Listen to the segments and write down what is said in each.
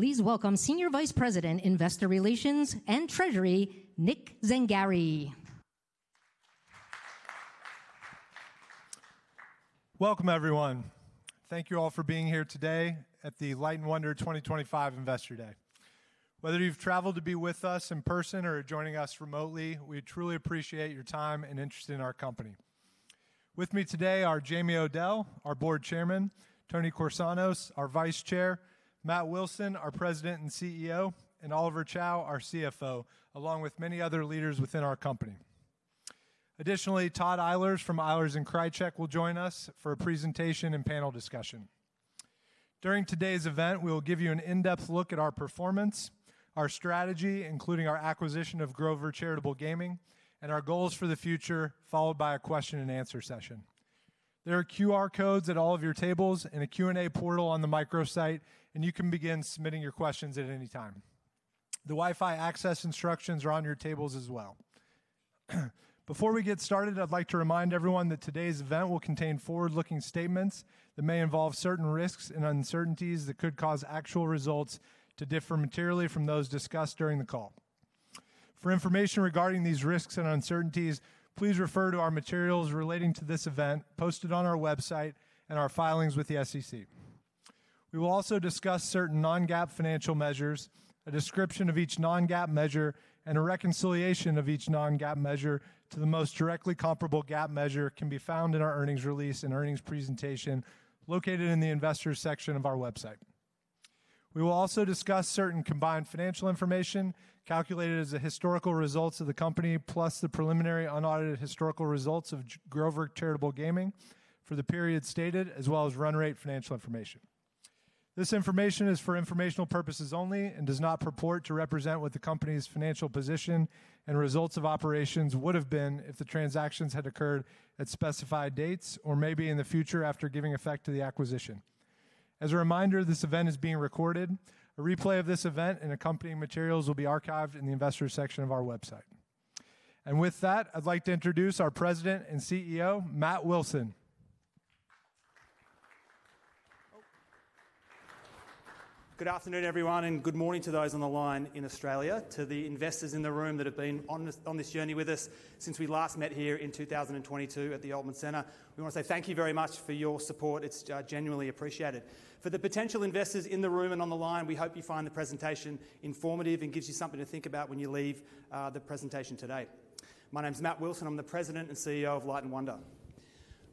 Please welcome Senior Vice President, Investor Relations and Treasury, Nick Zangari. Welcome, everyone. Thank you all for being here today at the Light & Wonder 2025 Investor Day. Whether you've traveled to be with us in person or joining us remotely, we truly appreciate your time and interest in our company. With me today are Jamie Odell, our Board Chairman, Tony Corsanos, our Vice Chair, Matt Wilson, our President and CEO, and Oliver Chow, our CFO, along with many other leaders within our company. Additionally, Todd Eilers from Eilers & Krejcik will join us for a presentation and panel discussion. During today's event, we will give you an in-depth look at our performance, our strategy, including our acquisition of Grover Charitable Gaming, and our goals for the future, followed by a question-and-answer session. There are QR codes at all of your tables and a Q&A portal on the micro site, and you can begin submitting your questions at any time. The Wi-Fi access instructions are on your tables as well. Before we get started, I'd like to remind everyone that today's event will contain forward-looking statements that may involve certain risks and uncertainties that could cause actual results to differ materially from those discussed during the call. For information regarding these risks and uncertainties, please refer to our materials relating to this event posted on our website and our filings with the SEC. We will also discuss certain non-GAAP financial measures, a description of each non-GAAP measure, and a reconciliation of each non-GAAP measure to the most directly comparable GAAP measure can be found in our earnings release and earnings presentation located in the Investors section of our website. We will also discuss certain combined financial information calculated as a historical result of the company, plus the preliminary unaudited historical results of Grover Charitable Gaming for the period stated, as well as run rate financial information. This information is for informational purposes only and does not purport to represent what the company's financial position and results of operations would have been if the transactions had occurred at specified dates or maybe in the future after giving effect to the acquisition. As a reminder, this event is being recorded. A replay of this event and accompanying materials will be archived in the Investors section of our website. With that, I'd like to introduce our President and CEO, Matt Wilson. Good afternoon, everyone, and good morning to those on the line in Australia, to the investors in the room that have been on this journey with us since we last met here in 2022 at the Altman Center. We want to say thank you very much for your support. It's genuinely appreciated. For the potential investors in the room and on the line, we hope you find the presentation informative and gives you something to think about when you leave the presentation today. My name is Matt Wilson. I'm the President and CEO of Light & Wonder.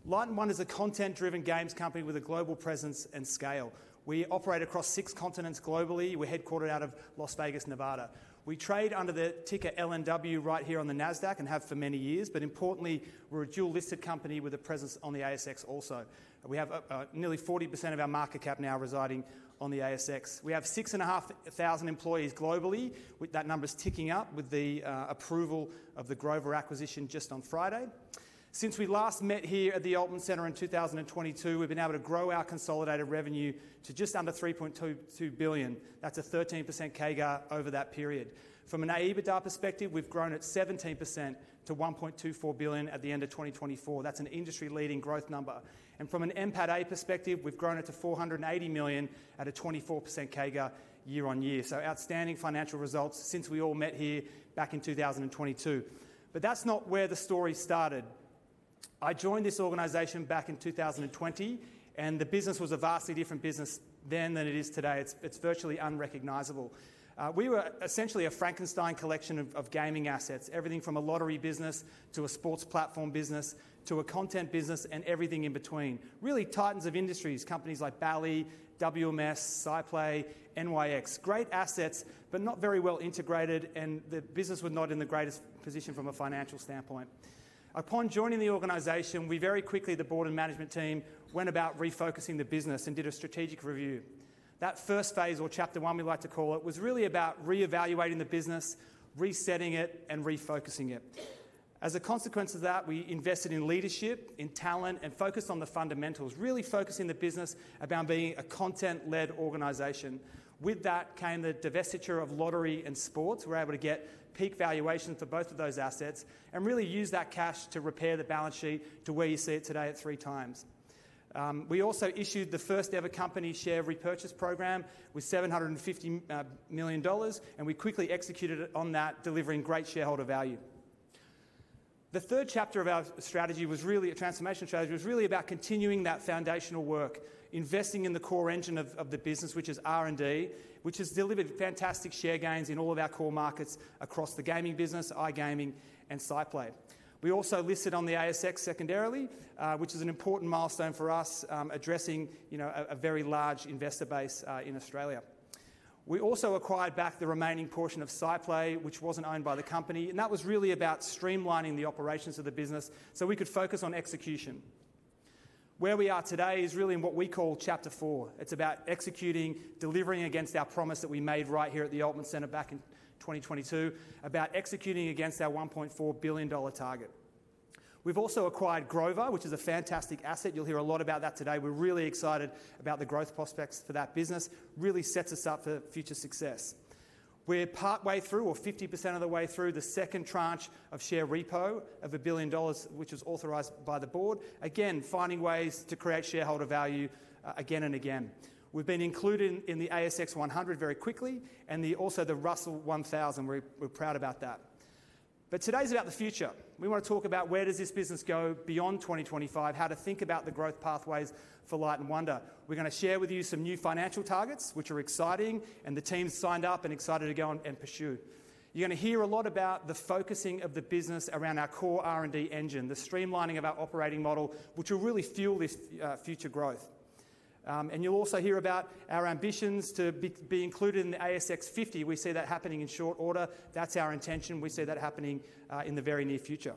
Light & Wonder is a content-driven games company with a global presence and scale. We operate across six continents globally. We're headquartered out of Las Vegas, Nevada. We trade under the ticker LNW right here on the NASDAQ and have for many years. Importantly, we're a dual-listed company with a presence on the ASX also. We have nearly 40% of our market cap now residing on the ASX. We have 6,500 employees globally. That number is ticking up with the approval of the Grover acquisition just on Friday. Since we last met here at the Altman Center in 2022, we've been able to grow our consolidated revenue to just under $3.22 billion. That's a 13% CAGR over that period. From an EBITDA perspective, we've grown at 17% to $1.24 billion at the end of 2024. That's an industry-leading growth number. From an MPATA perspective, we've grown it to $480 million at a 24% CAGR year on year. Outstanding financial results since we all met here back in 2022. That's not where the story started. I joined this organization back in 2020, and the business was a vastly different business then than it is today. It's virtually unrecognizable. We were essentially a Frankenstein collection of gaming assets, everything from a lottery business to a sports platform business to a content business and everything in between. Really titans of industries, companies like Bally, WMS, SciPlay, NYX. Great assets, but not very well integrated, and the business was not in the greatest position from a financial standpoint. Upon joining the organization, we very quickly, the board and management team, went about refocusing the business and did a strategic review. That first phase, or chapter one, we like to call it, was really about reevaluating the business, resetting it, and refocusing it. As a consequence of that, we invested in leadership, in talent, and focused on the fundamentals, really focusing the business around being a content-led organization. With that came the divestiture of lottery and sports. We were able to get peak valuation for both of those assets and really use that cash to repair the balance sheet to where you see it today at three times. We also issued the first-ever company share repurchase program with $750 million, and we quickly executed on that, delivering great shareholder value. The third chapter of our strategy was really a transformation strategy, was really about continuing that foundational work, investing in the core engine of the business, which is R&D, which has delivered fantastic share gains in all of our core markets across the gaming business, iGaming, and SciPlay. We also listed on the ASX secondarily, which is an important milestone for us, addressing a very large investor base in Australia. We also acquired back the remaining portion of SciPlay, which wasn't owned by the company. That was really about streamlining the operations of the business so we could focus on execution. Where we are today is really in what we call chapter four. It is about executing, delivering against our promise that we made right here at the Altman Center back in 2022, about executing against our $1.4 billion target. We have also acquired Grover, which is a fantastic asset. You will hear a lot about that today. We are really excited about the growth prospects for that business. Really sets us up for future success. We are partway through, or 50% of the way through, the second tranche of share repo of $1 billion, which was authorized by the board, again, finding ways to create shareholder value again and again. We have been included in the ASX 100 very quickly and also the Russell 1000. We are proud about that. Today's about the future. We want to talk about where does this business go beyond 2025, how to think about the growth pathways for Light & Wonder. We're going to share with you some new financial targets, which are exciting, and the team's signed up and excited to go on and pursue. You're going to hear a lot about the focusing of the business around our core R&D engine, the streamlining of our operating model, which will really fuel this future growth. You'll also hear about our ambitions to be included in the ASX 50. We see that happening in short order. That's our intention. We see that happening in the very near future.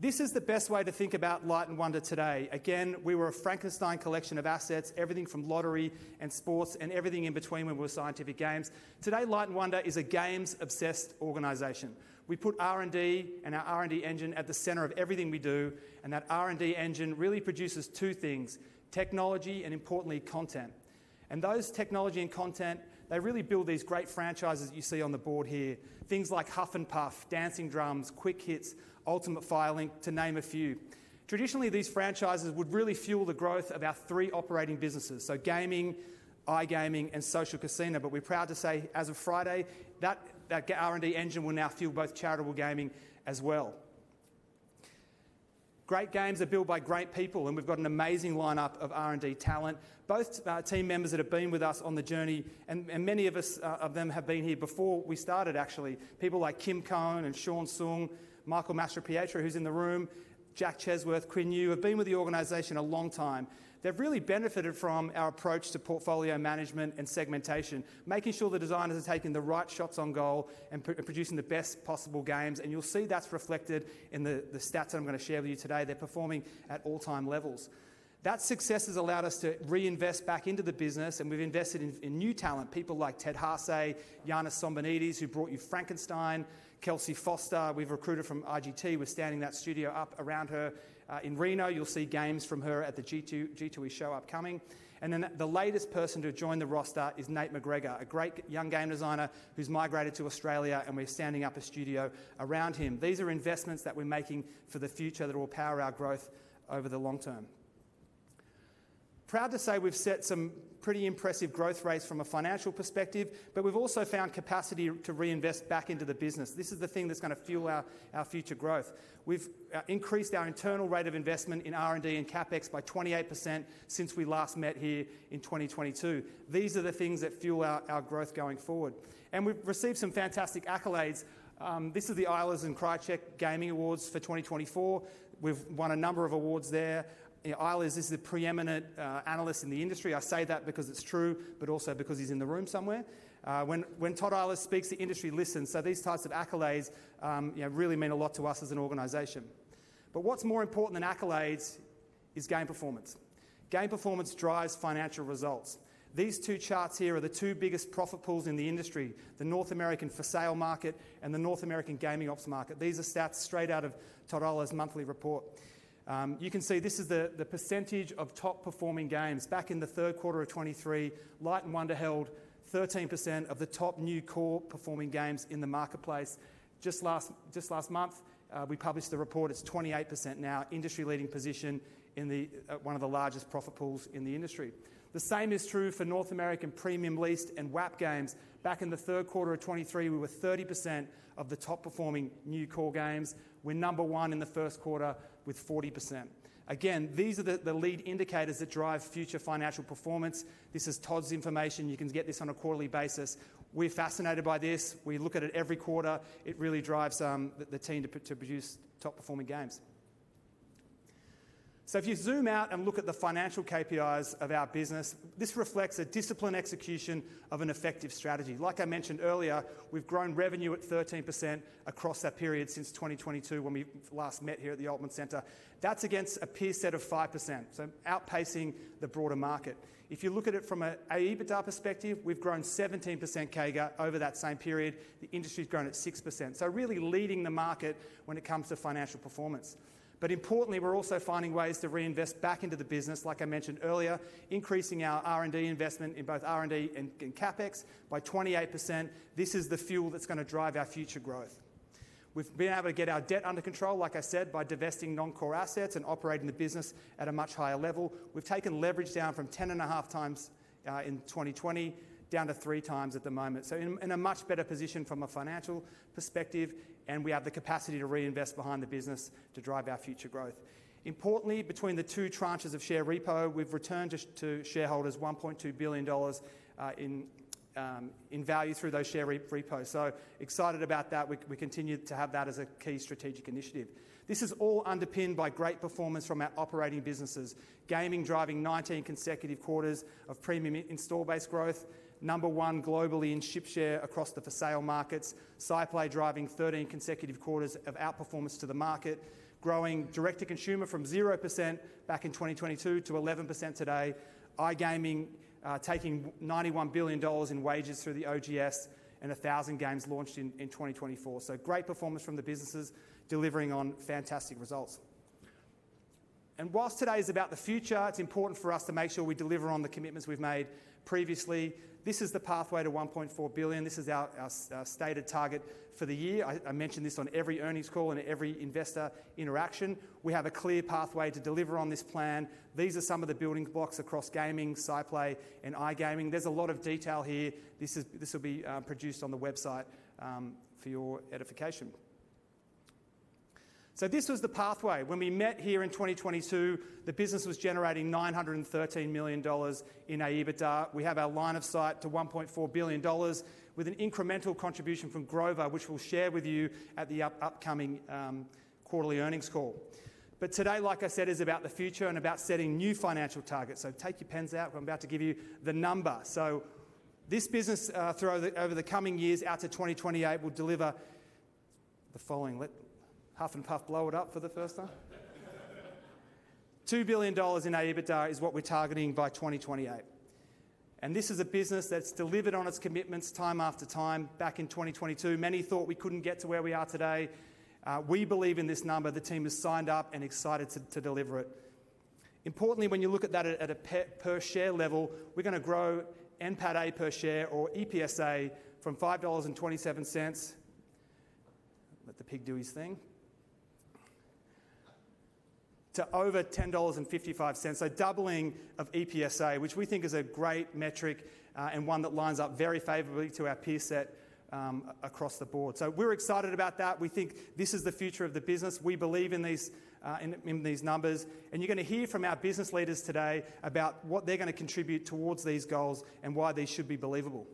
This is the best way to think about Light & Wonder today. Again, we were a Frankenstein collection of assets, everything from lottery and sports and everything in between when we were Scientific Games. Today, Light & Wonder is a games-obsessed organization. We put R&D and our R&D engine at the center of everything we do. That R&D engine really produces two things: technology and, importantly, content. Those technology and content, they really build these great franchises you see on the board here, things like Huff N'Puff, Dancing Drums, Quick Hits, Ultimate Fire Link, to name a few. Traditionally, these franchises would really fuel the growth of our three operating businesses, Gaming, iGaming, and Social Casino. We're proud to say as of Friday, that R&D engine will now fuel charitable gaming as well. Great games are built by great people, and we've got an amazing lineup of R&D talent, both team members that have been with us on the journey, and many of them have been here before we started, actually. People like Kim Kohn and Sean Sung, Michael Mastropietro, who's in the room, Jack Chesworth, Quinn Yu, have been with the organization a long time. They have really benefited from our approach to portfolio management and segmentation, making sure the designers are taking the right shots on goal and producing the best possible games. You will see that is reflected in the stats that I am going to share with you today. They are performing at all-time levels. That success has allowed us to reinvest back into the business, and we have invested in new talent, people like Ted Harsey, Yana Sombonides, who brought you Frankenstein, Kelsey Foster. We have recruited from IGT. We are standing that studio up around her. In Reno, you will see games from her at the G2E show upcoming. The latest person to join the roster is Nate McGregor, a great young game designer who's migrated to Australia, and we're standing up a studio around him. These are investments that we're making for the future that will power our growth over the long term. Proud to say we've set some pretty impressive growth rates from a financial perspective, but we've also found capacity to reinvest back into the business. This is the thing that's going to fuel our future growth. We've increased our internal rate of investment in R&D and CapEx by 28% since we last met here in 2022. These are the things that fuel our growth going forward. We've received some fantastic accolades. This is the Eilers & Krejcik Gaming Awards for 2024. We've won a number of awards there. Eilers is the preeminent analyst in the industry. I say that because it's true, but also because he's in the room somewhere. When Todd Eilers speaks, the industry listens. These types of accolades really mean a lot to us as an organization. What is more important than accolades is game performance. Game performance drives financial results. These two charts here are the two biggest profit pools in the industry, the North American for sale market and the North American Gaming Ops Market. These are stats straight out of Todd Eilers' monthly report. You can see this is the percentage of top-performing games. Back in the third quarter of 2023, Light & Wonder held 13% of the top new core-performing games in the marketplace. Just last month, we published the report. It's 28% now, industry-leading position in one of the largest profit pools in the industry. The same is true for North American premium-leased and WAP games. Back in the third quarter of 2023, we were 30% of the top-performing new core games. We're number one in the first quarter with 40%. Again, these are the lead indicators that drive future financial performance. This is Todd's information. You can get this on a quarterly basis. We're fascinated by this. We look at it every quarter. It really drives the team to produce top-performing games. If you zoom out and look at the Financial KPIs of our business, this reflects a disciplined execution of an effective strategy. Like I mentioned earlier, we've grown revenue at 13% across that period since 2022 when we last met here at the Altman Center. That's against a peer set of 5%, so outpacing the broader market. If you look at it from an EBITDA perspective, we've grown 17% CAGR over that same period. The industry's grown at 6%, so really leading the market when it comes to financial performance. Importantly, we're also finding ways to reinvest back into the business, like I mentioned earlier, increasing our R&D investment in both R&D and CapEx by 28%. This is the fuel that's going to drive our future growth. We've been able to get our debt under control, like I said, by divesting non-core assets and operating the business at a much higher level. We've taken leverage down from 10.5 times in 2020 down to 3 times at the moment. In a much better position from a financial perspective, we have the capacity to reinvest behind the business to drive our future growth. Importantly, between the two tranches of share repo, we've returned to shareholders $1.2 billion in value through those share repos. Excited about that. We continue to have that as a key strategic initiative. This is all underpinned by great performance from our operating businesses. Gaming driving 19 consecutive quarters of premium install-based growth, number one globally in chip share across the for sale markets. SciPlay driving 13 consecutive quarters of outperformance to the market, growing direct-to-consumer from 0% back in 2022 to 11% today. iGaming taking $91 billion in wagers through the OGS and 1,000 games launched in 2024. Great performance from the businesses delivering on fantastic results. Whilst today is about the future, it's important for us to make sure we deliver on the commitments we've made previously. This is the pathway to $1.4 billion. This is our stated target for the year. I mention this on every earnings call and every investor interaction. We have a clear pathway to deliver on this plan. These are some of the building blocks across gaming, SciPlay, and iGaming. There's a lot of detail here. This will be produced on the website for your edification. This was the pathway. When we met here in 2022, the business was generating $913 million in EBITDA. We have our line of sight to $1.4 billion with an incremental contribution from Grover, which we'll share with you at the upcoming quarterly earnings call. Today, like I said, is about the future and about setting new financial targets. Take your pens out. I'm about to give you the number. This business, through over the coming years out to 2028, will deliver the following. Let Huff N'Puff blow it up for the first time. $2 billion in EBITDA is what we're targeting by 2028. This is a business that's delivered on its commitments time after time. Back in 2022, many thought we couldn't get to where we are today. We believe in this number. The team is signed up and excited to deliver it. Importantly, when you look at that at a per share level, we're going to grow NPATA per share or EPSA from $5.27, let the pig do his thing, to over $10.55, a doubling of EPSA, which we think is a great metric and one that lines up very favorably to our peer set across the board. We are excited about that. We think this is the future of the business. We believe in these numbers. You are going to hear from our business leaders today about what they are going to contribute towards these goals and why they should be believable.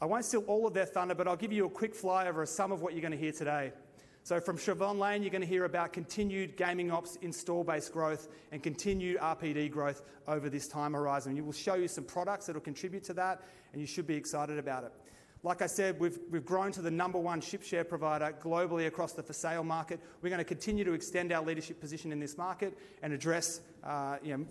I won't steal all of their thunder, but I'll give you a quick flyover of some of what you're going to hear today. From Siobhan Lane, you're going to hear about continued gaming ops install-based growth and continued RPD growth over this time horizon. We will show you some products that will contribute to that, and you should be excited about it. Like I said, we've grown to the number one chip share provider globally across the for sale market. We're going to continue to extend our leadership position in this market and address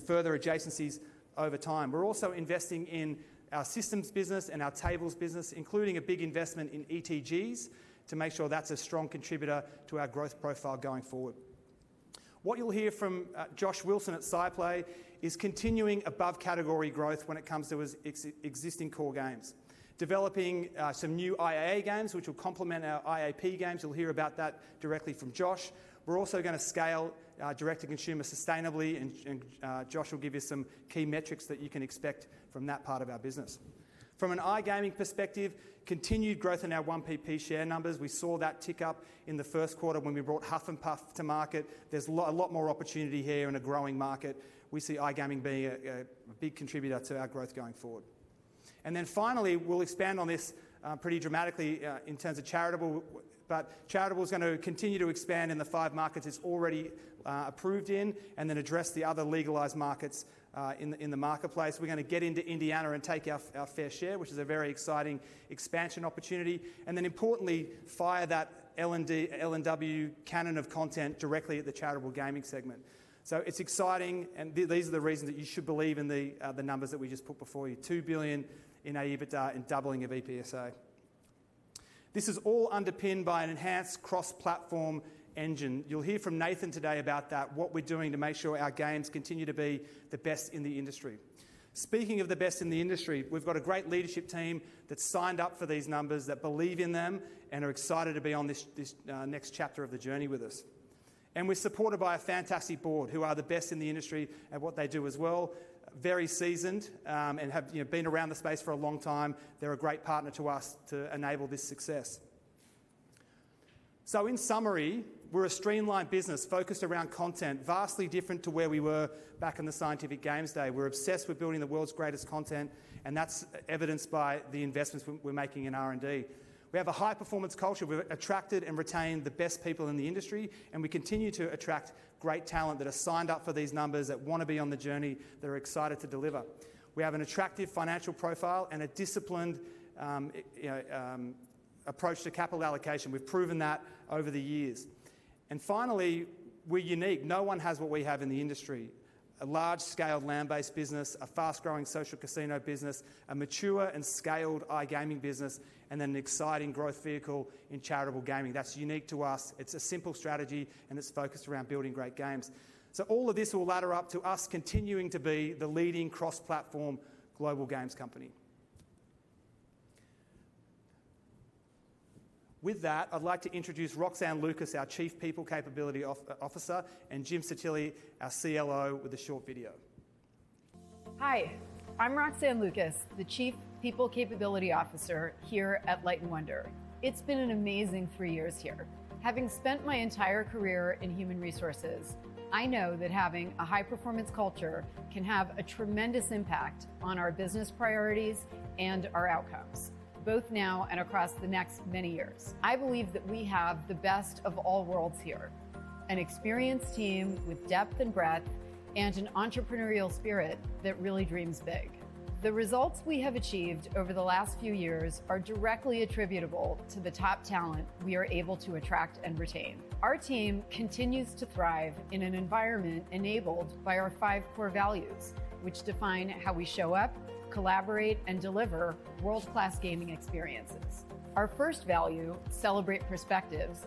further adjacencies over time. We're also investing in our systems business and our tables business, including a big investment in ETGs to make sure that's a strong contributor to our growth profile going forward. What you'll hear from Josh Wilson at SciPlay is continuing above-category growth when it comes to existing core games, developing some new IAA games, which will complement our IAP games. You'll hear about that directly from Josh. We're also going to scale direct-to-consumer sustainably, and Josh will give you some key metrics that you can expect from that part of our business. From an iGaming perspective, continued growth in our 1PP share numbers. We saw that tick up in the first quarter when we brought Huff N'Puff to market. There's a lot more opportunity here in a growing market. We see iGaming being a big contributor to our growth going forward. Finally, we'll expand on this pretty dramatically in terms of charitable, but charitable is going to continue to expand in the five markets it's already approved in and then address the other legalized markets in the marketplace. We're going to get into Indiana and take our fair share, which is a very exciting expansion opportunity. Importantly, fire that LNW cannon of content directly at the charitable gaming segment. It's exciting, and these are the reasons that you should believe in the numbers that we just put before you: $2 billion in EBITDA and doubling of EPSA. This is all underpinned by an enhanced cross-platform engine. You'll hear from Nathan today about that, what we're doing to make sure our games continue to be the best in the industry. Speaking of the best in the industry, we've got a great leadership team that's signed up for these numbers, that believe in them and are excited to be on this next chapter of the journey with us. We are supported by a fantastic board who are the best in the industry at what they do as well, very seasoned and have been around the space for a long time. They are a great partner to us to enable this success. In summary, we are a streamlined business focused around content, vastly different to where we were back in the Scientific Games day. We are obsessed with building the world's greatest content, and that's evidenced by the investments we're making in R&D. We have a high-performance culture. We've attracted and retained the best people in the industry, and we continue to attract great talent that are signed up for these numbers that want to be on the journey, that are excited to deliver. We have an attractive financial profile and a disciplined approach to capital allocation. We've proven that over the years. Finally, we're unique. No one has what we have in the industry: a large-scale land-based business, a fast-growing social casino business, a mature and scaled iGaming business, and then an exciting growth vehicle in charitable gaming. That's unique to us. It's a simple strategy, and it's focused around building great games. All of this will ladder up to us continuing to be the leading cross-platform global games company. With that, I'd like to introduce Roxane Lukas, our Chief People Capability Officer, and Jim Sottile, our CLO, with a short video. Hi. I'm Roxane Lukas, the Chief People Capability Officer here at Light & Wonder. It's been an amazing three years here. Having spent my entire career in human resources, I know that having a high-performance culture can have a tremendous impact on our business priorities and our outcomes, both now and across the next many years. I believe that we have the best of all worlds here: an experienced team with depth and breadth and an entrepreneurial spirit that really dreams big. The results we have achieved over the last few years are directly attributable to the top talent we are able to attract and retain. Our team continues to thrive in an environment enabled by our five core values, which define how we show up, collaborate, and deliver world-class gaming experiences. Our first value, Celebrate Perspectives,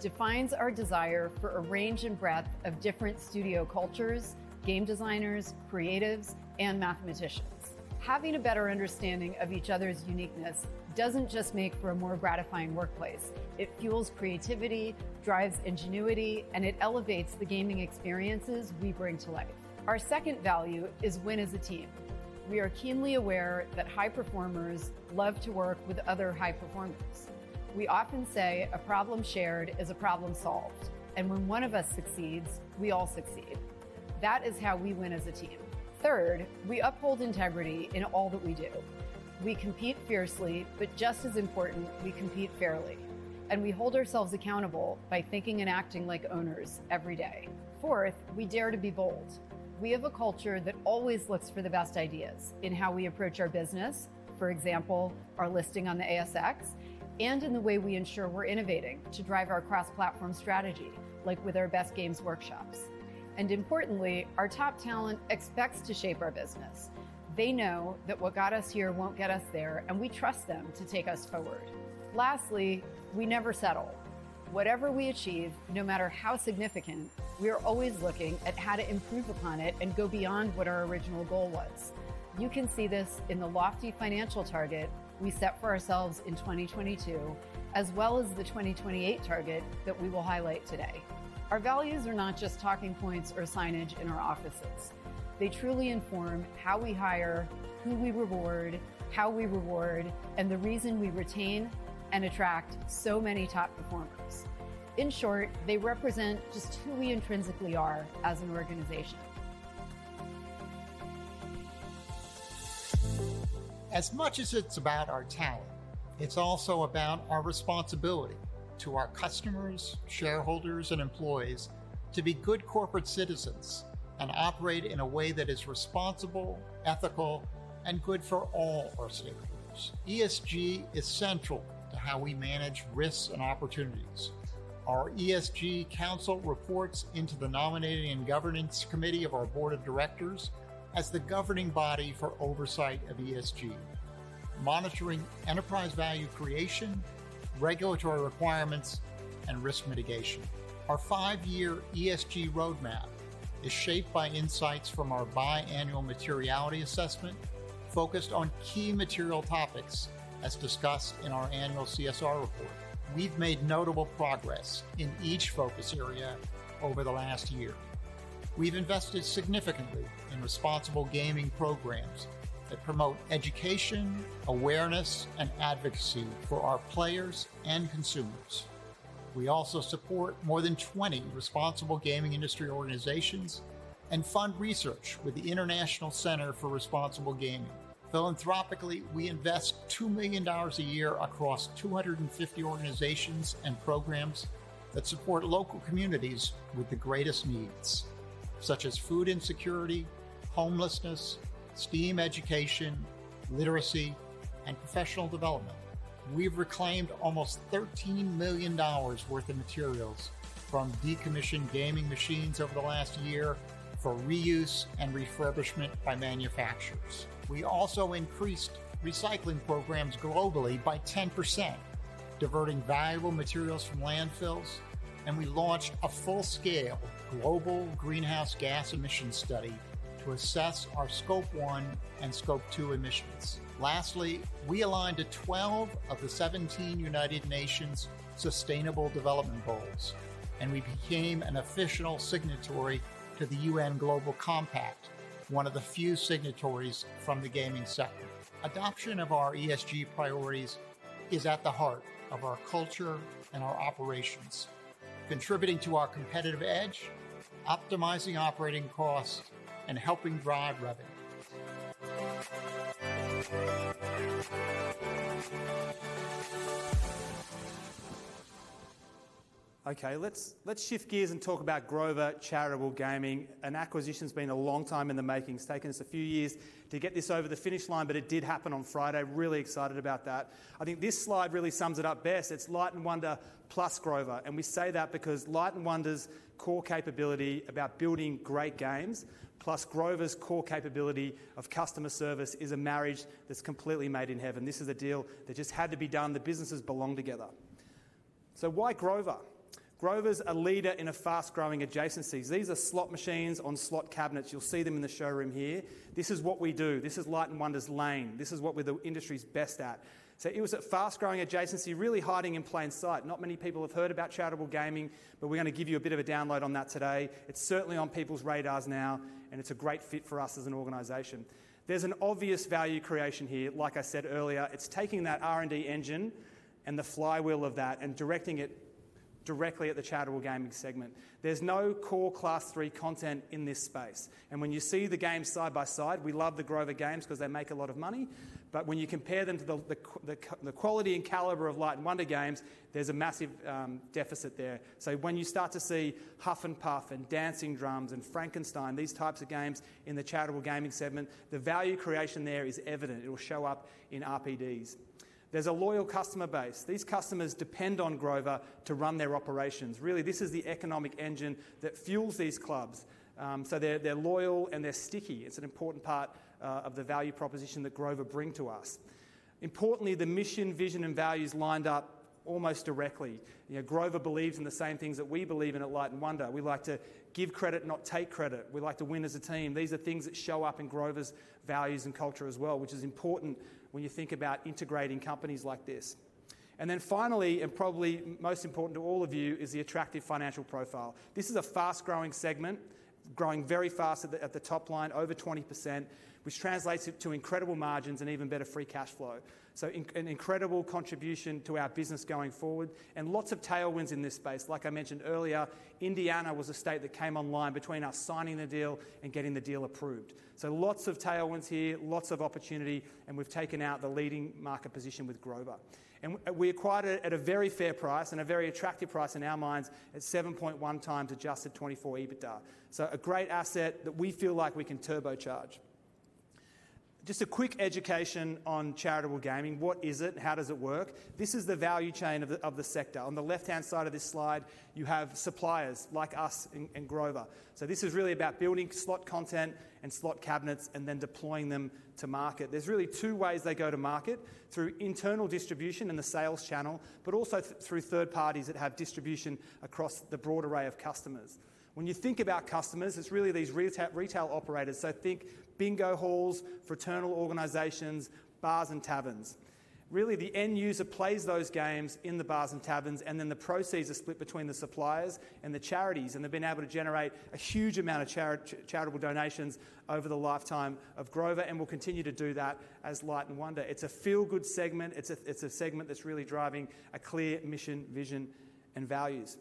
defines our desire for a range and breadth of different studio cultures, game designers, creatives, and mathematicians. Having a better understanding of each other's uniqueness does not just make for a more gratifying workplace. It fuels creativity, drives ingenuity, and it elevates the gaming experiences we bring to life. Our second value is Win as a Team. We are keenly aware that high performers love to work with other high performers. We often say, "A problem shared is a problem solved." When one of us succeeds, we all succeed. That is how we win as a team. Third, we uphold integrity in all that we do. We compete fiercely, but just as important, we compete fairly. We hold ourselves accountable by thinking and acting like owners every day. Fourth, we dare to be bold. We have a culture that always looks for the best ideas in how we approach our business, for example, our listing on the ASX, and in the way we ensure we're innovating to drive our cross-platform strategy, like with our best games workshops. Importantly, our top talent expects to shape our business. They know that what got us here won't get us there, and we trust them to take us forward. Lastly, we never settle. Whatever we achieve, no matter how significant, we are always looking at how to improve upon it and go beyond what our original goal was. You can see this in the lofty financial target we set for ourselves in 2022, as well as the 2028 target that we will highlight today. Our values are not just talking points or signage in our offices. They truly inform how we hire, who we reward, how we reward, and the reason we retain and attract so many top performers. In short, they represent just who we intrinsically are as an organization. As much as it's about our talent, it's also about our responsibility to our customers, shareholders, and employees to be good corporate citizens and operate in a way that is responsible, ethical, and good for all our stakeholders. ESG is central to how we manage risks and opportunities. Our ESG Council reports into the Nominating and Governance Committee of our Board of Directors as the governing body for oversight of ESG, monitoring enterprise value creation, regulatory requirements, and risk mitigation. Our five-year ESG roadmap is shaped by insights from our biannual materiality assessment focused on key material topics as discussed in our annual CSR report. We've made notable progress in each focus area over the last year. We've invested significantly in responsible gaming programs that promote education, awareness, and advocacy for our players and consumers. We also support more than 20 responsible gaming industry organizations and fund research with the International Center for Responsible Gaming. Philanthropically, we invest $2 million a year across 250 organizations and programs that support local communities with the greatest needs, such as food insecurity, homelessness, STEAM education, literacy, and professional development. We've reclaimed almost $13 million worth of materials from decommissioned gaming machines over the last year for reuse and refurbishment by manufacturers. We also increased recycling programs globally by 10%, diverting valuable materials from landfills, and we launched a full-scale global greenhouse gas emissions study to assess our Scope 1 and Scope 2 emissions. Lastly, we aligned to 12 of the 17 United Nations Sustainable Development Goals, and we became an official signatory to the UN Global Compact, one of the few signatories from the gaming sector. Adoption of our ESG priorities is at the heart of our culture and our operations, contributing to our competitive edge, optimizing operating costs, and helping drive revenue. Okay, let's shift gears and talk about Grover Charitable Gaming. An acquisition that's been a long time in the making. It's taken us a few years to get this over the finish line, but it did happen on Friday. Really excited about that. I think this slide really sums it up best. It's Light & Wonder plus Grover. And we say that because Light & Wonder's core capability about building great games plus Grover's core capability of customer service is a marriage that's completely made in heaven. This is a deal that just had to be done. The businesses belong together. Why Grover? Grover's a leader in fast-growing adjacencies. These are slot machines on slot cabinets. You'll see them in the showroom here. This is what we do. This is Light & Wonder's lane. This is what we're the industry's best at. It was a fast-growing adjacency really hiding in plain sight. Not many people have heard about charitable gaming, but we're going to give you a bit of a download on that today. It's certainly on people's radars now, and it's a great fit for us as an organization. There's an obvious value creation here. Like I said earlier, it's taking that R&D engine and the flywheel of that and directing it directly at the charitable gaming segment. There's no core Class 3 content in this space. When you see the games side by side, we love the Grover games because they make a lot of money. However, when you compare them to the quality and caliber of Light & Wonder games, there's a massive deficit there. When you start to see Huff N'Puff and Dancing Drums and Frankenstein, these types of games in the charitable gaming segment, the value creation there is evident. It will show up in RPDs. There's a loyal customer base. These customers depend on Grover to run their operations. Really, this is the economic engine that fuels these clubs. They are loyal and they are sticky. It's an important part of the value proposition that Grover brings to us. Importantly, the mission, vision, and values lined up almost directly. Grover believes in the same things that we believe in at Light & Wonder. We like to give credit, not take credit. We like to win as a team. These are things that show up in Grover's values and culture as well, which is important when you think about integrating companies like this. Finally, and probably most important to all of you, is the attractive financial profile. This is a fast-growing segment, growing very fast at the top line, over 20%, which translates to incredible margins and even better free cash flow. An incredible contribution to our business going forward and lots of tailwinds in this space. Like I mentioned earlier, Indiana was a state that came online between us signing the deal and getting the deal approved. Lots of tailwinds here, lots of opportunity, and we've taken out the leading market position with Grover. We acquired it at a very fair price and a very attractive price in our minds at 7.1 times adjusted 2024 EBITDA. A great asset that we feel like we can turbocharge. Just a quick education on charitable gaming. What is it? How does it work? This is the value chain of the sector. On the left-hand side of this slide, you have suppliers like us and Grover. This is really about building slot content and slot cabinets and then deploying them to market. There are really two ways they go to market: through internal distribution and the sales channel, but also through third parties that have distribution across the broad array of customers. When you think about customers, it is really these retail operators. Think Bingo halls, Fraternal Organizations, bars, and taverns. Really, the end user plays those games in the bars and taverns, and then the proceeds are split between the suppliers and the charities. They have been able to generate a huge amount of charitable donations over the lifetime of Grover and will continue to do that as Light & Wonder. It is a feel-good segment. It is a segment that is really driving a clear mission, vision, and values.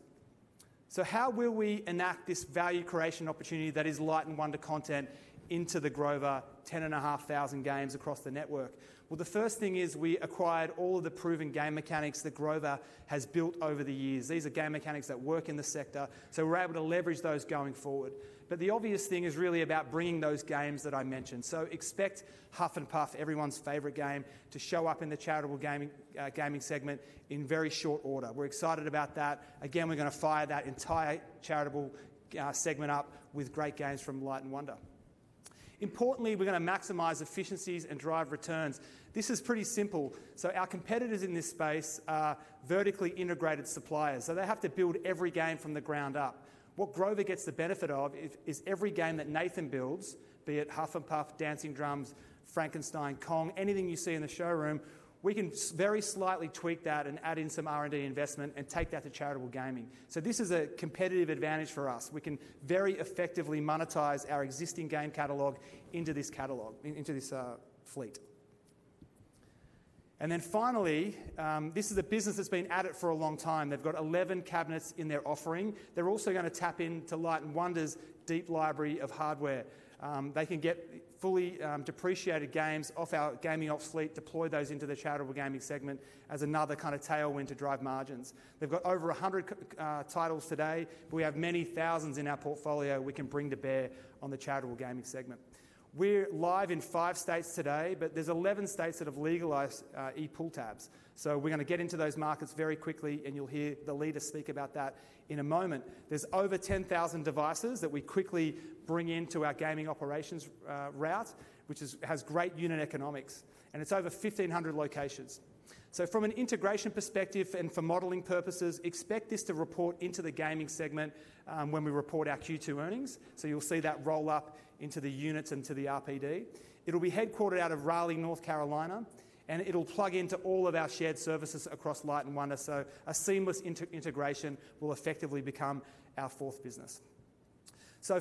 How will we enact this value creation opportunity that is Light & Wonder content into the Grover 10,500 games across the network? The first thing is we acquired all of the proven game mechanics that Grover has built over the years. These are game mechanics that work in the sector. We are able to leverage those going forward. The obvious thing is really about bringing those games that I mentioned. Expect Huff N'Puff, everyone's favorite game, to show up in the charitable gaming segment in very short order. We're excited about that. Again, we're going to fire that entire charitable segment up with great games from Light & Wonder. Importantly, we're going to maximize efficiencies and drive returns. This is pretty simple. Our competitors in this space are vertically integrated suppliers. They have to build every game from the ground up. What Grover gets the benefit of is every game that Nathan builds, be it Huff N'Puff, Dancing Drums, Frankenstein, Kong, anything you see in the showroom, we can very slightly tweak that and add in some R&D investment and take that to charitable gaming. This is a competitive advantage for us. We can very effectively monetize our existing game catalog into this catalog, into this fleet. Finally, this is a business that's been at it for a long time. They've got 11 cabinets in their offering. They're also going to tap into Light & Wonder's deep library of hardware. They can get fully depreciated games off our Gaming Ops fleet, deploy those into the charitable gaming segment as another kind of tailwind to drive margins. They've got over 100 titles today, but we have many thousands in our portfolio we can bring to bear on the charitable gaming segment. We're live in five states today, but there's 11 states that have legalized e-pull tabs. We're going to get into those markets very quickly, and you'll hear the leader speak about that in a moment. There's over 10,000 devices that we quickly bring into our gaming operations route, which has great unit economics. It's over 1,500 locations. From an integration perspective and for modeling purposes, expect this to report into the gaming segment when we report our Q2 earnings. You will see that roll up into the units and to the RPD. It will be headquartered out of Raleigh, North Carolina, and it will plug into all of our shared services across Light & Wonder. A seamless integration will effectively become our fourth business.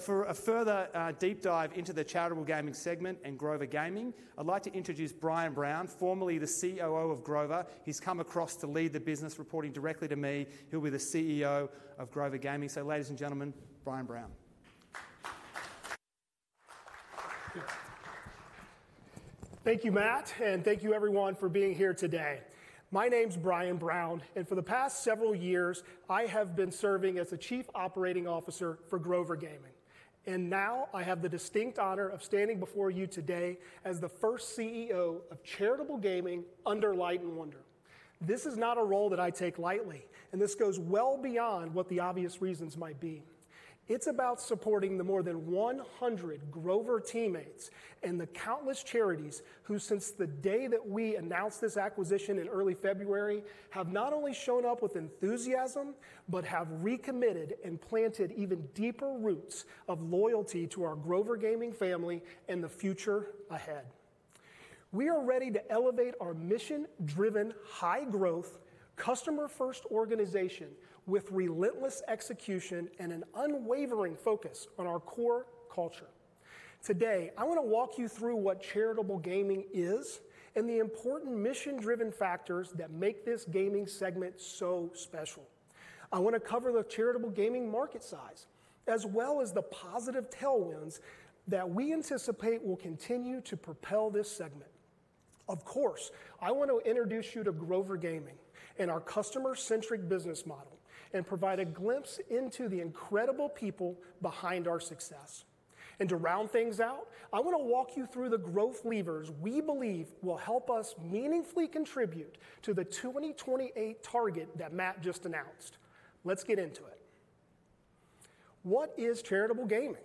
For a further deep dive into the charitable gaming segment and Grover Gaming, I would like to introduce Brian Brown, formerly the COO of Grover. He has come across to lead the business, reporting directly to me. He will be the CEO of Grover Gaming. Ladies and gentlemen, Brian Brown. Thank you, Matt, and thank you, everyone, for being here today. My name is Brian Brown, and for the past several years, I have been serving as the Chief Operating Officer for Grover Gaming. I have the distinct honor of standing before you today as the first CEO of charitable gaming under Light & Wonder. This is not a role that I take lightly, and this goes well beyond what the obvious reasons might be. It is about supporting the more than 100 Grover teammates and the countless charities who, since the day that we announced this acquisition in early February, have not only shown up with enthusiasm but have recommitted and planted even deeper roots of loyalty to our Grover Gaming family and the future ahead. We are ready to elevate our mission-driven, high-growth, customer-first organization with relentless execution and an unwavering focus on our core culture. Today, I want to walk you through what charitable gaming is and the important mission-driven factors that make this gaming segment so special. I want to cover the charitable gaming market size, as well as the positive tailwinds that we anticipate will continue to propel this segment. Of course, I want to introduce you to Grover Gaming and our customer-centric business model and provide a glimpse into the incredible people behind our success. To round things out, I want to walk you through the growth levers we believe will help us meaningfully contribute to the 2028 target that Matt just announced. Let's get into it. What is charitable gaming?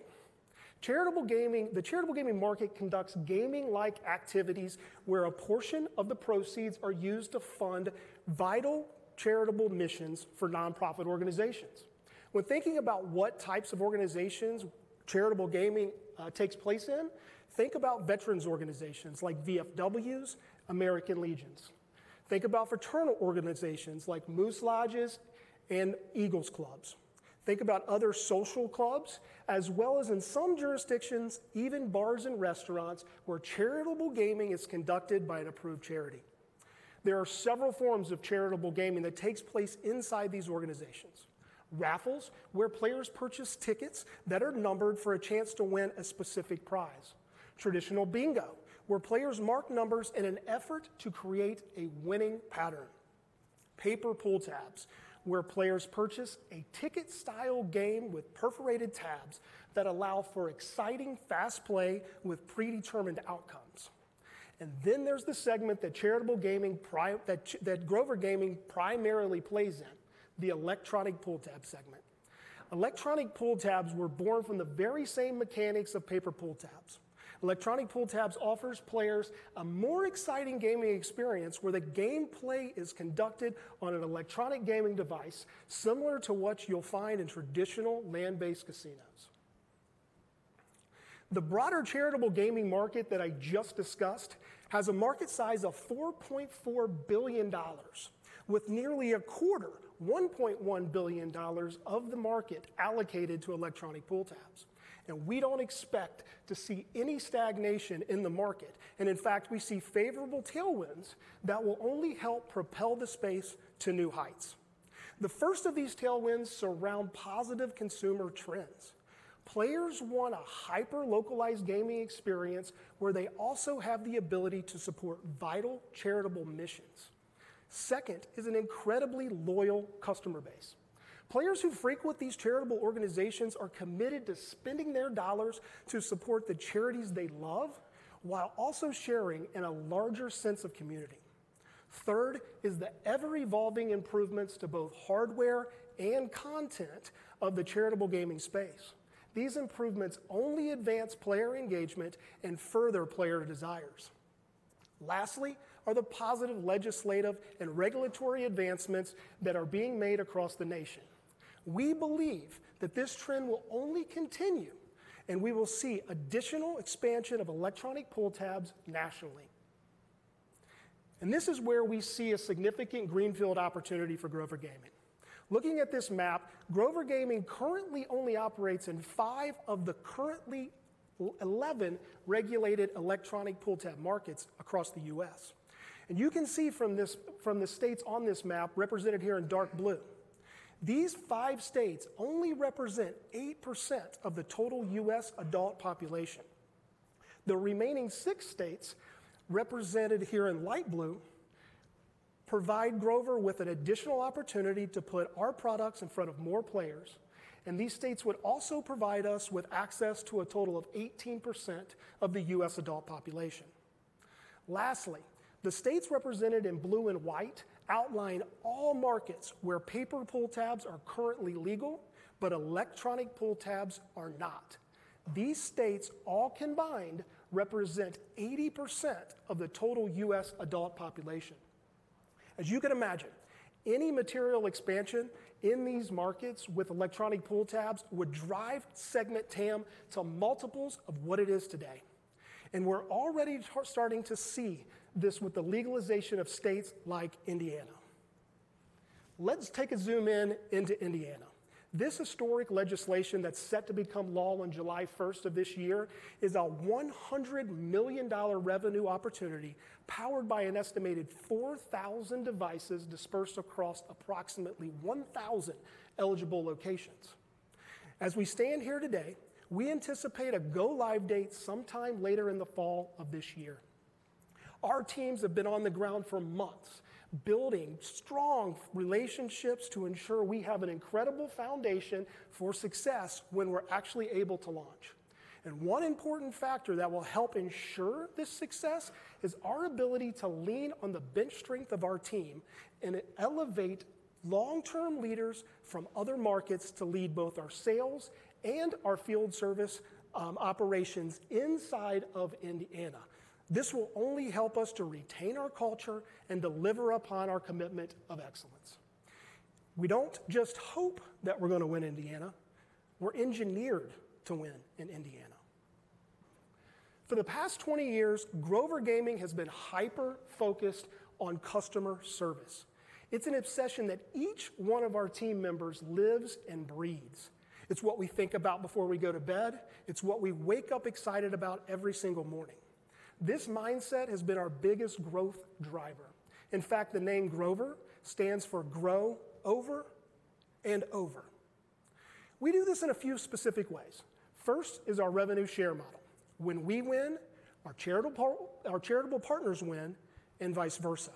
The charitable gaming market conducts gaming-like activities where a portion of the proceeds are used to fund vital charitable missions for nonprofit organizations. When thinking about what types of organizations charitable gaming takes place in, think about veterans organizations like VFWs, American Legions. Think about fraternal organizations like Moose Lodges and Eagles Clubs. Think about other social clubs, as well as, in some jurisdictions, even bars and restaurants where charitable gaming is conducted by an approved charity. There are several forms of charitable gaming that take place inside these organizations: raffles, where players purchase tickets that are numbered for a chance to win a specific prize; traditional bingo, where players mark numbers in an effort to create a winning pattern; paper pull tabs, where players purchase a ticket-style game with perforated tabs that allow for exciting fast play with predetermined outcomes. Then there's the segment that Grover Gaming primarily plays in, the electronic pull tab segment. Electronic pull tabs were born from the very same mechanics of paper pull tabs. Electronic pull tabs offer players a more exciting gaming experience where the gameplay is conducted on an electronic gaming device similar to what you'll find in traditional land-based casinos. The broader charitable gaming market that I just discussed has a market size of $4.4 billion, with nearly a quarter, $1.1 billion, of the market allocated to electronic pull tabs. We do not expect to see any stagnation in the market. In fact, we see favorable tailwinds that will only help propel the space to new heights. The first of these tailwinds surround positive consumer trends. Players want a hyper-localized gaming experience where they also have the ability to support vital charitable missions. Second is an incredibly loyal customer base. Players who frequent these charitable organizations are committed to spending their dollars to support the charities they love while also sharing in a larger sense of community. Third is the ever-evolving improvements to both hardware and content of the charitable gaming space. These improvements only advance player engagement and further player desires. Lastly are the positive legislative and regulatory advancements that are being made across the nation. We believe that this trend will only continue, and we will see additional expansion of electronic pull tabs nationally. This is where we see a significant greenfield opportunity for Grover Gaming. Looking at this map, Grover Gaming currently only operates in five of the currently 11 regulated electronic pull tab markets across the U.S. You can see from the states on this map represented here in dark blue. These five states only represent 8% of the total U.S. adult population. The remaining six states represented here in light blue provide Grover with an additional opportunity to put our products in front of more players. These states would also provide us with access to a total of 18% of the U.S. adult population. Lastly, the states represented in blue and white outline all markets where paper pull tabs are currently legal, but electronic pull tabs are not. These states all combined represent 80% of the total U.S. adult population. As you can imagine, any material expansion in these markets with electronic pull tabs would drive segment TAM to multiples of what it is today. We are already starting to see this with the legalization of states like Indiana. Let's take a zoom in into Indiana. This historic legislation that is set to become law on July 1 of this year is a $100 million revenue opportunity powered by an estimated 4,000 devices dispersed across approximately 1,000 eligible locations. As we stand here today, we anticipate a go-live date sometime later in the fall of this year. Our teams have been on the ground for months building strong relationships to ensure we have an incredible foundation for success when we're actually able to launch. One important factor that will help ensure this success is our ability to lean on the bench strength of our team and elevate long-term leaders from other markets to lead both our sales and our field service operations inside of Indiana. This will only help us to retain our culture and deliver upon our commitment of excellence. We do not just hope that we're going to win Indiana. We're engineered to win in Indiana. For the past 20 years, Grover Gaming has been hyper-focused on customer service. It's an obsession that each one of our team members lives and breathes. It's what we think about before we go to bed. It's what we wake up excited about every single morning. This mindset has been our biggest growth driver. In fact, the name Grover stands for grow over and over. We do this in a few specific ways. First is our revenue share model. When we win, our charitable partners win and vice versa.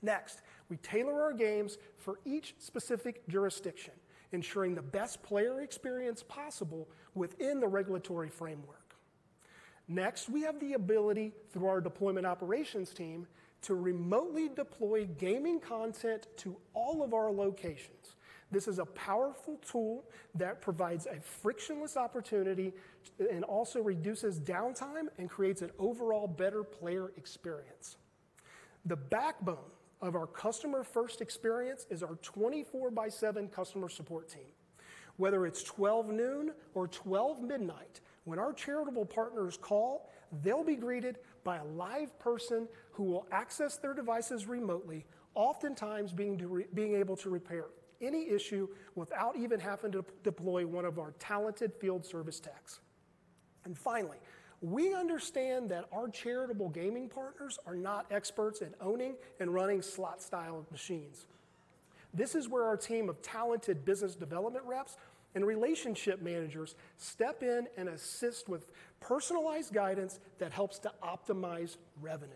Next, we tailor our games for each specific jurisdiction, ensuring the best player experience possible within the regulatory framework. Next, we have the ability, through our deployment operations team, to remotely deploy gaming content to all of our locations. This is a powerful tool that provides a frictionless opportunity and also reduces downtime and creates an overall better player experience. The backbone of our customer-first experience is our 24x7 customer support team. Whether it's 12:00 noon or 12:00 midnight, when our charitable partners call, they'll be greeted by a live person who will access their devices remotely, oftentimes being able to repair any issue without even having to deploy one of our talented field service techs. Finally, we understand that our charitable gaming partners are not experts at owning and running slot-style machines. This is where our team of talented business development reps and relationship managers step in and assist with personalized guidance that helps to optimize revenue.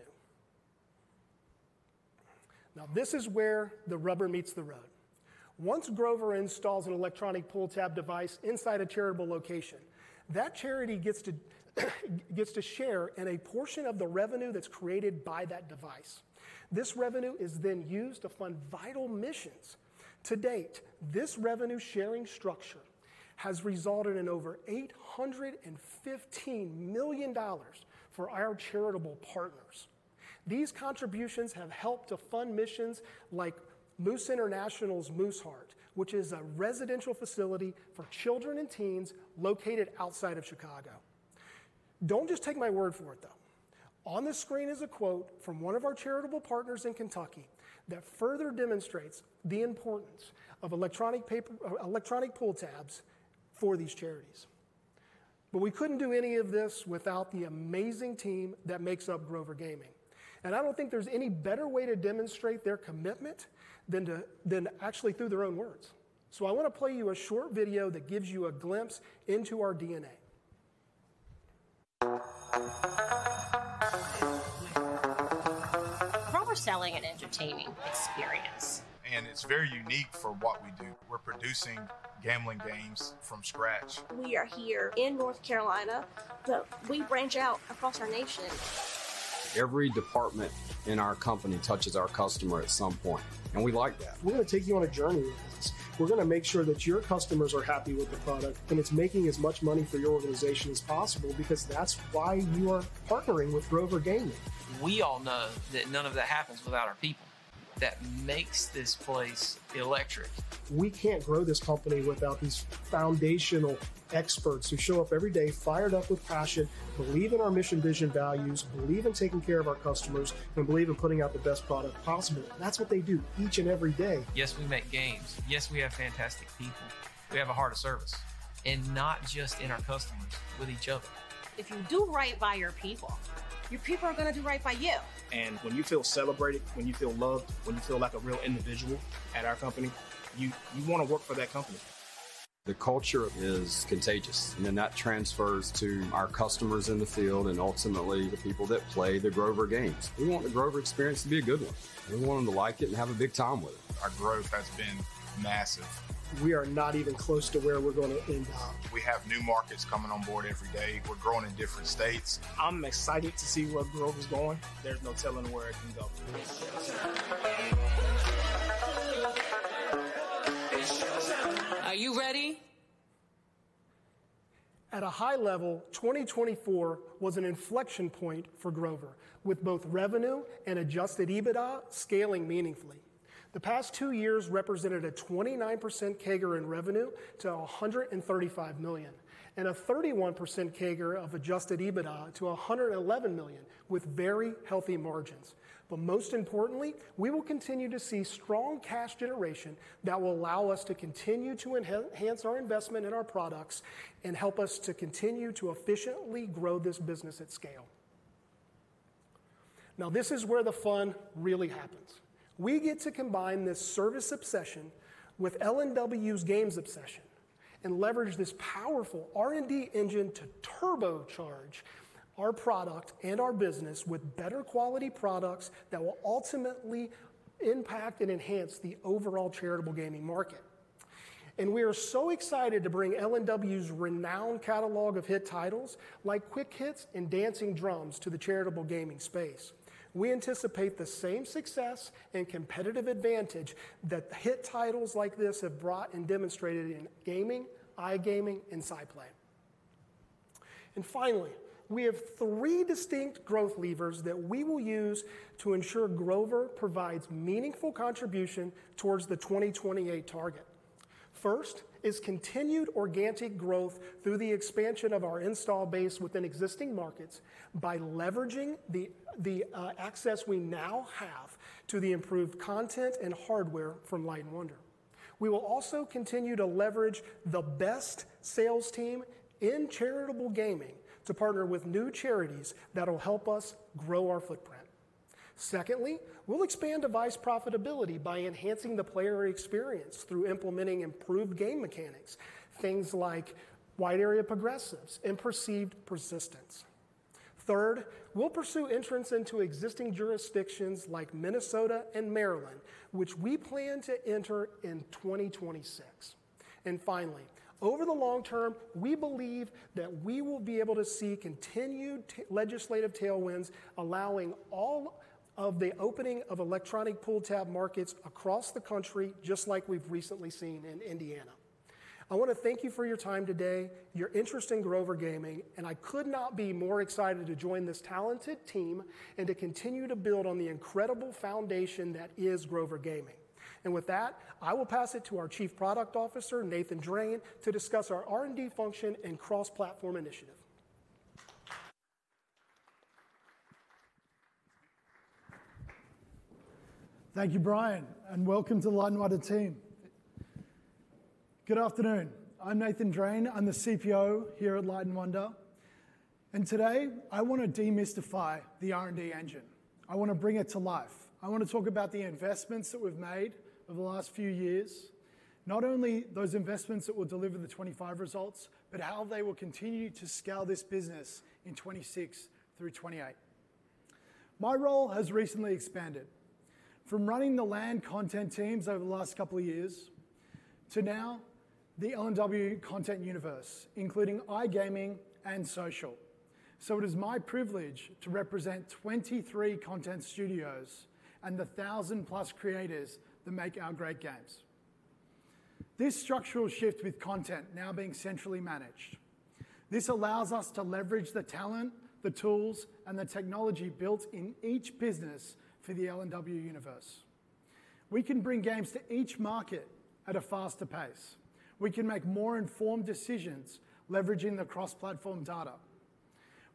Now, this is where the rubber meets the road. Once Grover installs an electronic pull tab device inside a charitable location, that charity gets to share in a portion of the revenue that's created by that device. This revenue is then used to fund vital missions. To date, this revenue-sharing structure has resulted in over $815 million for our charitable partners. These contributions have helped to fund missions like Moose International's Moose Heart, which is a residential facility for children and teens located outside of Chicago. Do not just take my word for it, though. On the screen is a quote from one of our charitable partners in Kentucky that further demonstrates the importance of electronic pull tabs for these charities. We could not do any of this without the amazing team that makes up Grover Gaming. I do not think there is any better way to demonstrate their commitment than actually through their own words. I want to play you a short video that gives you a glimpse into our DNA. Grover is selling an entertaining experience. It is very unique for what we do. We are producing gambling games from scratch. We are here in North Carolina, but we branch out across our nation. Every department in our company touches our customer at some point, and we like that. We're going to take you on a journey with this. We're going to make sure that your customers are happy with the product and it's making as much money for your organization as possible because that's why you are partnering with Grover Gaming. We all know that none of that happens without our people. That makes this place electric. We can't grow this company without these foundational experts who show up every day, fired up with passion, believe in our mission, vision, values, believe in taking care of our customers, and believe in putting out the best product possible. That's what they do each and every day. Yes, we make games. Yes, we have fantastic people. We have a heart of service. And not just in our customers, with each other. If you do right by your people, your people are going to do right by you. When you feel celebrated, when you feel loved, when you feel like a real individual at our company, you want to work for that company. The culture is contagious. That transfers to our customers in the field and ultimately the people that play the Grover games. We want the Grover experience to be a good one. We want them to like it and have a big time with it. Our growth has been massive. We are not even close to where we're going to end up. We have new markets coming on board every day. We're growing in different states. I'm excited to see where Grover's going. There's no telling where it can go. Are you ready? At a high level, 2024 was an inflection point for Grover, with both revenue and adjusted EBITDA scaling meaningfully. The past two years represented a 29% CAGR in revenue to $135 million and a 31% CAGR of adjusted EBITDA to $111 million with very healthy margins. Most importantly, we will continue to see strong cash generation that will allow us to continue to enhance our investment in our products and help us to continue to efficiently grow this business at scale. Now, this is where the fun really happens. We get to combine this service obsession with LNW's games obsession and leverage this powerful R&D engine to turbocharge our product and our business with better quality products that will ultimately impact and enhance the overall charitable gaming market. We are so excited to bring LNW's renowned catalog of hit titles like Quick Hits and Dancing Drums to the charitable gaming space. We anticipate the same success and competitive advantage that hit titles like this have brought and demonstrated in gaming, iGaming, and Side Play. Finally, we have three distinct growth levers that we will use to ensure Grover provides meaningful contribution towards the 2028 target. First is continued organic growth through the expansion of our install base within existing markets by leveraging the access we now have to the improved content and hardware from Light & Wonder. We will also continue to leverage the best sales team in charitable gaming to partner with new charities that will help us grow our footprint. Secondly, we will expand device profitability by enhancing the player experience through implementing improved game mechanics, things like wide area progressives and perceived persistence. Third, we will pursue entrance into existing jurisdictions like Minnesota and Maryland, which we plan to enter in 2026. Finally, over the long term, we believe that we will be able to see continued legislative tailwinds allowing all of the opening of electronic pull tab markets across the country, just like we have recently seen in Indiana. I want to thank you for your time today, your interest in Grover Gaming, and I could not be more excited to join this talented team and to continue to build on the incredible foundation that is Grover Gaming. With that, I will pass it to our Chief Product Officer, Nathan Drane, to discuss our R&D function and cross-platform initiative. Thank you, Brian, and welcome to the Light & Wonder team. Good afternoon. I am Nathan Drane. I am the CPO here at Light & Wonder. Today, I want to demystify the R&D engine. I want to bring it to life. I want to talk about the investments that we've made over the last few years, not only those investments that will deliver the 2025 results, but how they will continue to scale this business in 2026 through 2028. My role has recently expanded from running the land content teams over the last couple of years to now the LNW content universe, including iGaming and social. It is my privilege to represent 23 content studios and the thousand-plus creators that make our great games. This structural shift with content now being centrally managed, this allows us to leverage the talent, the tools, and the technology built in each business for the LNW universe. We can bring games to each market at a faster pace. We can make more informed decisions leveraging the cross-platform data.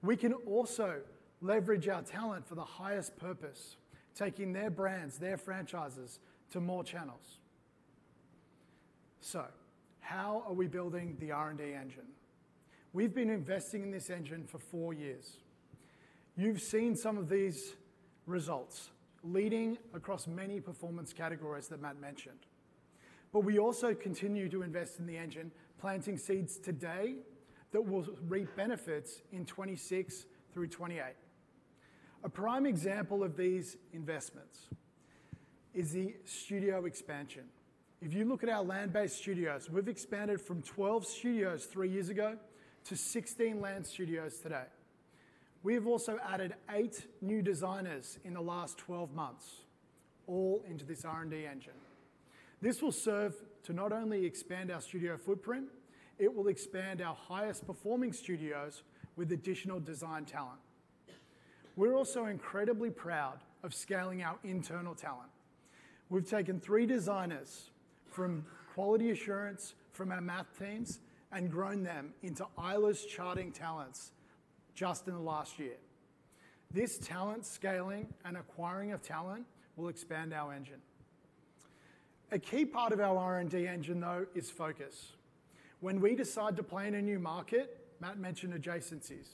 We can also leverage our talent for the highest purpose, taking their brands, their franchises to more channels. How are we building the R&D engine? We have been investing in this engine for four years. You have seen some of these results leading across many performance categories that Matt mentioned. We also continue to invest in the engine, planting seeds today that will reap benefits in 2026 through 2028. A prime example of these investments is the studio expansion. If you look at our land-based studios, we have expanded from 12 studios three years ago to 16 land studios today. We have also added eight new designers in the last 12 months, all into this R&D engine. This will serve to not only expand our studio footprint, it will expand our highest-performing studios with additional design talent. We are also incredibly proud of scaling our internal talent. We've taken three designers from quality assurance, from our math teams, and grown them into ILO's charting talents just in the last year. This talent scaling and acquiring of talent will expand our engine. A key part of our R&D engine, though, is focus. When we decide to play in a new market, Matt mentioned adjacencies,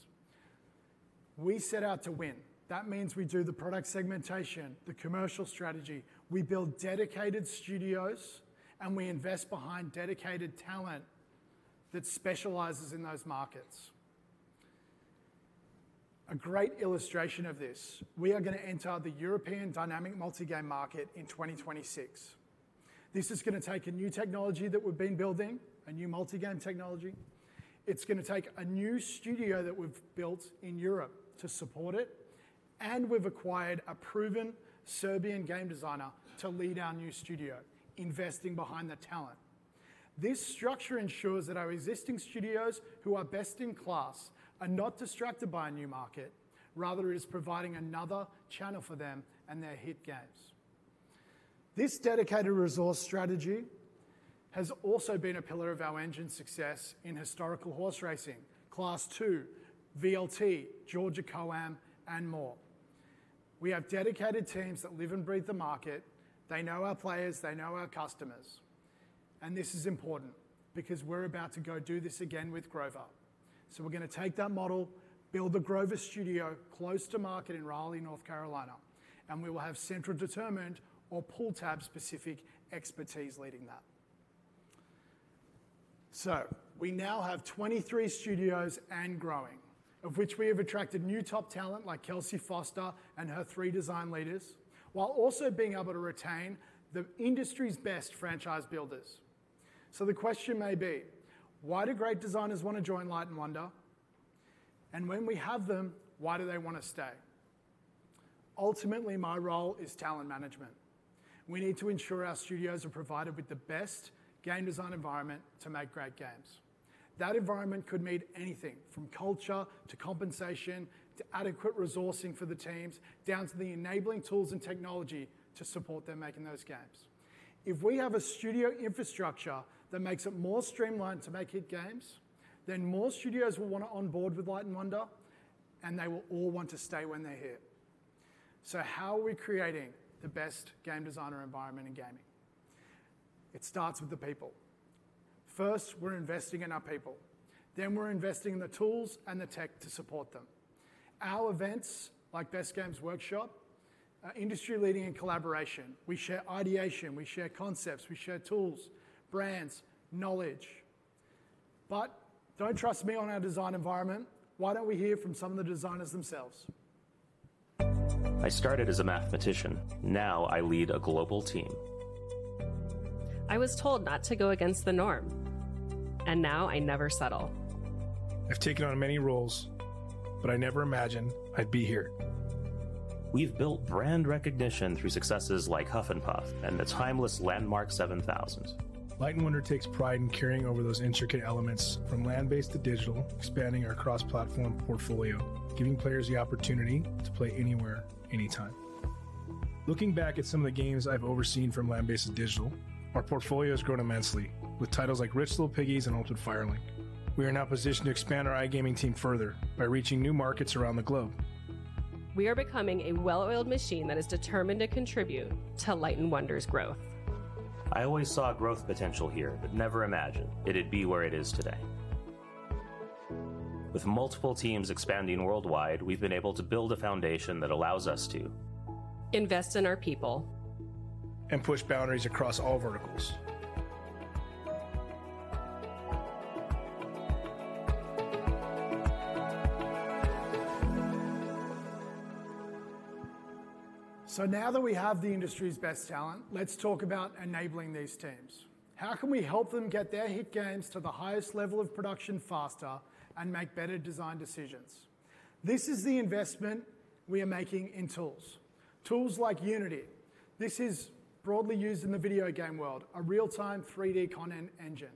we set out to win. That means we do the product segmentation, the commercial strategy, we build dedicated studios, and we invest behind dedicated talent that specializes in those markets. A great illustration of this, we are going to enter the European dynamic multigame market in 2026. This is going to take a new technology that we've been building, a new multigame technology. It's going to take a new studio that we've built in Europe to support it. We have acquired a proven Serbian game designer to lead our new studio, investing behind the talent. This structure ensures that our existing studios, who are best in class, are not distracted by a new market. Rather, it is providing another channel for them and their hit games. This dedicated resource strategy has also been a pillar of our engine's success in historical horse racing, class two, VLT, Georgia CoAM, and more. We have dedicated teams that live and breathe the market. They know our players. They know our customers. This is important because we are about to go do this again with Grover. We are going to take that model, build the Grover studio close to market in Raleigh, North Carolina, and we will have central determined or pull tab specific expertise leading that. We now have 23 studios and growing, of which we have attracted new top talent like Kelsey Foster and her three design leaders, while also being able to retain the industry's best franchise builders. The question may be, why do great designers want to join Light & Wonder? When we have them, why do they want to stay? Ultimately, my role is talent management. We need to ensure our studios are provided with the best game design environment to make great games. That environment could mean anything from culture to compensation to adequate resourcing for the teams, down to the enabling tools and technology to support them making those games. If we have a studio infrastructure that makes it more streamlined to make hit games, then more studios will want to onboard with Light & Wonder, and they will all want to stay when they're here. How are we creating the best game designer environment in gaming? It starts with the people. First, we're investing in our people. Then we're investing in the tools and the tech to support them. Our events, like Best Games Workshop, are industry-leading in collaboration. We share ideation. We share concepts. We share tools, brands, knowledge. Don't trust me on our design environment. Why don't we hear from some of the designers themselves? I started as a mathematician. Now I lead a global team. I was told not to go against the norm, and now I never settle. I've taken on many roles, but I never imagined I'd be here. We've built brand recognition through successes like Huff N'Puff and the timeless Landmark Stepper. Light & Wonder takes pride in carrying over those intricate elements from land-based to digital, expanding our cross-platform portfolio, giving players the opportunity to play anywhere, anytime. Looking back at some of the games I've overseen from land-based to digital, our portfolio has grown immensely with titles like Rich Little Piggies and Ultimate Fire Link. We are now positioned to expand our iGaming team further by reaching new markets around the globe. We are becoming a well-oiled machine that is determined to contribute to Light & Wonder's growth. I always saw growth potential here, but never imagined it would be where it is today. With multiple teams expanding worldwide, we have been able to build a foundation that allows us to invest in our people and push boundaries across all verticals. Now that we have the industry's best talent, let's talk about enabling these teams. How can we help them get their hit games to the highest level of production faster and make better design decisions? This is the investment we are making in tools. Tools like Unity. This is broadly used in the video game world, a real-time 3D content engine.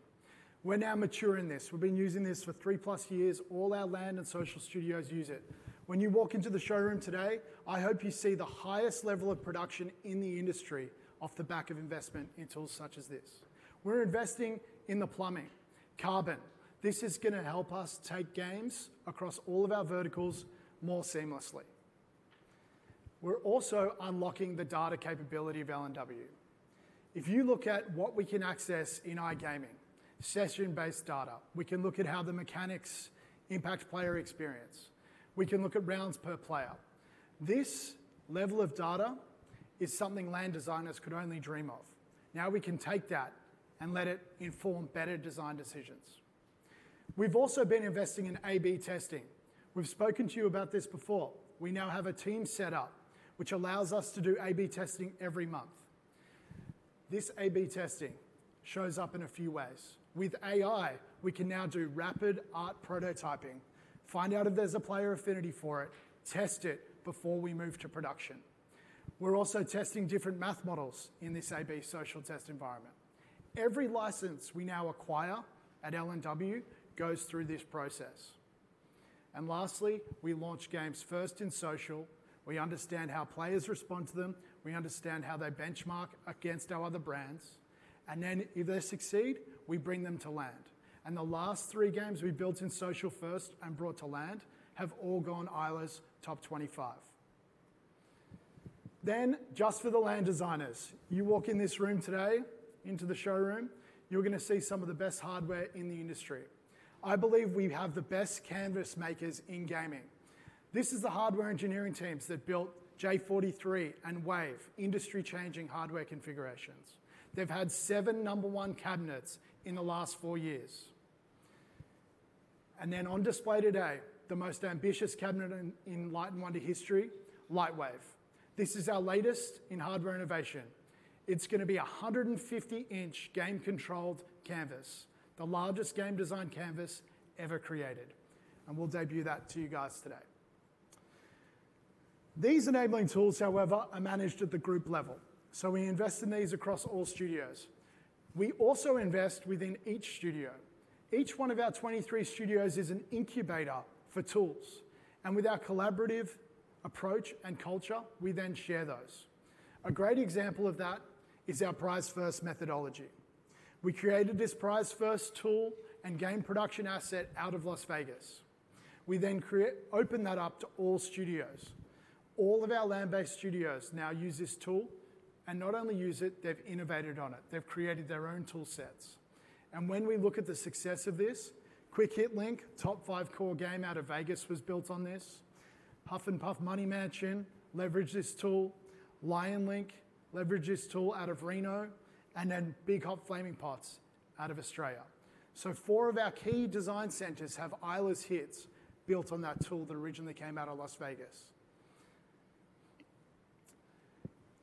We're now mature in this. We've been using this for three plus years. All our land and social studios use it. When you walk into the showroom today, I hope you see the highest level of production in the industry off the back of investment in tools such as this. We're investing in the plumbing, Carbon. This is going to help us take games across all of our verticals more seamlessly. We're also unlocking the data capability of LNW. If you look at what we can access in iGaming, session-based data, we can look at how the mechanics impact player experience. We can look at rounds per player. This level of data is something land designers could only dream of. Now we can take that and let it inform better design decisions. We've also been investing in A/B testing. We've spoken to you about this before. We now have a team set up which allows us to do A/B testing every month. This A/B testing shows up in a few ways. With AI, we can now do rapid art prototyping, find out if there's a player affinity for it, test it before we move to production. We're also testing different math models in this A/B social test environment. Every license we now acquire at LNW goes through this process. Lastly, we launch games first in social. We understand how players respond to them. We understand how they benchmark against our other brands. If they succeed, we bring them to land. The last three games we built in social first and brought to land have all gone ILO's top 25. For the land designers, you walk in this room today into the showroom, you're going to see some of the best hardware in the industry. I believe we have the best canvas makers in gaming. This is the hardware engineering teams that b uilt J43 and Wave, industry-changing hardware configurations. They've had seven number one cabinets in the last four years. On display today, the most ambitious cabinet in Light & Wonder history, Light Wave. This is our latest in hardware innovation. It's going to be a 150-inch game-controlled canvas, the largest game design canvas ever created. We'll debut that to you guys today. These enabling tools, however, are managed at the group level. We invest in these across all studios. We also invest within each studio. Each one of our 23 studios is an incubator for tools. With our collaborative approach and culture, we then share those. A great example of that is our prize-first methodology. We created this prize-first tool and game production asset out of Las Vegas. We then opened that up to all studios. All of our land-based studios now use this tool. Not only use it, they have innovated on it. They have created their own tool sets. When we look at the success of this, Quick Hit Link, top five core game out of Vegas, was built on this. Huff N'Puff Money Mansion leveraged this tool. Lion Link leveraged this tool out of Reno. Big Hot Flaming Pots out of Australia. Four of our key design centers have ILO's hits built on that tool that originally came out of Las Vegas.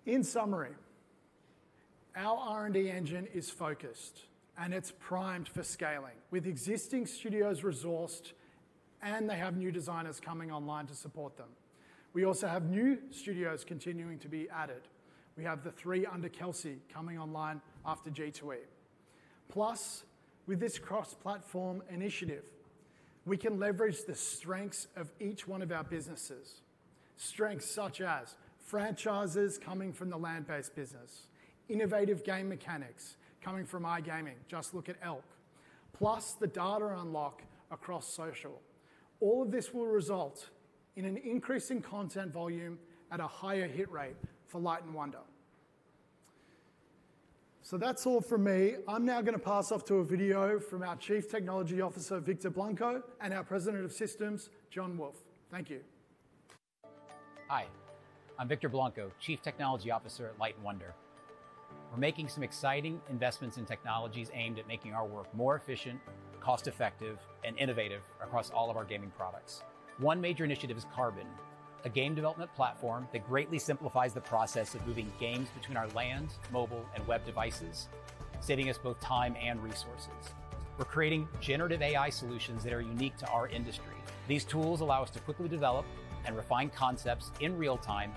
In summary, our R&D engine is focused, and it's primed for scaling with existing studios resourced, and they have new designers coming online to support them. We also have new studios continuing to be added. We have the three under Kelsey coming online after G2E. Plus, with this cross-platform initiative, we can leverage the strengths of each one of our businesses, strengths such as franchises coming from the land-based business, innovative game mechanics coming from iGaming. Just look at Elk. Plus, the data unlock across social. All of this will result in an increase in content volume at a higher hit rate for Light & Wonder. That's all from me. I'm now going to pass off to a video from our Chief Technology Officer, Victor Blanco, and our President of Systems, Jon Wolfe. Thank you. Hi. I'm Victor Blanco, Chief Technology Officer at Light & Wonder. We're making some exciting investments in technologies aimed at making our work more efficient, cost-effective, and innovative across all of our gaming products. One major initiative is Carbon, a game development platform that greatly simplifies the process of moving games between our land, mobile, and web devices, saving us both time and resources. We're creating generative AI solutions that are unique to our industry. These tools allow us to quickly develop and refine concepts in real time,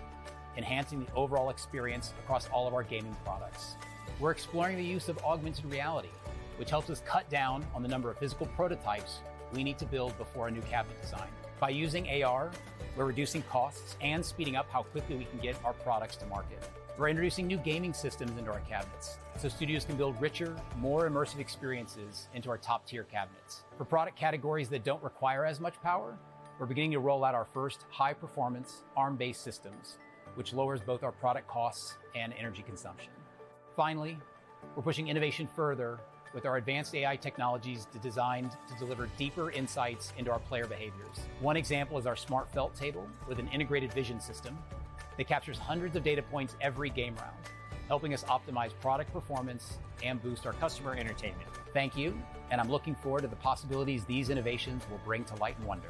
enhancing the overall experience across all of our gaming products. We're exploring the use of augmented reality, which helps us cut down on the number of physical prototypes we need to build before a new cabinet design. By using AR, we're reducing costs and speeding up how quickly we can get our products to market. We're introducing new gaming systems into our cabinets so studios can build richer, more immersive experiences into our top-tier cabinets. For product categories that don't require as much power, we're beginning to roll out our first high-performance ARM-based systems, which lowers both our product costs and energy consumption. Finally, we're pushing innovation further with our advanced AI technologies designed to deliver deeper insights into our player behaviors. One example is our smart felt table with an integrated vision system that captures hundreds of data points every game round, helping us optimize product performance and boost our customer entertainment. Thank you, and I'm looking forward to the possibilities these innovations will bring to Light & Wonder.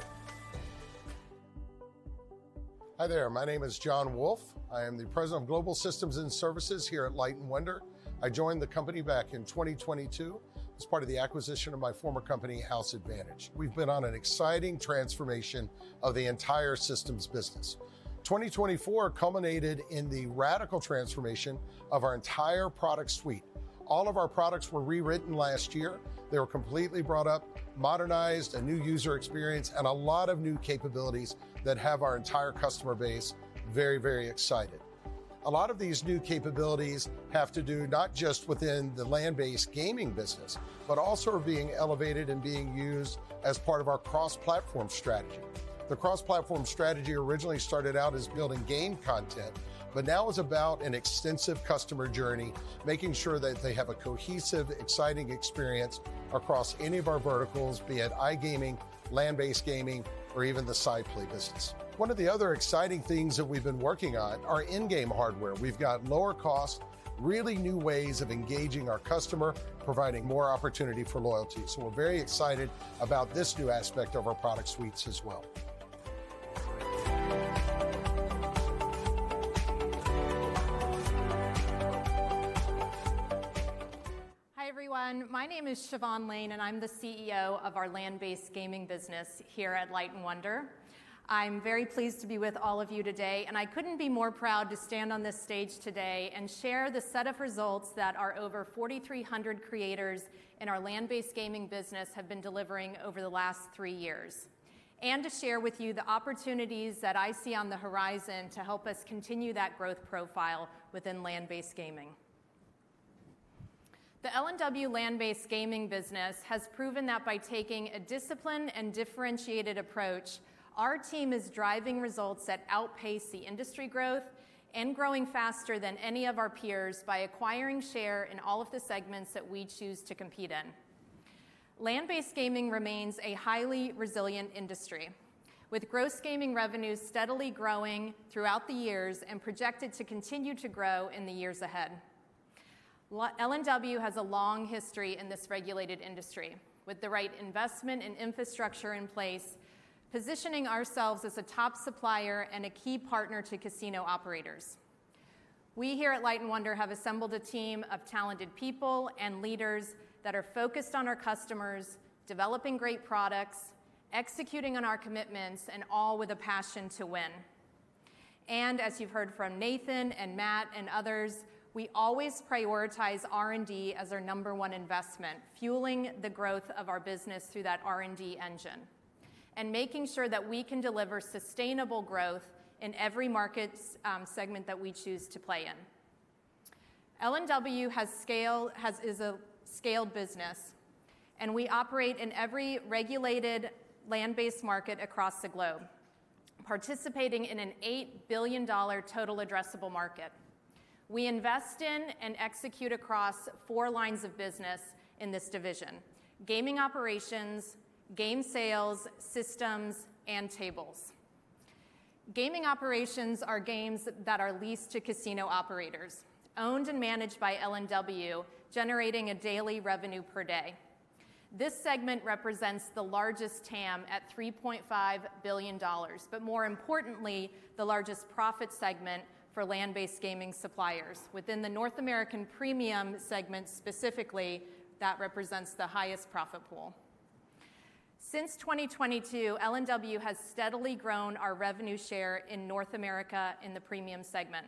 Hi there. My name is Jon Wolfe. I am the President of Global Systems and Services here at Light & Wonder. I joined the company back in 2022 as part of the acquisition of my former company, House Advantage. We've been on an exciting transformation of the entire systems business. 2024 culminated in the radical transformation of our entire product suite. All of our products were rewritten last year. They were completely brought up, modernized, a new user experience, and a lot of new capabilities that have our entire customer base very, very excited. A lot of these new capabilities have to do not just within the land-based gaming business, but also are being elevated and being used as part of our cross-platform strategy. The cross-platform strategy originally started out as building game content, but now is about an extensive customer journey, making sure that they have a cohesive, exciting experience across any of our verticals, be it iGaming, Land-based Gaming, or even the Side Play Business. One of the other exciting things that we've been working on are in-game hardware. We've got lower cost, really new ways of engaging our customer, providing more opportunity for loyalty. We are very excited about this new aspect of our product suites as well. Hi everyone. My name is Siobhan Lane, and I'm the CEO of our land-based gaming business here at Light & Wonder. I'm very pleased to be with all of you today, and I couldn't be more proud to stand on this stage today and share the set of results that our over 4,300 creators in our land-based gaming business have been delivering over the last three years, and to share with you the opportunities that I see on the horizon to help us continue that growth profile within land-based gaming. The LNW land-based gaming business has proven that by taking a disciplined and differentiated approach, our team is driving results that outpace the industry growth and growing faster than any of our peers by acquiring share in all of the segments that we choose to compete in. Land-based gaming remains a highly resilient industry, with gross gaming revenues steadily growing throughout the years and projected to continue to grow in the years ahead. LNW has a long history in this regulated industry, with the right investment and infrastructure in place, positioning ourselves as a top supplier and a key partner to casino operators. We here at Light & Wonder have assembled a team of talented people and leaders that are focused on our customers, developing great products, executing on our commitments, and all with a passion to win. As you have heard from Nathan and Matt and others, we always prioritize R&D as our number one investment, fueling the growth of our business through that R&D engine and making sure that we can deliver sustainable growth in every market segment that we choose to play in. LNW is a scaled business, and we operate in every regulated land-based market across the globe, participating in an $8 billion total addressable market. We invest in and execute across four lines of business in this division: gaming operations, game sales, systems, and tables. Gaming operations are games that are leased to casino operators, owned and managed by LNW, generating a daily revenue per day. This segment represents the largest TAM at $3.5 billion, but more importantly, the largest profit segment for land-based gaming suppliers within the North American premium segment specifically that represents the highest profit pool. Since 2022, LNW has steadily grown our revenue share in North America in the premium segment,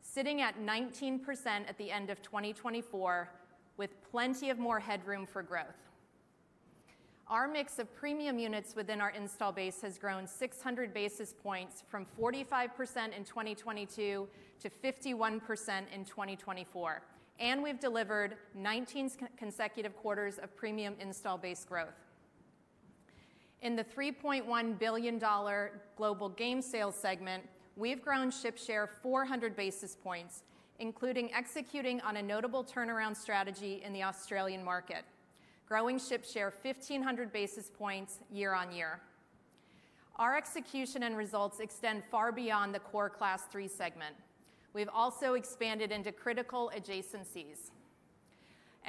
sitting at 19% at the end of 2024, with plenty of more headroom for growth. Our mix of premium units within our install base has grown 600 basis points from 45% in 2022 to 51% in 2024, and we've delivered 19 consecutive quarters of premium install-based growth. In the $3.1 billion global game sales segment, we've grown ship share 400 basis points, including executing on a notable turnaround strategy in the Australian market, growing ship share 1,500 basis points year on year. Our execution and results extend far beyond the core class three segment. We've also expanded into critical adjacencies.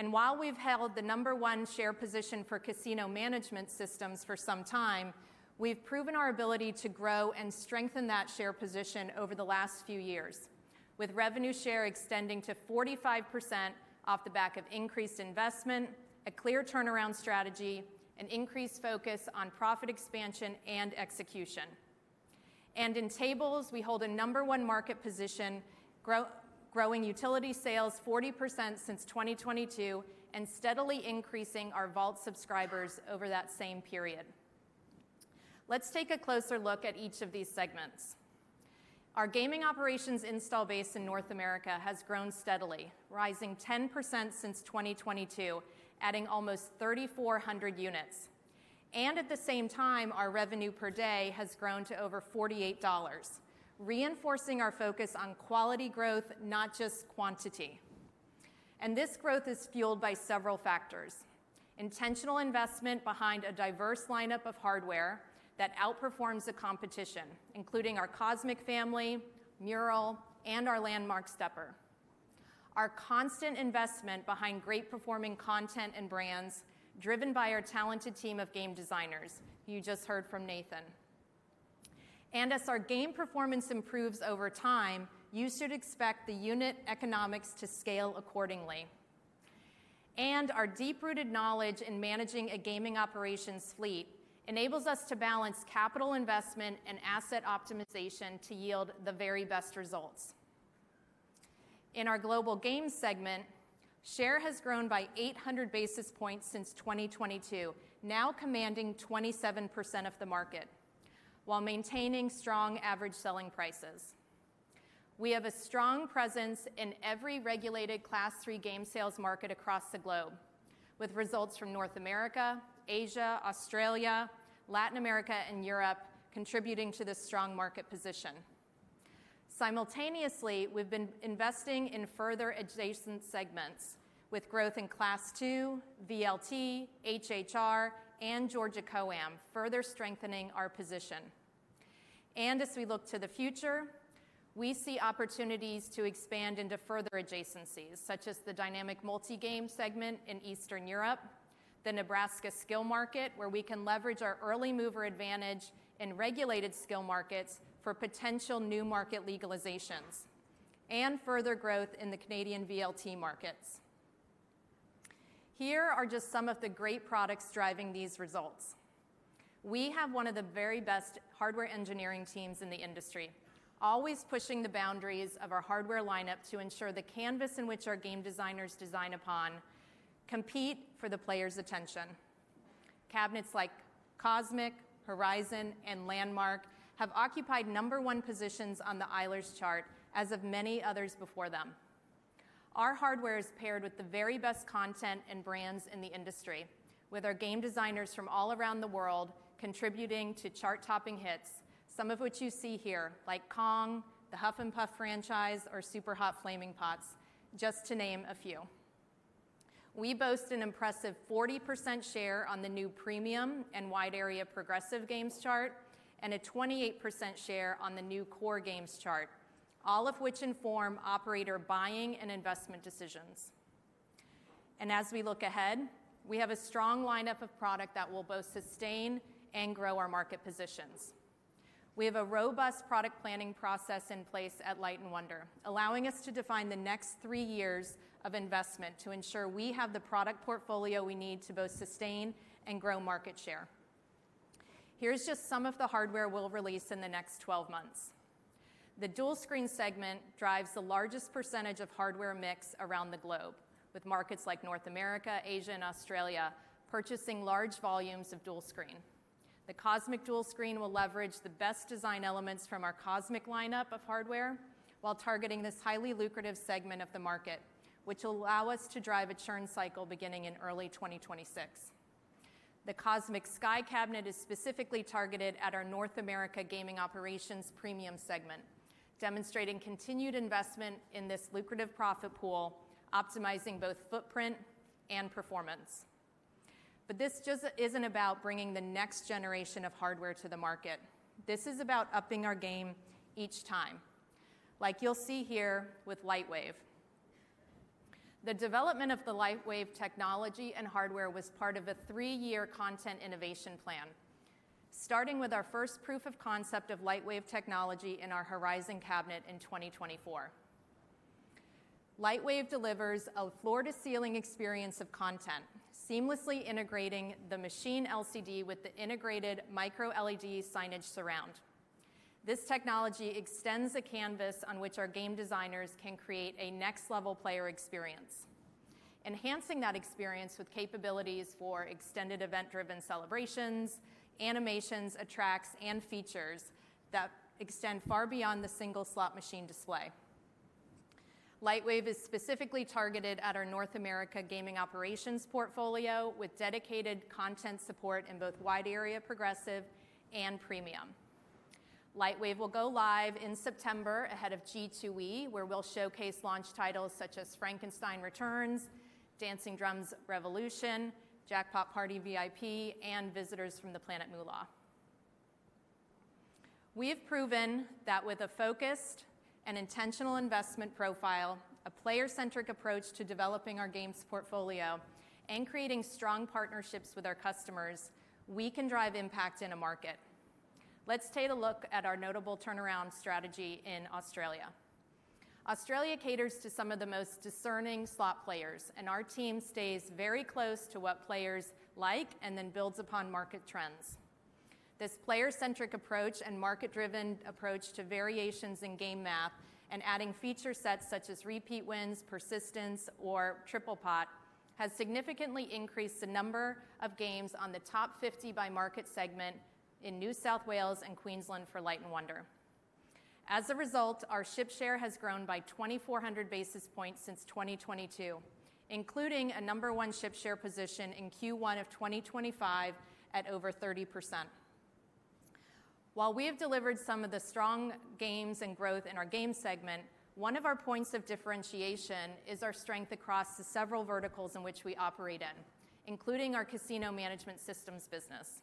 While we've held the number one share position for casino management systems for some time, we've proven our ability to grow and strengthen that share position over the last few years, with revenue share extending to 45% off the back of increased investment, a clear turnaround strategy, and increased focus on profit expansion and execution. In tables, we hold a number one market position, growing utility sales 40% since 2022 and steadily increasing our vault subscribers over that same period. Let's take a closer look at each of these segments. Our gaming operations install base in North America has grown steadily, rising 10% since 2022, adding almost 3,400 units. At the same time, our revenue per day has grown to over $48, reinforcing our focus on quality growth, not just quantity. This growth is fueled by several factors: intentional investment behind a diverse lineup of hardware that outperforms the competition, including our Cosmic Family, Mural, and our Landmark Stepper. Our constant investment behind great-performing content and brands, driven by our talented team of game designers you just heard from Nathan. As our game performance improves over time, you should expect the unit economics to scale accordingly. Our deep-rooted knowledge in managing a gaming operations fleet enables us to balance capital investment and asset optimization to yield the very best results. In our global game segment, share has grown by 800 basis points since 2022, now commanding 27% of the market while maintaining strong average selling prices. We have a strong presence in every regulated Class 3 game sales market across the globe, with results from North America, Asia, Australia, Latin America, and Europe contributing to this strong market position. Simultaneously, we've been investing in further adjacent segments with growth in Class 2, VLT, HHR, and Georgia CoAM, further strengthening our position. As we look to the future, we see opportunities to expand into further adjacencies, such as the dynamic multi-game segment in Eastern Europe, the Nebraska skill market, where we can leverage our early mover advantage in regulated skill markets for potential new market legalizations, and further growth in the Canadian VLT markets. Here are just some of the great products driving these results. We have one of the very best hardware engineering teams in the industry, always pushing the boundaries of our hardware lineup to ensure the canvas in which our game designers design upon compete for the player's attention. Cabinets like Cosmic, Horizon, and Landmark have occupied number one positions on the Eilers chart as have many others before them. Our hardware is paired with the very best content and brands in the industry, with our game designers from all around the world contributing to chart-topping hits, some of which you see here, like Kong, the Huff N'Puff franchise, or Super Hot Flaming Pots, just to name a few. We boast an impressive 40% share on the new premium and wide area progressive games chart and a 28% share on the new core games chart, all of which inform operator buying and investment decisions. As we look ahead, we have a strong lineup of product that will both sustain and grow our market positions. We have a robust product planning process in place at Light & Wonder, allowing us to define the next three years of investment to ensure we have the product portfolio we need to both sustain and grow market share. Here is just some of the hardware we will release in the next 12 months. The dual screen segment drives the largest percentage of hardware mix around the globe, with markets like North America, Asia, and Australia purchasing large volumes of dual screen. The Cosmic dual screen will leverage the best design elements from our Cosmic lineup of hardware while targeting this highly lucrative segment of the market, which will allow us to drive a churn cycle beginning in early 2026. The Cosmic Sky cabinet is specifically targeted at our North America gaming operations premium segment, demonstrating continued investment in this lucrative profit pool, optimizing both footprint and performance. This just isn't about bringing the next generation of hardware to the market. This is about upping our game each time, like you'll see here with LightWave. The development of the LightWave technology and hardware was part of a three-year content innovation plan, starting with our first proof of concept of LightWave technology in our Horizon cabinet in 2024. LightWave delivers a floor-to-ceiling experience of content, seamlessly integrating the machine LCD with the integrated micro-LED signage surround. This technology extends a canvas on which our game designers can create a next-level player experience, enhancing that experience with capabilities for extended event-driven celebrations, animations, attracts, and features that extend far beyond the single slot machine display. LightWave is specifically targeted at our North America gaming operations portfolio with dedicated content support in both wide area progressive and premium. LightWave will go live in September ahead of G2E, where we'll showcase launch titles such as Frankenstein Returns, Dancing Drums Revolution, Jackpot Party VIP, and Visitors from the Planet Moolah. We have proven that with a focused and intentional investment profile, a player-centric approach to developing our games portfolio, and creating strong partnerships with our customers, we can drive impact in a market. Let's take a look at our notable turnaround strategy in Australia. Australia caters to some of the most discerning slot players, and our team stays very close to what players like and then builds upon market trends. This player-centric approach and market-driven approach to variations in game math and adding feature sets such as repeat wins, persistence, or triple pot has significantly increased the number of games on the top 50 by market segment in New South Wales and Queensland for Light & Wonder. As a result, our ship share has grown by 2,400 basis points since 2022, including a number one ship share position in Q1 of 2025 at over 30%. While we have delivered some of the strong games and growth in our game segment, one of our points of differentiation is our strength across the several verticals in which we operate in, including our casino management systems business.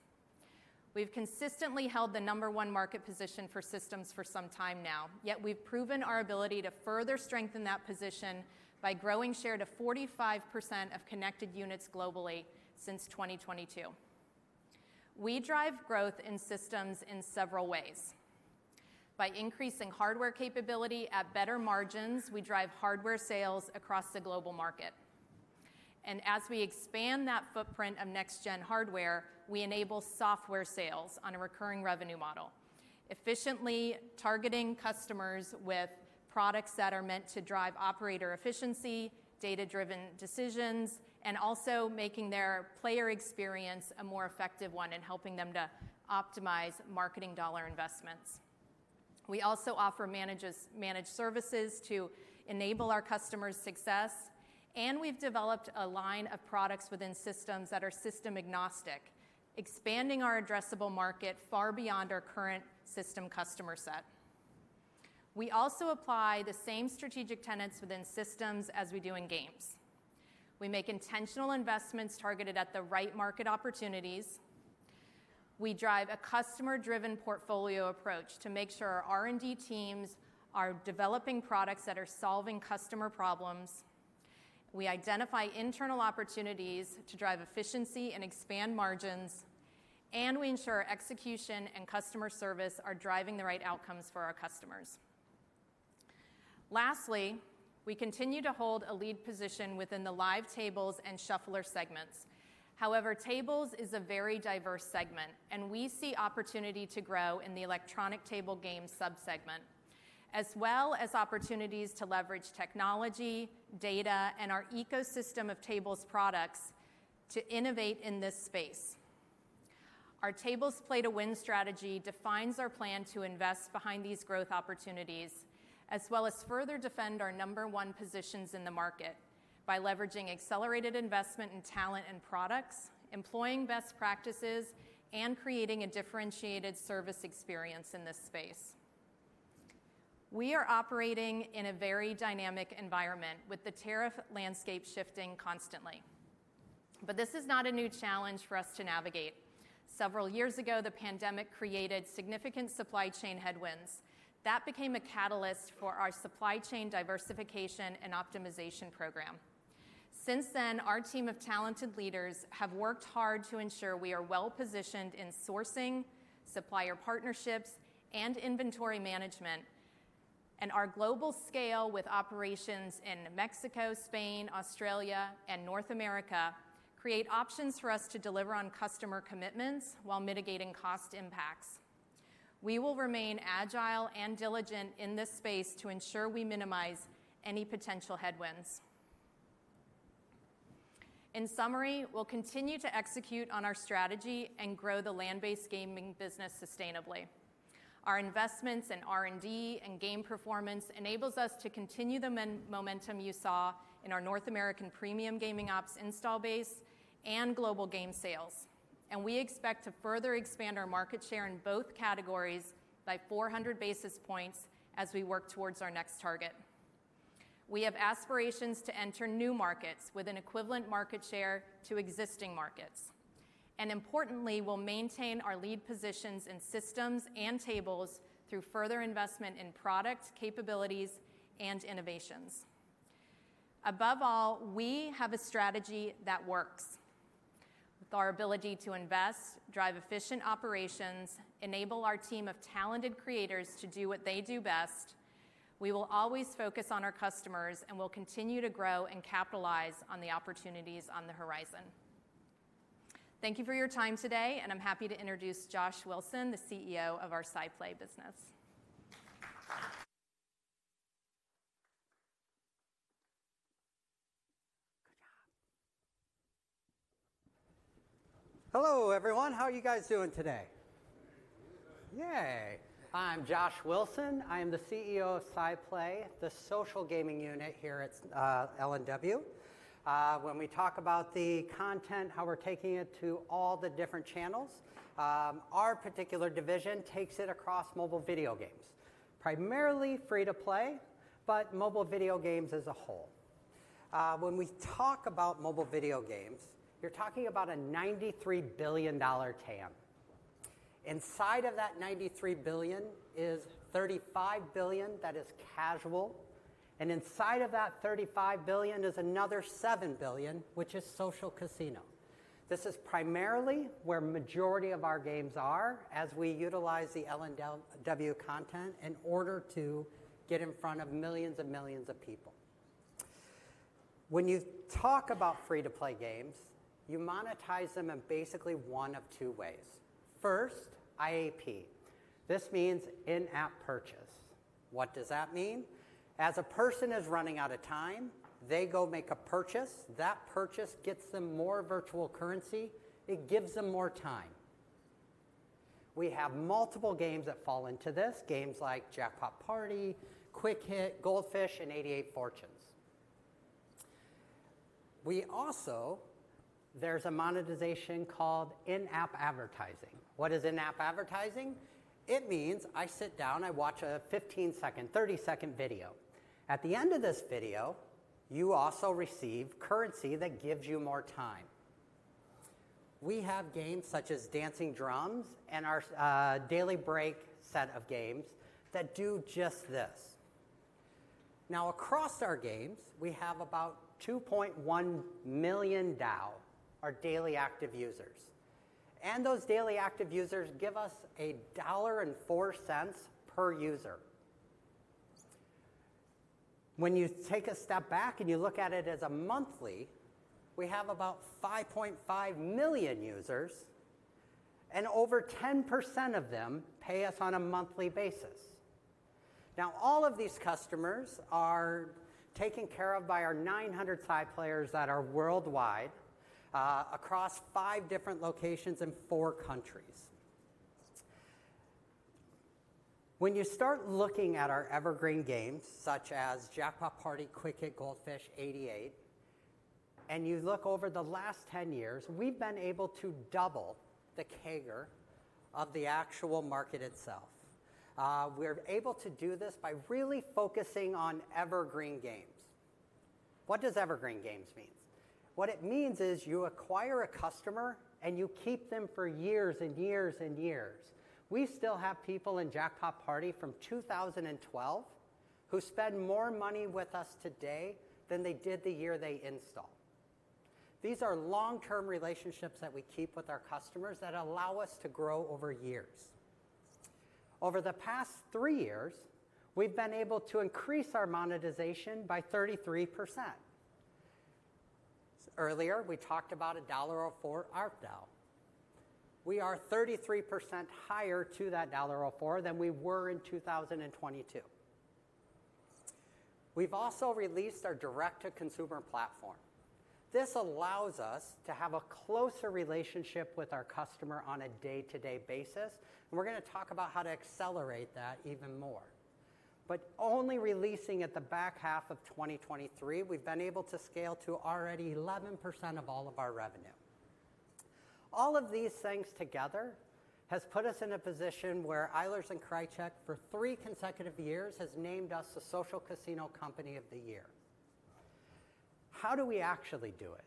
We've consistently held the number one market position for systems for some time now, yet we've proven our ability to further strengthen that position by growing share to 45% of connected units globally since 2022. We drive growth in systems in several ways. By increasing hardware capability at better margins, we drive hardware sales across the global market. As we expand that footprint of next-gen hardware, we enable software sales on a recurring revenue model, efficiently targeting customers with products that are meant to drive operator efficiency, data-driven decisions, and also making their player experience a more effective one and helping them to optimize marketing dollar investments. We also offer managed services to enable our customers' success, and we have developed a line of products within systems that are system-agnostic, expanding our addressable market far beyond our current system customer set. We also apply the same strategic tenets within systems as we do in games. We make intentional investments targeted at the right market opportunities. We drive a customer-driven portfolio approach to make sure our R&D teams are developing products that are solving customer problems. We identify internal opportunities to drive efficiency and expand margins, and we ensure execution and customer service are driving the right outcomes for our customers. Lastly, we continue to hold a lead position within the live tables and shuffler segments. However, tables is a very diverse segment, and we see opportunity to grow in the electronic table game subsegment, as well as opportunities to leverage technology, data, and our ecosystem of tables products to innovate in this space. Our tables play-to-win strategy defines our plan to invest behind these growth opportunities, as well as further defend our number one positions in the market by leveraging accelerated investment in talent and products, employing best practices, and creating a differentiated service experience in this space. We are operating in a very dynamic environment with the tariff landscape shifting constantly. This is not a new challenge for us to navigate. Several years ago, the pandemic created significant supply chain headwinds that became a catalyst for our supply chain diversification and optimization program. Since then, our team of talented leaders have worked hard to ensure we are well-positioned in sourcing, supplier partnerships, and inventory management, and our global scale with operations in Mexico, Spain, Australia, and North America creates options for us to deliver on customer commitments while mitigating cost impacts. We will remain agile and diligent in this space to ensure we minimize any potential headwinds. In summary, we'll continue to execute on our strategy and grow the land-based gaming business sustainably. Our investments in R&D and game performance enable us to continue the momentum you saw in our North American premium gaming ops install base and global game sales. We expect to further expand our market share in both categories by 400 basis points as we work towards our next target. We have aspirations to enter new markets with an equivalent market share to existing markets. Importantly, we will maintain our lead positions in systems and tables through further investment in product capabilities and innovations. Above all, we have a strategy that works. With our ability to invest, drive efficient operations, and enable our team of talented creators to do what they do best, we will always focus on our customers and will continue to grow and capitalize on the opportunities on the horizon. Thank you for your time today, and I'm happy to introduce Josh Wilson, the CEO of our SciPlay business. Good job. Hello, everyone. How are you guys doing today? Yay. I'm Josh Wilson. I am the CEO of SciPlay, the social gaming unit here at LNW. When we talk about the content, how we're taking it to all the different channels, our particular division takes it across mobile video games, primarily free-to-play, but mobile video games as a whole. When we talk about mobile video games, you're talking about a $93 billion TAM. Inside of that $93 billion is $35 billion that is casual. And inside of that $35 billion is another $7 billion, which is social casino. This is primarily where the majority of our games are as we utilize the LNW content in order to get in front of millions and millions of people. When you talk about free-to-play games, you monetize them in basically one of two ways. First, IAP. This means in-app purchase. What does that mean? As a person is running out of time, they go make a purchase. That purchase gets them more virtual currency. It gives them more time. We have multiple games that fall into this, games like Jackpot Party, Quick Hit, Gold Fish, and 88 Fortunes. There's a monetization called In-App Advertising. What is In-App advertising? It means I sit down, I watch a 15-second, 30-second video. At the end of this video, you also receive currency that gives you more time. We have games such as Dancing Drums and our Daily Break set of games that do just this. Now, across our games, we have about 2.1 million DAO, our daily active users. Those daily active users give us $1.04 per user. When you take a step back and you look at it as a monthly, we have about 5.5 million users, and over 10% of them pay us on a monthly basis. Now, all of these customers are taken care of by our 900 SciPlayers that are worldwide across five different locations in four countries. When you start looking at our evergreen games, such as Jackpot Party, Quick Hit, Gold Fish, 88 Fortunes, and you look over the last 10 years, we've been able to double the CAGR of the actual market itself. We're able to do this by really focusing on evergreen games. What does evergreen games mean? What it means is you acquire a customer and you keep them for years and years and years. We still have people in Jackpot Party from 2012 who spend more money with us today than they did the year they install. These are long-term relationships that we keep with our customers that allow us to grow over years. Over the past three years, we've been able to increase our monetization by 33%. Earlier, we talked about a $1.04 ARPDA. We are 33% higher to that $1.04 than we were in 2022. We've also released our direct-to-consumer platform. This allows us to have a closer relationship with our customer on a day-to-day basis. We are going to talk about how to accelerate that even more. Only releasing at the back half of 2023, we've been able to scale to already 11% of all of our revenue. All of these things together have put us in a position where Eilers & Krejcik, for three consecutive years, has named us the social casino company of the year. How do we actually do it?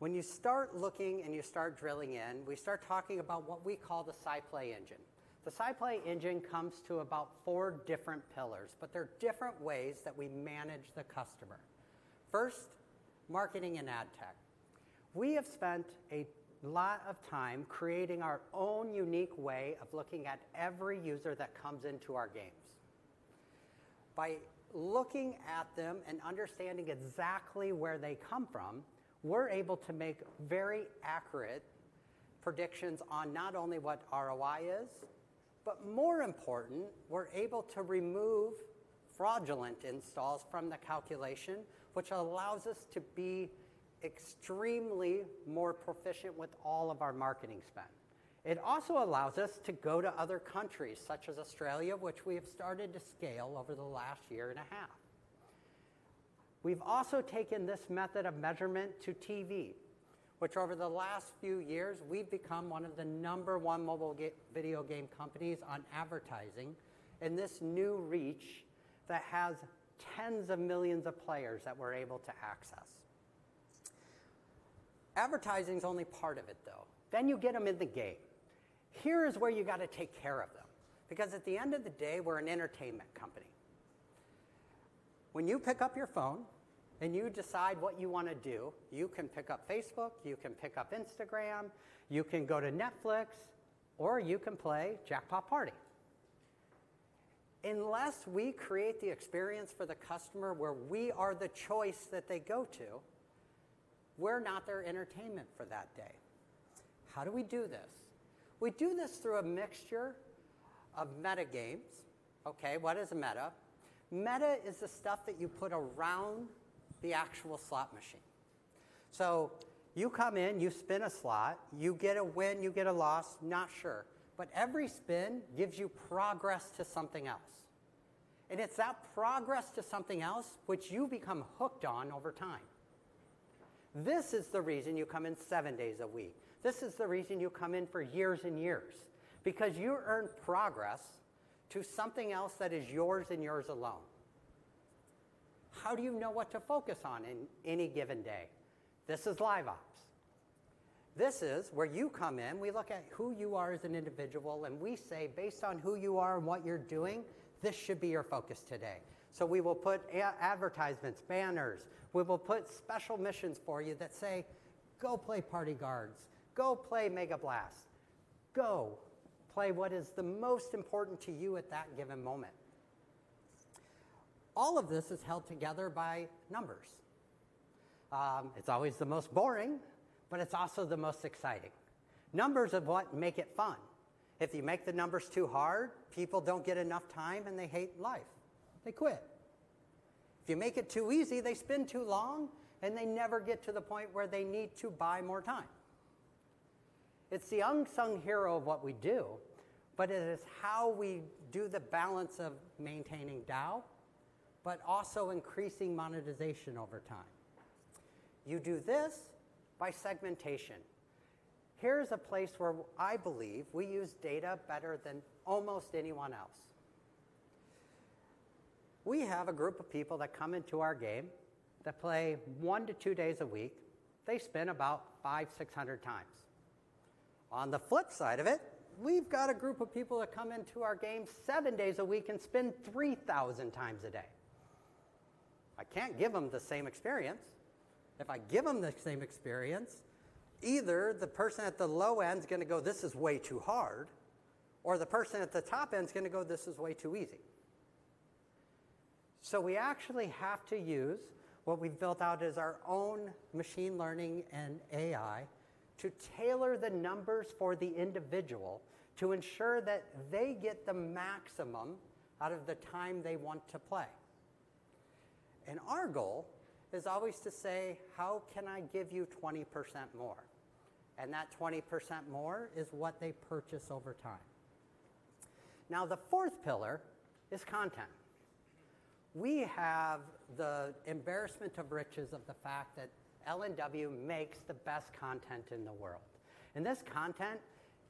When you start looking and you start drilling in, we start talking about what we call the SciPlay engine. The SciPlay engine comes to about four different pillars, but there are different ways that we manage the customer. First, marketing and ad tech. We have spent a lot of time creating our own unique way of looking at every user that comes into our games. By looking at them and understanding exactly where they come from, we're able to make very accurate predictions on not only what ROI is, but more important, we're able to remove fraudulent installs from the calculation, which allows us to be extremely more proficient with all of our marketing spend. It also allows us to go to other countries, such as Australia, which we have started to scale over the last year and a half. We've also taken this method of measurement to TV, which over the last few years, we've become one of the number one mobile video game companies on advertising in this new reach that has tens of millions of players that we're able to access. Advertising is only part of it, though. You get them in the game. Here is where you got to take care of them, because at the end of the day, we're an entertainment company. When you pick up your phone and you decide what you want to do, you can pick up Facebook, you can pick up Instagram, you can go to Netflix, or you can play Jackpot Party. Unless we create the experience for the customer where we are the choice that they go to, we're not their entertainment for that day. How do we do this? We do this through a mixture of meta games. Okay, what is a meta? Meta is the stuff that you put around the actual slot machine. You come in, you spin a slot, you get a win, you get a loss, not sure. Every spin gives you progress to something else. It is that progress to something else which you become hooked on over time. This is the reason you come in seven days a week. This is the reason you come in for years and years, because you earn progress to something else that is yours and yours alone. How do you know what to focus on in any given day? This is live ops. This is where you come in. We look at who you are as an individual, and we say, based on who you are and what you're doing, this should be your focus today. We will put advertisements, banners. We will put special missions for you that say, "Go play Party Guards. Go play Mega Blast. Go play what is the most important to you at that given moment." All of this is held together by numbers. It's always the most boring, but it's also the most exciting. Numbers are what make it fun. If you make the numbers too hard, people don't get enough time, and they hate life. They quit. If you make it too easy, they spend too long, and they never get to the point where they need to buy more time. It's the unsung hero of what we do, but it is how we do the balance of maintaining DAO, but also increasing monetization over time. You do this by segmentation. Here's a place where I believe we use data better than almost anyone else. We have a group of people that come into our game that play one to two days a week. They spend about $500-$600 times. On the flip side of it, we've got a group of people that come into our game seven days a week and spend $3,000 times a day. I can't give them the same experience. If I give them the same experience, either the person at the low end is going to go, "This is way too hard," or the person at the top end is going to go, "This is way too easy." We actually have to use what we've built out as our own machine learning and AI to tailor the numbers for the individual to ensure that they get the maximum out of the time they want to play. Our goal is always to say, "How can I give you 20% more?" That 20% more is what they purchase over time. Now, the fourth pillar is content. We have the embarrassment of riches of the fact that LNW makes the best content in the world. This content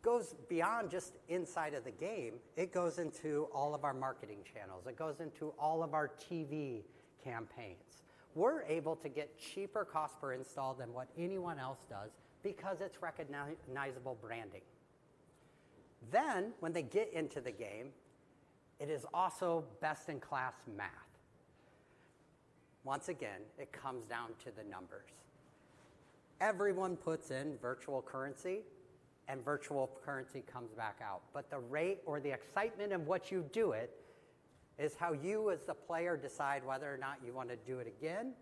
goes beyond just inside of the game. It goes into all of our marketing channels. It goes into all of our TV campaigns. We're able to get cheaper cost per install than what anyone else does because it's recognizable branding. When they get into the game, it is also best-in-class math. Once again, it comes down to the numbers. Everyone puts in virtual currency, and virtual currency comes back out. The rate or the excitement of what you do is how you, as the player, decide whether or not you want to do it again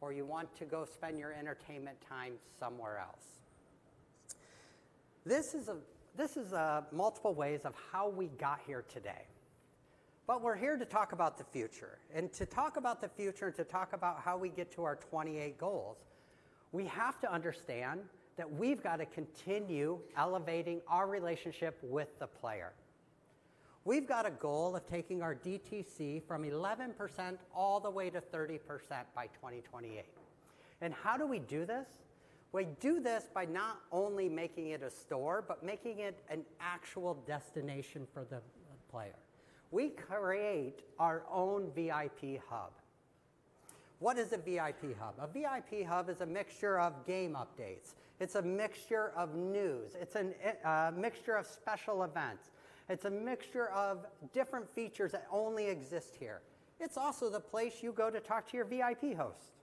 or you want to go spend your entertainment time somewhere else. This is multiple ways of how we got here today. We're here to talk about the future. To talk about the future and to talk about how we get to our 2028 goals, we have to understand that we've got to continue elevating our relationship with the player. We've got a goal of taking our DTC from 11% all the way to 30% by 2028. How do we do this? We do this by not only making it a store, but making it an actual destination for the player. We create our own VIP hub. What is a VIP hub? A VIP hub is a mixture of game updates. It's a mixture of news. It's a mixture of special events. It's a mixture of different features that only exist here. It's also the place you go to talk to your VIP host.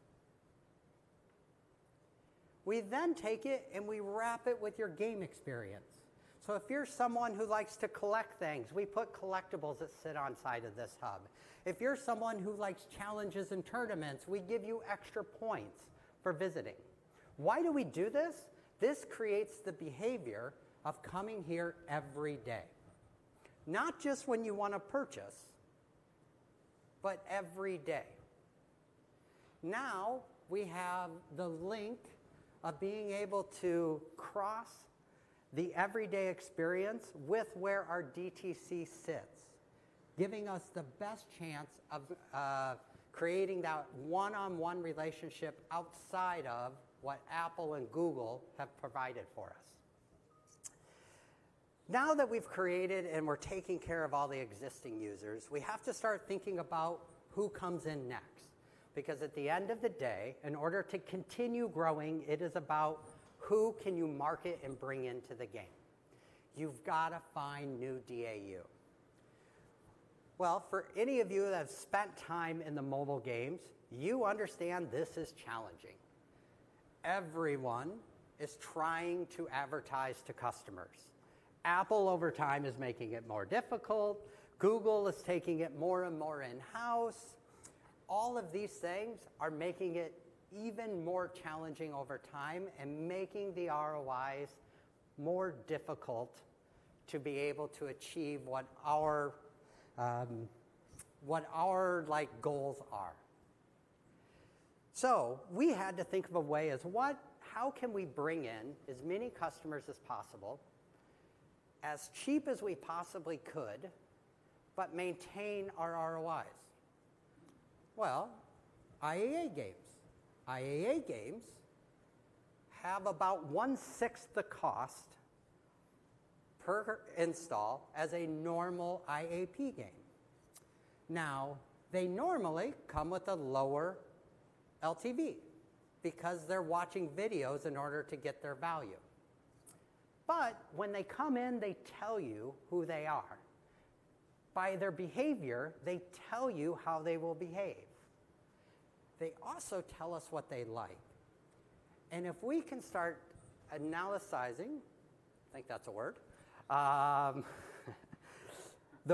We then take it and we wrap it with your game experience. If you're someone who likes to collect things, we put collectibles that sit on the side of this hub. If you're someone who likes challenges and tournaments, we give you extra points for visiting. Why do we do this? This creates the behavior of coming here every day, not just when you want to purchase, but every day. Now, we have the link of being able to cross the everyday experience with where our DTC sits, giving us the best chance of creating that one-on-one relationship outside of what Apple and Google have provided for us. Now that we've created and we're taking care of all the existing users, we have to start thinking about who comes in next. Because at the end of the day, in order to continue growing, it is about who can you market and bring into the game. You've got to find new DAU. For any of you that have spent time in the mobile games, you understand this is challenging. Everyone is trying to advertise to customers. Apple, over time, is making it more difficult. Google is taking it more and more in-house. All of these things are making it even more challenging over time and making the ROIs more difficult to be able to achieve what our goals are. We had to think of a way as how can we bring in as many customers as possible, as cheap as we possibly could, but maintain our ROIs? IAA games. IAA games have about one-sixth the cost per install as a normal IAP game. Now, they normally come with a lower LTV because they're watching videos in order to get their value. When they come in, they tell you who they are. By their behavior, they tell you how they will behave. They also tell us what they like. If we can start analyzing—I think that's a word—the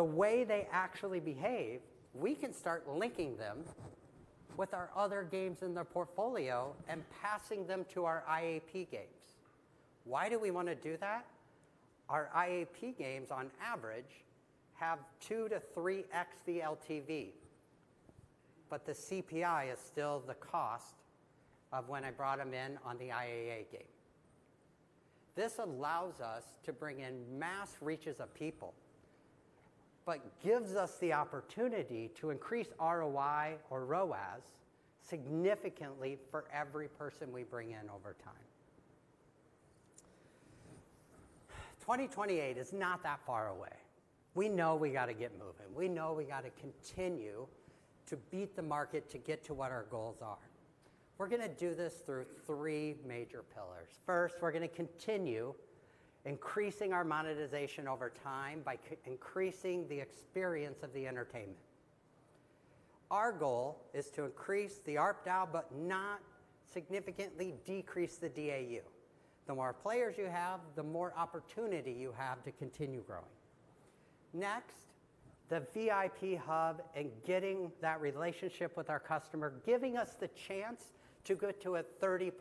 way they actually behave, we can start linking them with our other games in their portfolio and passing them to our IAP games. Why do we want to do that? Our IAP games, on average, have 2x-3x the LTV, but the CPI is still the cost of when I brought them in on the IAA game. This allows us to bring in mass reaches of people but gives us the opportunity to increase ROI or ROAS significantly for every person we bring in over time. 2028 is not that far away. We know we got to get moving. We know we got to continue to beat the market to get to what our goals are. We're going to do this through three major pillars. First, we're going to continue increasing our monetization over time by increasing the experience of the entertainment. Our goal is to increase the ARPDA, but not significantly decrease the DAU. The more players you have, the more opportunity you have to continue growing. Next, the VIP hub and getting that relationship with our customer, giving us the chance to go to a 30%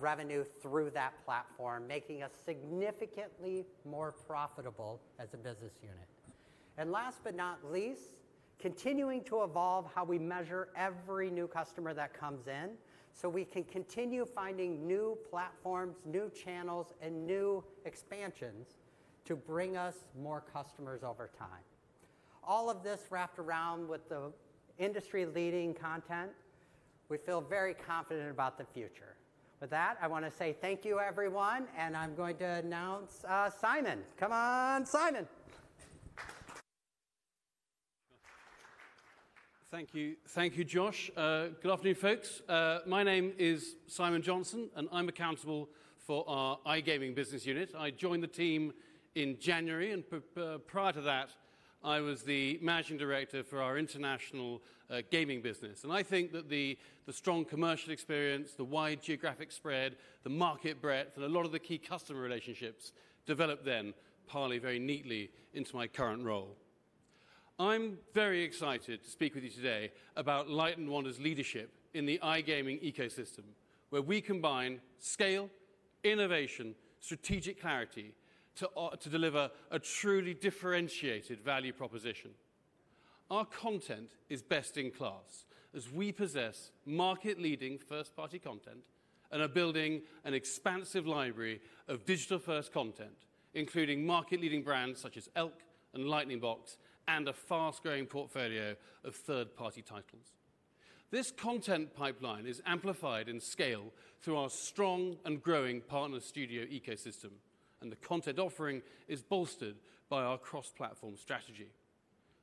revenue through that platform, making us significantly more profitable as a business unit. Last but not least, continuing to evolve how we measure every new customer that comes in so we can continue finding new platforms, new channels, and new expansions to bring us more customers over time. All of this wrapped around with the industry-leading content. We feel very confident about the future. With that, I want to say thank you, everyone, and I'm going to announce Simon. Come on, Simon. Thank you. Thank you, Josh. Good afternoon, folks. My name is Simon Johnson, and I'm accountable for our iGaming business unit. I joined the team in January, and prior to that, I was the Managing Director for our international gaming business. I think that the strong commercial experience, the wide geographic spread, the market breadth, and a lot of the key customer relationships developed then partly very neatly into my current role. I'm very excited to speak with you today about Light & Wonder's leadership in the iGaming ecosystem, where we combine scale, innovation, and strategic clarity to deliver a truly differentiated value proposition. Our content is best in class as we possess market-leading first-party content and are building an expansive library of digital-first content, including market-leading brands such as Elk and Lightning Box and a fast-growing portfolio of third-party titles. This content pipeline is amplified in scale through our strong and growing partner studio ecosystem, and the content offering is bolstered by our cross-platform strategy.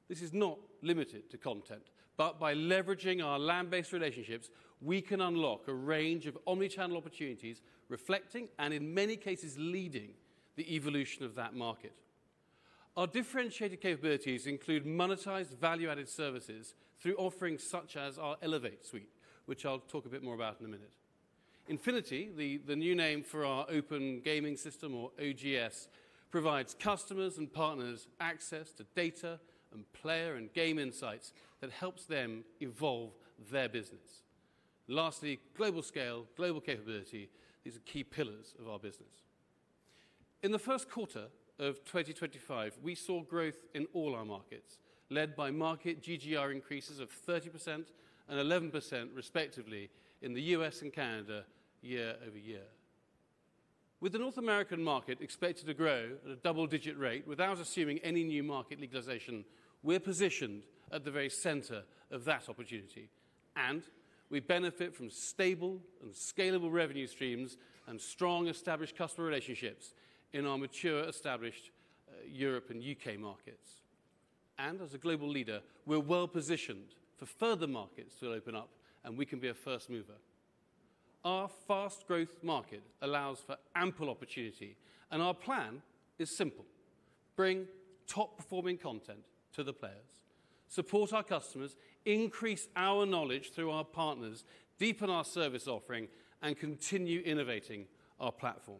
This is not limited to content, but by leveraging our land-based relationships, we can unlock a range of omnichannel opportunities, reflecting and, in many cases, leading the evolution of that market. Our differentiated capabilities include monetized value-added services through offerings such as our Elevate suite, which I'll talk a bit more about in a minute. Infinity, the new name for our open gaming system or OGS, provides customers and partners access to data and player and game insights that helps them evolve their business. Lastly, global scale, global capability—these are key pillars of our business. In the first quarter of 2025, we saw growth in all our markets, led by market GGR increases of 30% and 11%, respectively, in the U.S. and Canada year over year. With the North American market expected to grow at a double-digit rate without assuming any new market legalization, we're positioned at the very center of that opportunity, and we benefit from stable and scalable revenue streams and strong established customer relationships in our mature established Europe and U.K. markets. As a global leader, we're well positioned for further markets to open up, and we can be a first mover. Our fast-growth market allows for ample opportunity, and our plan is simple: bring top-performing content to the players, support our customers, increase our knowledge through our partners, deepen our service offering, and continue innovating our platform.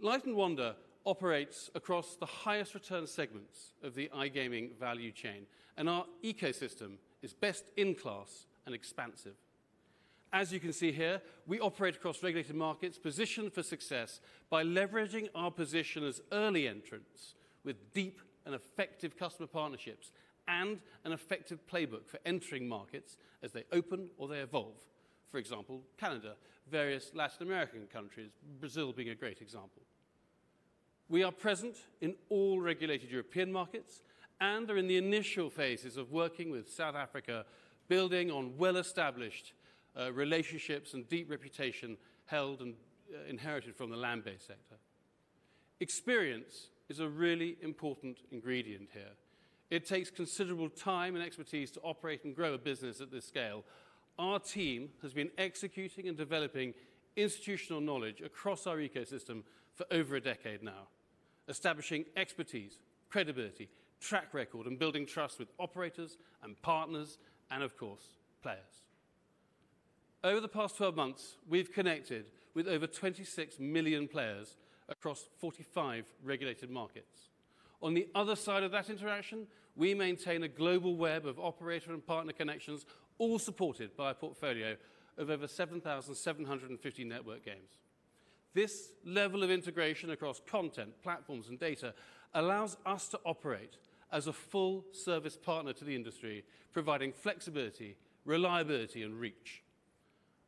Light & Wonder operates across the highest return segments of the iGaming value chain, and our ecosystem is best in class and expansive. As you can see here, we operate across regulated markets, positioned for success by leveraging our position as early entrants with deep and effective customer partnerships and an effective playbook for entering markets as they open or they evolve, for example, Canada, various Latin American countries, Brazil being a great example. We are present in all regulated European markets and are in the initial phases of working with South Africa, building on well-established relationships and deep reputation held and inherited from the land-based sector. Experience is a really important ingredient here. It takes considerable time and expertise to operate and grow a business at this scale. Our team has been executing and developing institutional knowledge across our ecosystem for over a decade now, establishing expertise, credibility, track record, and building trust with operators and partners and, of course, players. Over the past 12 months, we've connected with over 26 million players across 45 regulated markets. On the other side of that interaction, we maintain a global web of operator and partner connections, all supported by a portfolio of over 7,750 network games. This level of integration across content, platforms, and data allows us to operate as a full-service partner to the industry, providing flexibility, reliability, and reach.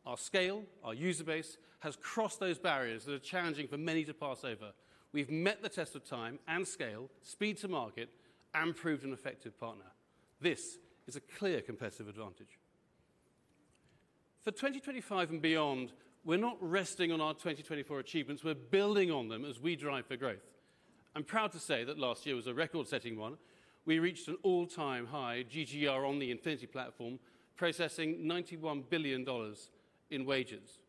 Our scale, our user base, has crossed those barriers that are challenging for many to pass over. We've met the test of time and scale, speed to market, and proved an effective partner. This is a clear competitive advantage. For 2025 and beyond, we're not resting on our 2024 achievements. We're building on them as we drive for growth. I'm proud to say that last year was a record-setting one. We reached an all-time high GGR on the Infinity platform, processing $91 billion in wagers.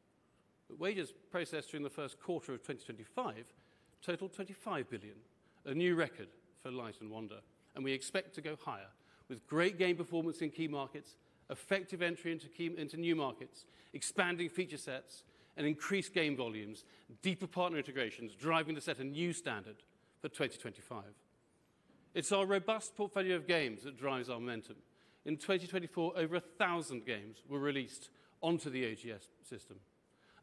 Wagers processed during the first quarter of 2025 totaled $25 billion, a new record for Light & Wonder, and we expect to go higher with great game performance in key markets, effective entry into new markets, expanding feature sets, and increased game volumes, deeper partner integrations, driving to set a new standard for 2025. It's our robust portfolio of games that drives our momentum. In 2024, over 1,000 games were released onto the OGS system,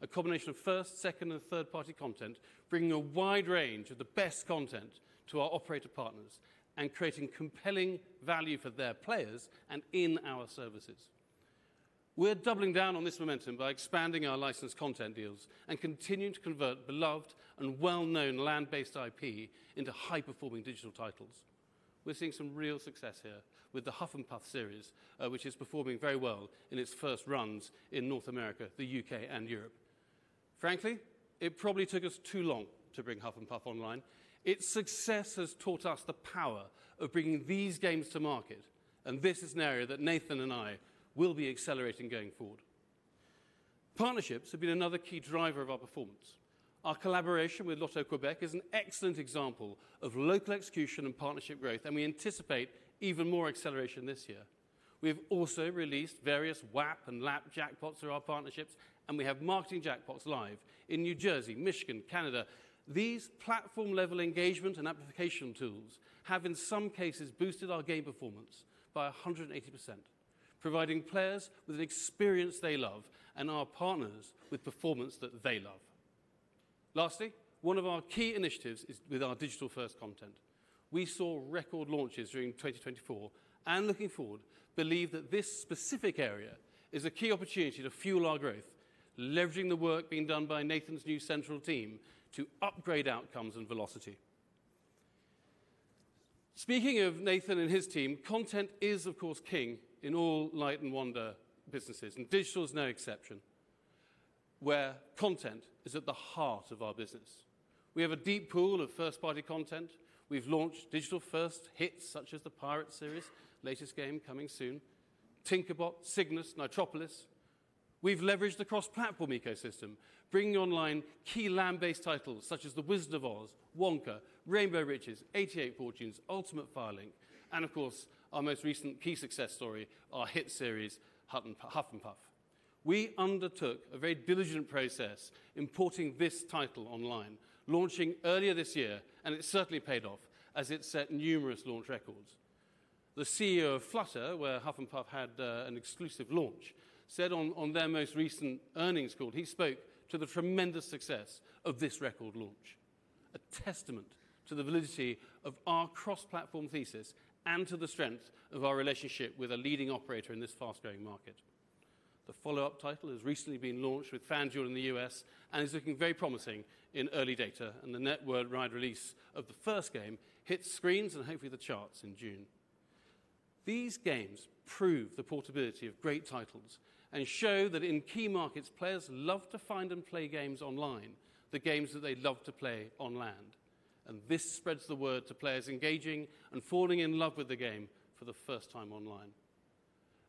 a combination of first, second, and third-party content, bringing a wide range of the best content to our operator partners and creating compelling value for their players and in our services. We're doubling down on this momentum by expanding our licensed content deals and continuing to convert beloved and well-known land-based IP into high-performing digital titles. We're seeing some real success here with the Huff N'Puff series, which is performing very well in its first runs in North America, the U.K., and Europe. Frankly, it probably took us too long to bring Huff N'Puff online. Its success has taught us the power of bringing these games to market, and this is an area that Nathan and I will be accelerating going forward. Partnerships have been another key driver of our performance. Our collaboration with Loto-Québec is an excellent example of local execution and partnership growth, and we anticipate even more acceleration this year. We have also released various WAP and LAP jackpots through our partnerships, and we have marketing jackpots live in New Jersey, Michigan, Canada. These platform-level engagement and application tools have, in some cases, boosted our game performance by 180%, providing players with an experience they love and our partners with performance that they love. Lastly, one of our key initiatives is with our digital-first content. We saw record launches during 2024 and, looking forward, believe that this specific area is a key opportunity to fuel our growth, leveraging the work being done by Nathan's new central team to upgrade outcomes and velocity. Speaking of Nathan and his team, content is, of course, king in all Light & Wonder businesses, and digital is no exception, where content is at the heart of our business. We have a deep pool of first-party content. We've launched digital-first hits such as the Pirate series, latest game coming soon, Tinkerbot, Cygnus, Nitropolis. We've leveraged the cross-platform ecosystem, bringing online key land-based titles such as The Wizard of Oz, Wonka, Rainbow Riches, 88 Fortunes, Ultimate Fire link, and, of course, our most recent key success story, our hit series, Huff N'Puff. We undertook a very diligent process importing this title online, launching earlier this year, and it certainly paid off as it set numerous launch records. The CEO of Flutter, where Huff N'Puff had an exclusive launch, said on their most recent earnings call, he spoke to the tremendous success of this record launch, a testament to the validity of our cross-platform thesis and to the strength of our relationship with a leading operator in this fast-growing market. The follow-up title has recently been launched with fans in the U.S. and is looking very promising in early data, and the net worldwide release of the first game hits screens and hopefully the charts in June. These games prove the portability of great titles and show that in key markets, players love to find and play games online, the games that they love to play on LAN, and this spreads the word to players engaging and falling in love with the game for the first time online.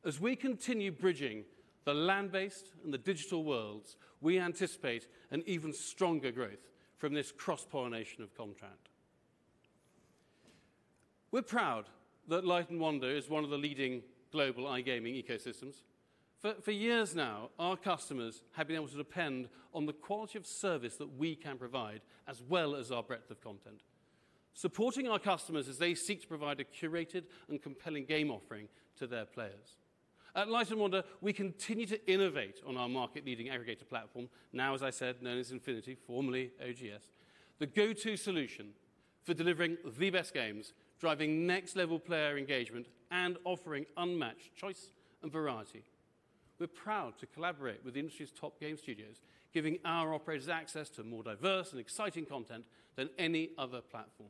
As we continue bridging the land-based and the digital worlds, we anticipate an even stronger growth from this cross-pollination of content. We're proud that Light & Wonder is one of the leading global iGaming ecosystems. For years now, our customers have been able to depend on the quality of service that we can provide, as well as our breadth of content, supporting our customers as they seek to provide a curated and compelling game offering to their players. At Light & Wonder, we continue to innovate on our market-leading aggregator platform, now, as I said, known as Infinity, formerly OGS, the go-to solution for delivering the best games, driving next-level player engagement, and offering unmatched choice and variety. We're proud to collaborate with the industry's top game studios, giving our operators access to more diverse and exciting content than any other platform,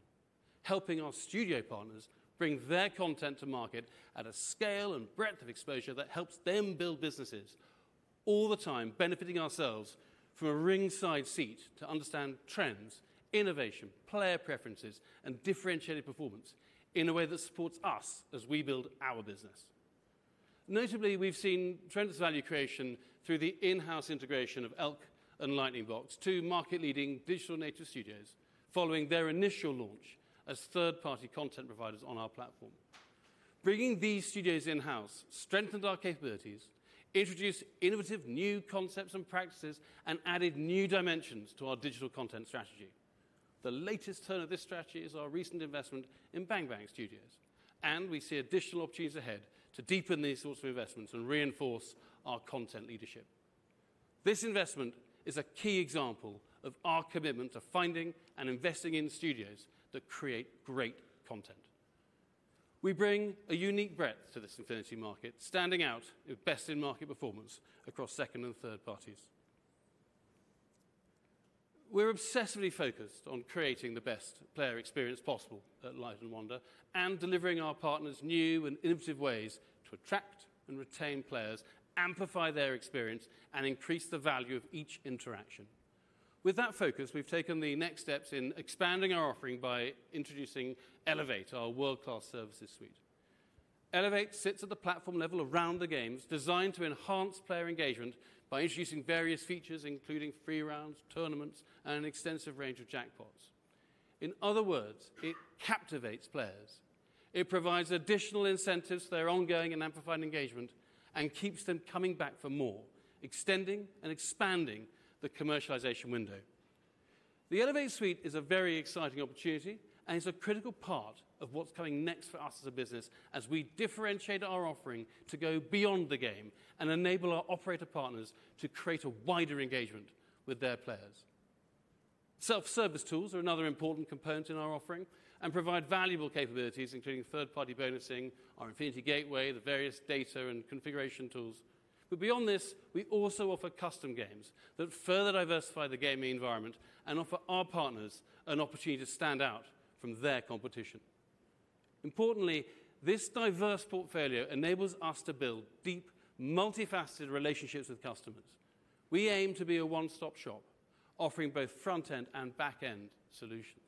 helping our studio partners bring their content to market at a scale and breadth of exposure that helps them build businesses all the time, benefiting ourselves from a ringside seat to understand trends, innovation, player preferences, and differentiated performance in a way that supports us as we build our business. Notably, we've seen tremendous value creation through the in-house integration of Elk and Lightning Box to market-leading digital native studios, following their initial launch as third-party content providers on our platform. Bringing these studios in-house strengthened our capabilities, introduced innovative new concepts and practices, and added new dimensions to our digital content strategy. The latest turn of this strategy is our recent investment in Bang Bang Studios, and we see additional opportunities ahead to deepen these sorts of investments and reinforce our content leadership. This investment is a key example of our commitment to finding and investing in studios that create great content. We bring a unique breadth to this Infinity market, standing out with best-in-market performance across second and third parties. We're obsessively focused on creating the best player experience possible at Light & Wonder and delivering our partners new and innovative ways to attract and retain players, amplify their experience, and increase the value of each interaction. With that focus, we've taken the next steps in expanding our offering by introducing Elevate, our world-class services suite. Elevate sits at the platform level around the games, designed to enhance player engagement by introducing various features, including free rounds, tournaments, and an extensive range of jackpots. In other words, it captivates players. It provides additional incentives to their ongoing and amplified engagement and keeps them coming back for more, extending and expanding the commercialization window. The Elevate suite is a very exciting opportunity and is a critical part of what's coming next for us as a business as we differentiate our offering to go beyond the game and enable our operator partners to create a wider engagement with their players. Self-service tools are another important component in our offering and provide valuable capabilities, including third-party bonusing, our Infinity Gateway, the various data and configuration tools. Beyond this, we also offer custom games that further diversify the gaming environment and offer our partners an opportunity to stand out from their competition. Importantly, this diverse portfolio enables us to build deep, multifaceted relationships with customers. We aim to be a one-stop shop, offering both front-end and back-end solutions.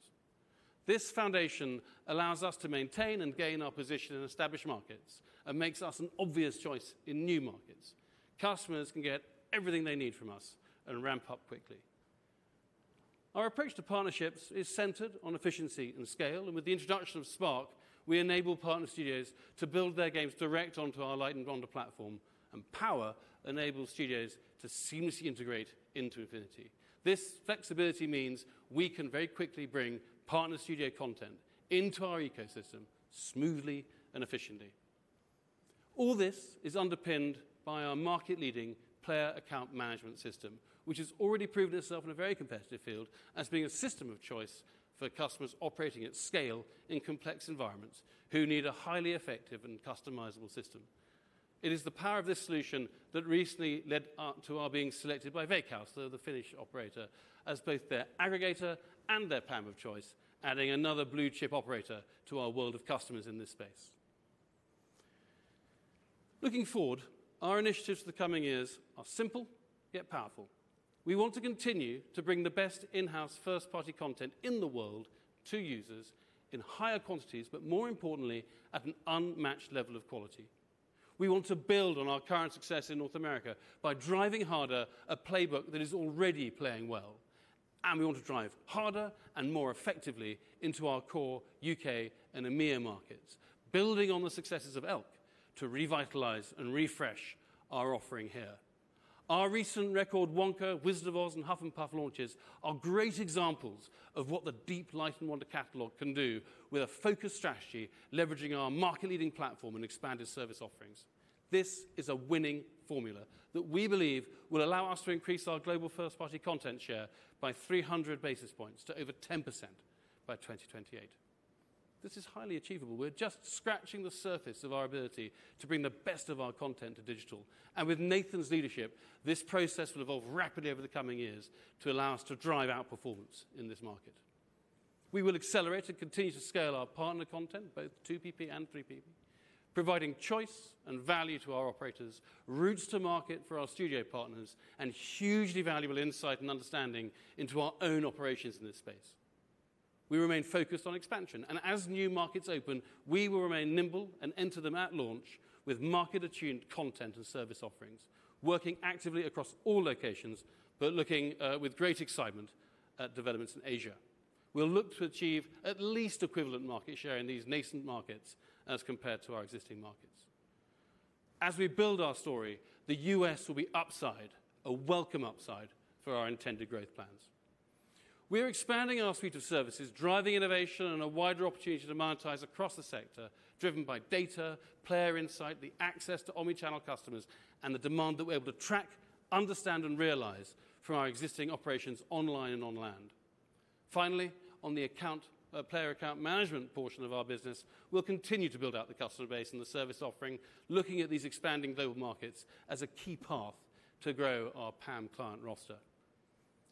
This foundation allows us to maintain and gain our position in established markets and makes us an obvious choice in new markets. Customers can get everything they need from us and ramp up quickly. Our approach to partnerships is centered on efficiency and scale, and with the introduction of Spark, we enable partner studios to build their games direct onto our Light & Wonder platform, and Power enables studios to seamlessly integrate into Infinity. This flexibility means we can very quickly bring partner studio content into our ecosystem smoothly and efficiently. All this is underpinned by our market-leading player account management system, which has already proven itself in a very competitive field as being a system of choice for customers operating at scale in complex environments who need a highly effective and customizable system. It is the power of this solution that recently led to our being selected by Veikkaus, the Finnish operator, as both their aggregator and their PAM of choice, adding another blue chip operator to our world of customers in this space. Looking forward, our initiatives for the coming years are simple yet powerful. We want to continue to bring the best in-house first-party content in the world to users in higher quantities, but more importantly, at an unmatched level of quality. We want to build on our current success in North America by driving harder a playbook that is already playing well, and we want to drive harder and more effectively into our core U.K. and EMEA markets, building on the successes of Elk to revitalize and refresh our offering here. Our recent record, Wonka, Wizard of Oz, and Huff N'Puff launches are great examples of what the deep Light & Wonder catalog can do with a focused strategy, leveraging our market-leading platform and expanded service offerings. This is a winning formula that we believe will allow us to increase our global first-party content share by 300 basis points to over 10% by 2028. This is highly achievable. We're just scratching the surface of our ability to bring the best of our content to digital, and with Nathan's leadership, this process will evolve rapidly over the coming years to allow us to drive out performance in this market. We will accelerate and continue to scale our partner content, both 2PP and 3PP, providing choice and value to our operators, routes to market for our studio partners, and hugely valuable insight and understanding into our own operations in this space. We remain focused on expansion, and as new markets open, we will remain nimble and enter them at launch with market-attuned content and service offerings, working actively across all locations, but looking with great excitement at developments in Asia. We'll look to achieve at least equivalent market share in these nascent markets as compared to our existing markets. As we build our story, the U.S. will be upside, a welcome upside for our intended growth plans. We are expanding our suite of services, driving innovation and a wider opportunity to monetize across the sector, driven by data, player insight, the access to omnichannel customers, and the demand that we're able to track, understand, and realize from our existing operations online and on land. Finally, on the player account management portion of our business, we'll continue to build out the customer base and the service offering, looking at these expanding global markets as a key path to grow our PAM client roster.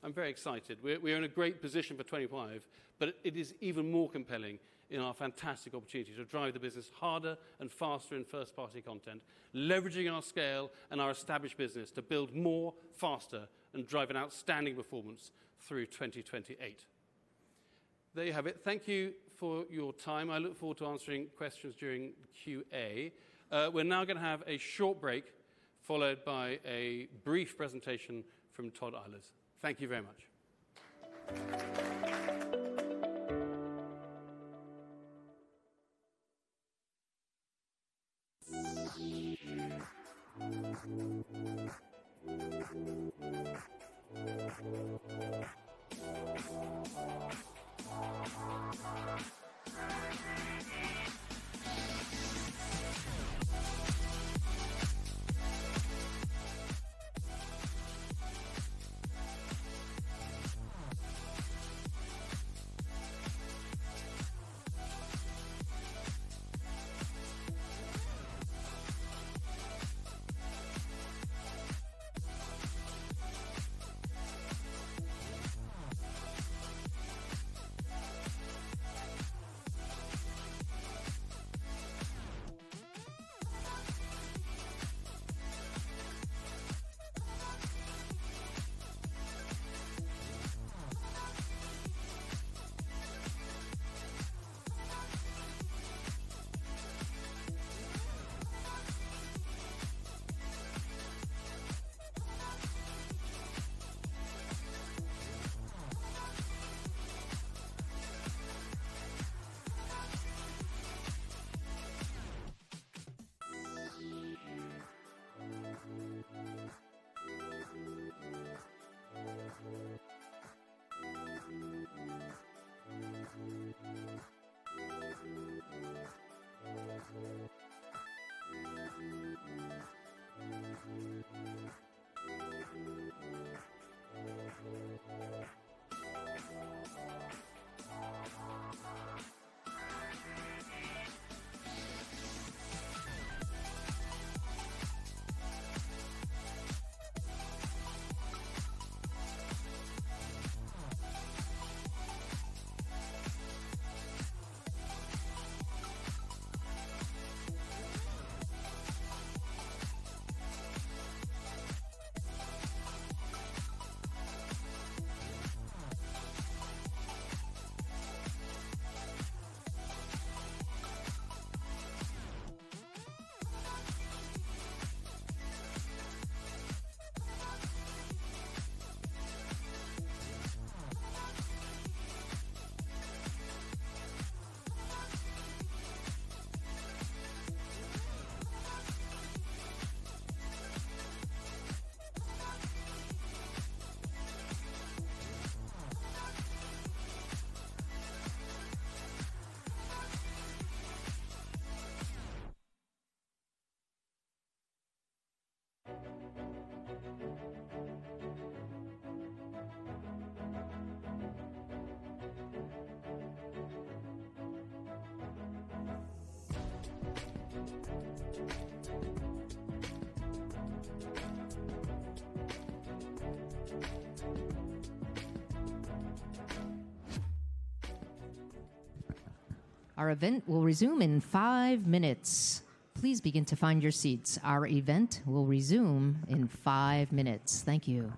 I'm very excited. We are in a great position for 2025, but it is even more compelling in our fantastic opportunity to drive the business harder and faster in first-party content, leveraging our scale and our established business to build more, faster, and drive an outstanding performance through 2028. There you have it. Thank you for your time. I look forward to answering questions during Q&A. We're now going to have a short break followed by a brief presentation from Todd Eilers. Thank you very much. Our event will resume in five minutes. Please begin to find your seats. Our event will resume in five minutes. Thank you.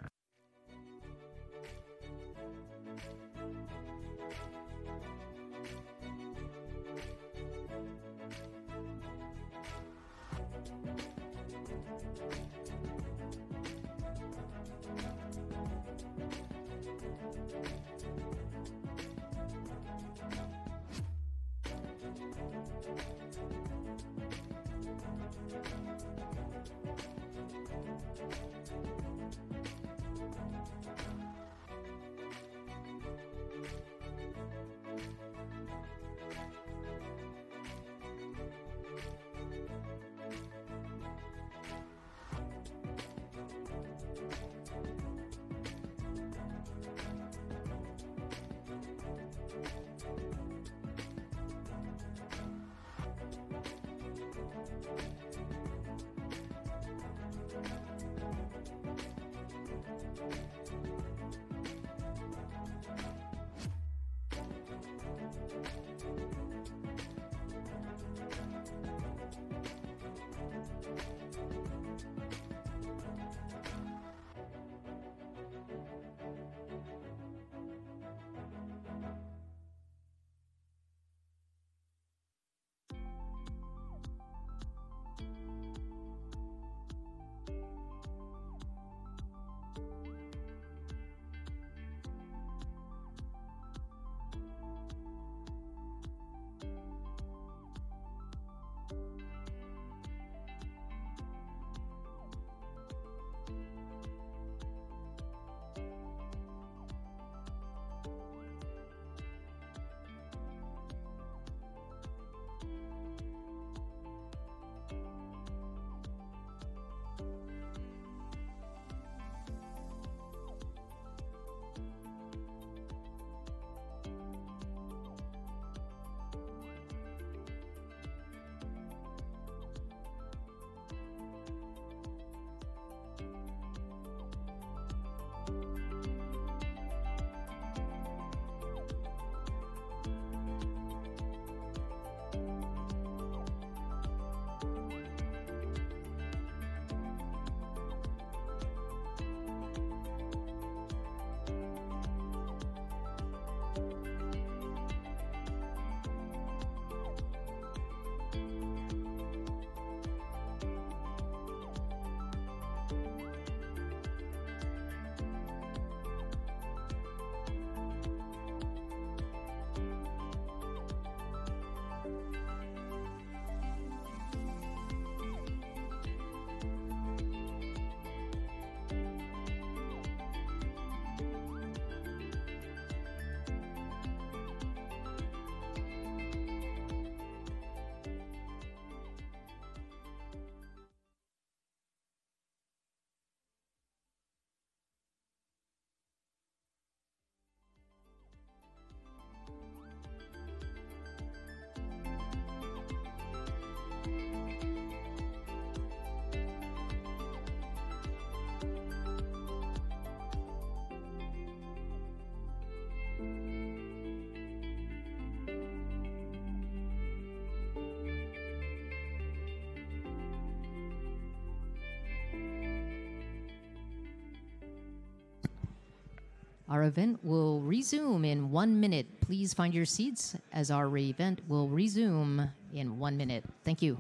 Our event will resume in one minute. Please find your seats as our event will resume in one minute. Thank you.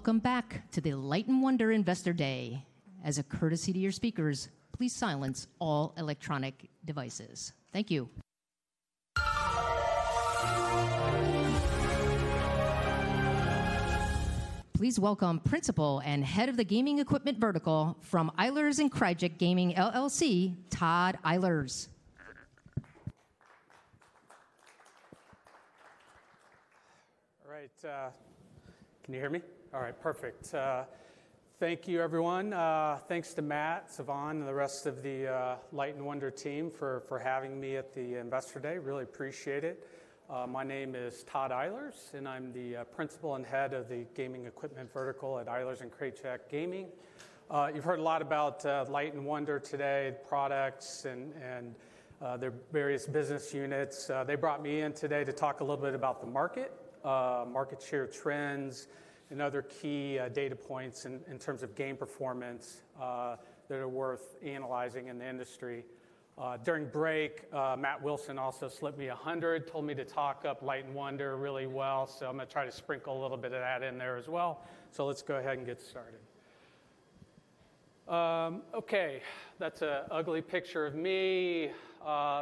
Welcome back to the Light & Wonder Investor Day. As a courtesy to your speakers, please silence all electronic devices. Thank you. Please welcome Principal and Head of the Gaming Equipment Vertical from Eilers & Krejcik Gaming, Todd Eilers. All right. Can you hear me? All right. Perfect. Thank you, everyone. Thanks to Matt, Savan, and the rest of the Light & Wonder team for having me at the Investor Day. Really appreciate it. My name is Todd Eilers, and I'm the Principal and Head of the Gaming Equipment Vertical at Eilers & Krejcik Gaming. You've heard a lot about Light & Wonder today, the products and their various business units. They brought me in today to talk a little bit about the market, market share trends, and other key data points in terms of game performance that are worth analyzing in the industry. During break, Matt Wilson also slipped me a hundred, told me to talk up Light & Wonder really well, so I'm going to try to sprinkle a little bit of that in there as well. Let's go ahead and get started. Okay. That's an ugly picture of me.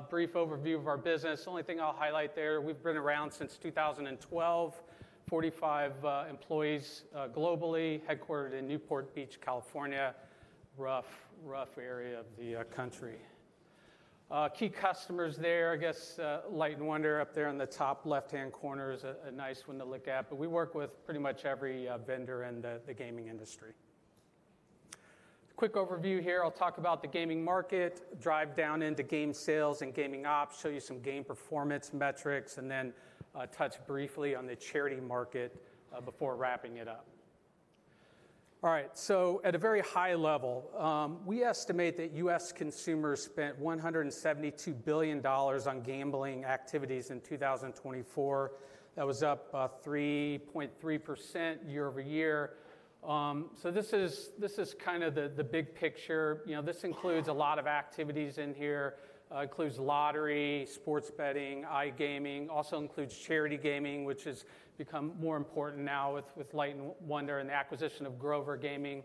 Brief overview of our business. The only thing I'll highlight there, we've been around since 2012, 45 employees globally, headquartered in Newport Beach, California, rough, rough area of the country. Key customers there, I guess Light & Wonder up there in the top left-hand corner is a nice one to look at, but we work with pretty much every vendor in the gaming industry. Quick overview here. I'll talk about the gaming market, drive down into game sales and gaming ops, show you some game performance metrics, and then touch briefly on the charity market before wrapping it up. All right. At a very high level, we estimate that U.S. consumers spent $172 billion on gambling activities in 2024. That was up 3.3% year over year. This is kind of the big picture. This includes a lot of activities in here, includes lottery, sports betting, iGaming, also includes charity gaming, which has become more important now with Light & Wonder and the acquisition of Grover Gaming.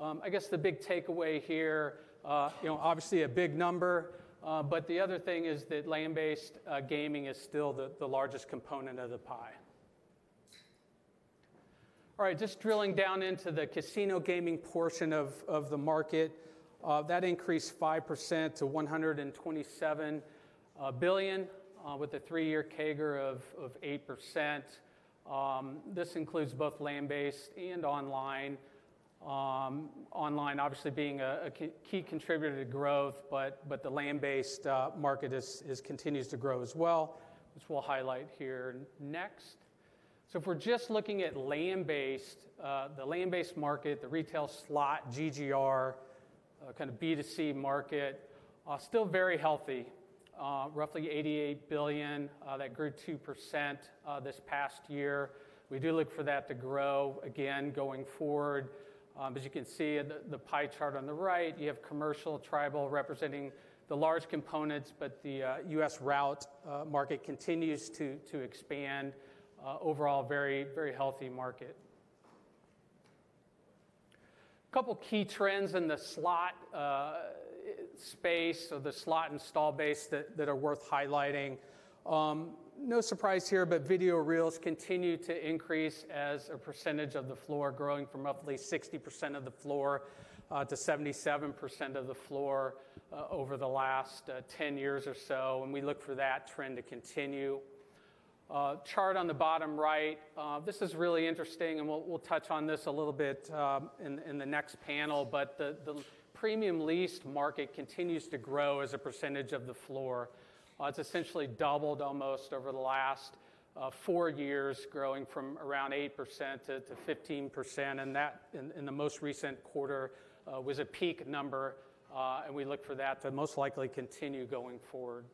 I guess the big takeaway here, obviously a big number, but the other thing is that land-based gaming is still the largest component of the pie. All right. Just drilling down into the casino gaming portion of the market, that increased 5% to $127 billion with a three-year CAGR of 8%. This includes both land-based and online. Online, obviously, being a key contributor to growth, but the land-based market continues to grow as well, which we'll highlight here next. If we're just looking at land-based, the land-based market, the retail slot, GGR, kind of B2C market, still very healthy, roughly $88 billion. That grew 2% this past year. We do look for that to grow again going forward. As you can see in the pie chart on the right, you have commercial, tribal representing the large components, but the US route market continues to expand. Overall, very, very healthy market. A couple of key trends in the slot space or the slot and stall base that are worth highlighting. No surprise here, but video reels continue to increase as a percentage of the floor, growing from roughly 60% of the floor to 77% of the floor over the last 10 years or so. We look for that trend to continue. Chart on the bottom right, this is really interesting, and we'll touch on this a little bit in the next panel, but the premium leased market continues to grow as a percentage of the floor. It's essentially doubled almost over the last four years, growing from around 8% to 15%. That in the most recent quarter was a peak number, and we look for that to most likely continue going forward.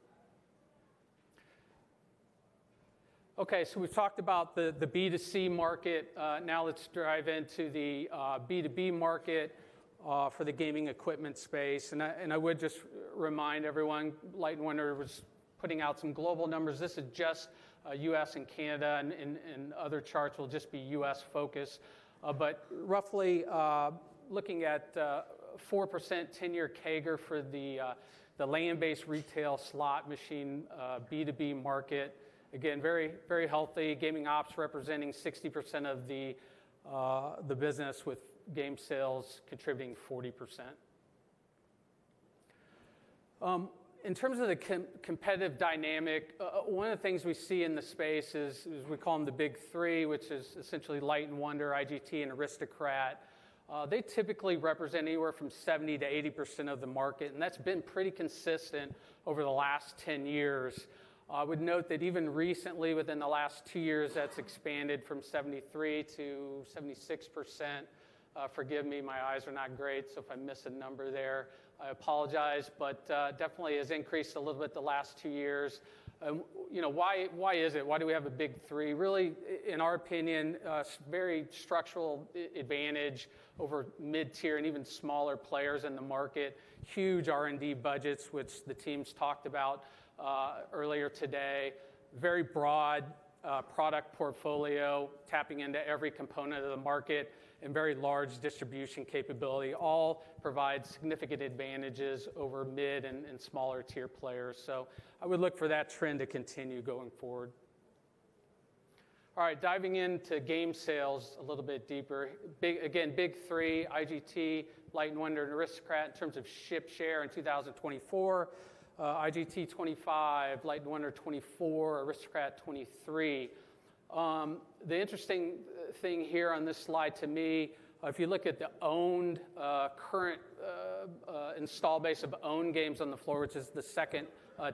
Okay. We've talked about the B2C market. Now let's drive into the B2B market for the gaming equipment space. I would just remind everyone, Light & Wonder was putting out some global numbers. This is just U.S. and Canada, and other charts will just be U.S. focused. Roughly looking at 4% 10-year CAGR for the land-based retail slot machine B2B market, again, very, very healthy. Gaming ops representing 60% of the business with game sales contributing 40%. In terms of the competitive dynamic, one of the things we see in the space is we call them the big three, which is essentially Light & Wonder, IGT, and Aristocrat. They typically represent anywhere from 70%-80% of the market, and that's been pretty consistent over the last 10 years. I would note that even recently, within the last two years, that's expanded from 73%-76%. Forgive me, my eyes are not great, so if I miss a number there, I apologize, but definitely has increased a little bit the last two years. Why is it? Why do we have a big three? Really, in our opinion, very structural advantage over mid-tier and even smaller players in the market. Huge R&D budgets, which the teams talked about earlier today. Very broad product portfolio tapping into every component of the market and very large distribution capability. All provide significant advantages over mid and smaller tier players. I would look for that trend to continue going forward. All right. Diving into game sales a little bit deeper. Again, big three, IGT, Light & Wonder, and Aristocrat in terms of ship share in 2024. IGT 25, Light & Wonder 24, Aristocrat 23. The interesting thing here on this slide to me, if you look at the owned current install base of owned games on the floor, which is the second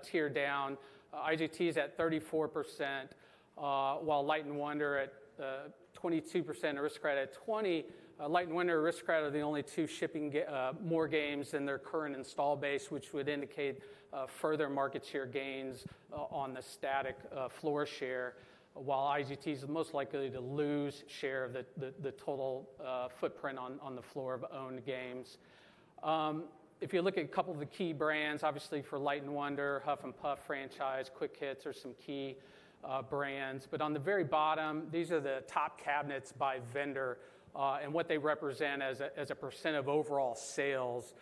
tier down, IGT is at 34%, while Light & Wonder at 22%, Aristocrat at 20%. Light & Wonder and Aristocrat are the only two shipping more games than their current install base, which would indicate further market share gains on the static floor share, while IGT is most likely to lose share of the total footprint on the floor of owned games. If you look at a couple of the key brands, obviously for Light & Wonder, Huff N'Puff franchise, Quick Hits are some key brands. On the very bottom, these are the top cabinets by vendor and what they represent as a % of overall sales.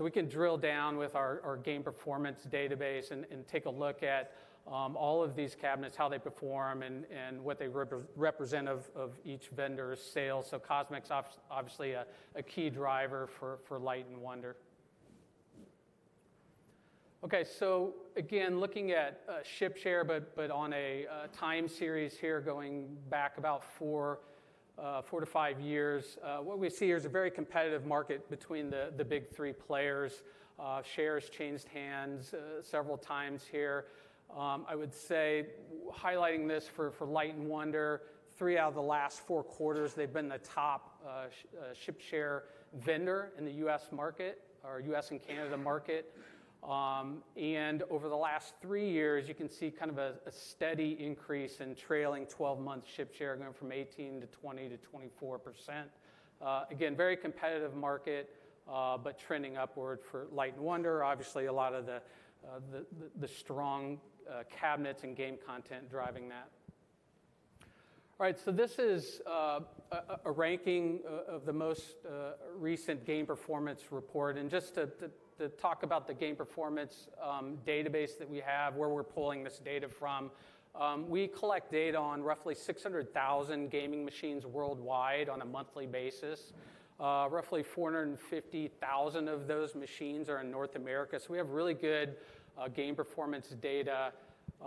We can drill down with our game performance database and take a look at all of these cabinets, how they perform and what they represent of each vendor's sales. Cosmix is obviously a key driver for Light & Wonder. Okay. Again, looking at ship share, but on a time series here going back about four to five years, what we see here is a very competitive market between the big three players. Shares changed hands several times here. I would say highlighting this for Light & Wonder, three out of the last four quarters, they've been the top ship share vendor in the U.S. market or U.S. and Canada market. Over the last three years, you can see kind of a steady increase in trailing 12-month ship share going from 18%-20%-24%. Again, very competitive market, but trending upward for Light & Wonder. Obviously, a lot of the strong cabinets and game content driving that. All right. This is a ranking of the most recent game performance report. Just to talk about the game performance database that we have, where we're pulling this data from, we collect data on roughly 600,000 gaming machines worldwide on a monthly basis. Roughly 450,000 of those machines are in North America. We have really good game performance data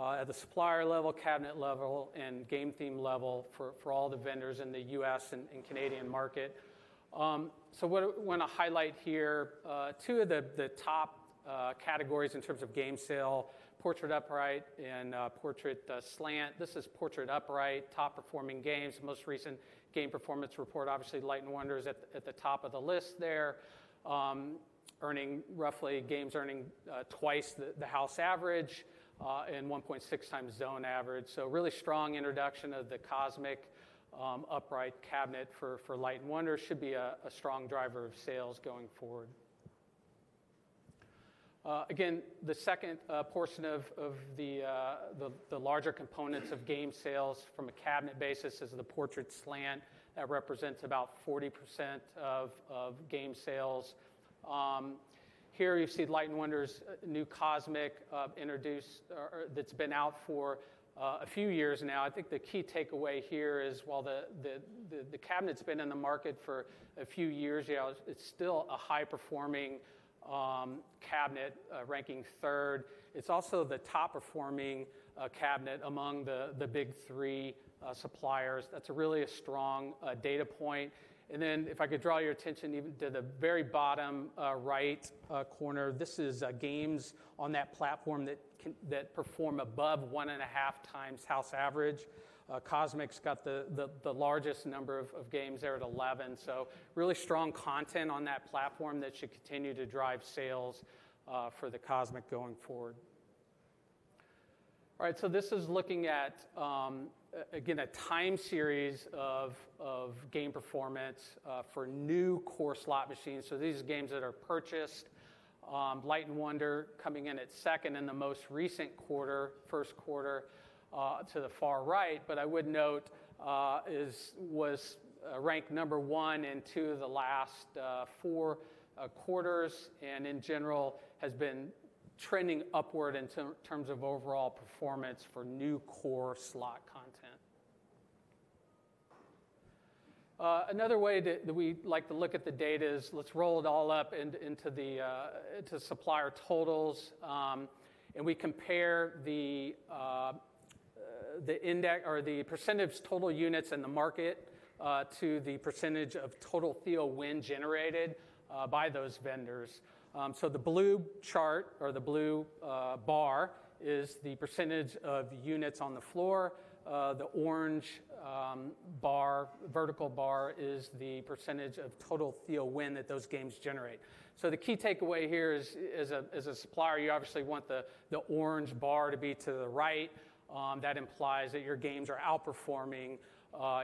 at the supplier level, cabinet level, and game theme level for all the vendors in the U.S. and Canadian market. What I want to highlight here, two of the top categories in terms of game sale, Portrait Upright and Portrait Slant. This is Portrait Upright, top performing games. Most recent game performance report, obviously Light & Wonder is at the top of the list there, earning roughly games earning twice the house average and 1.6 times zone average. Really strong introduction of the COSMIC Upright cabinet for Light & Wonder should be a strong driver of sales going forward. Again, the second portion of the larger components of game sales from a cabinet basis is the Portrait Slant that represents about 40% of game sales. Here you see Light & Wonder's new Cosmic introduced that's been out for a few years now. I think the key takeaway here is while the cabinet's been in the market for a few years, it's still a high-performing cabinet ranking third. It's also the top performing cabinet among the big three suppliers. That's really a strong data point. If I could draw your attention to the very bottom right corner, this is games on that platform that perform above one and a half times house average. Cosmic's got the largest number of games there at 11. Really strong content on that platform that should continue to drive sales for the Cosmic going forward. All right. This is looking at, again, a time series of game performance for new core slot machines. These are games that are purchased. Light & Wonder coming in at second in the most recent quarter, first quarter to the far right. I would note was ranked number one in two of the last four quarters and in general has been trending upward in terms of overall performance for new core slot content. Another way that we like to look at the data is let's roll it all up into supplier totals. We compare the % total units in the market to the % of total theo win generated by those vendors. The blue chart or the blue bar is the % of units on the floor. The orange vertical bar is the % of total theo win that those games generate. The key takeaway here is as a supplier, you obviously want the orange bar to be to the right. That implies that your games are outperforming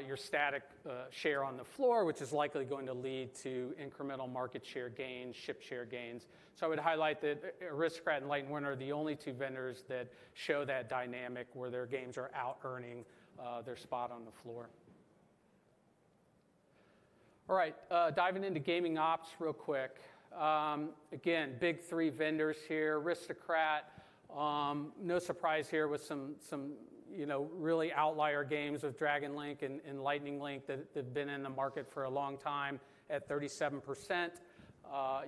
your static share on the floor, which is likely going to lead to incremental market share gains, ship share gains. I would highlight that Aristocrat and Light & Wonder are the only two vendors that show that dynamic where their games are out earning their spot on the floor. All right. Diving into gaming ops real quick. Again, big three vendors here. Aristocrat, no surprise here with some really outlier games of Dragon Link and Lightning Link that have been in the market for a long time at 37%.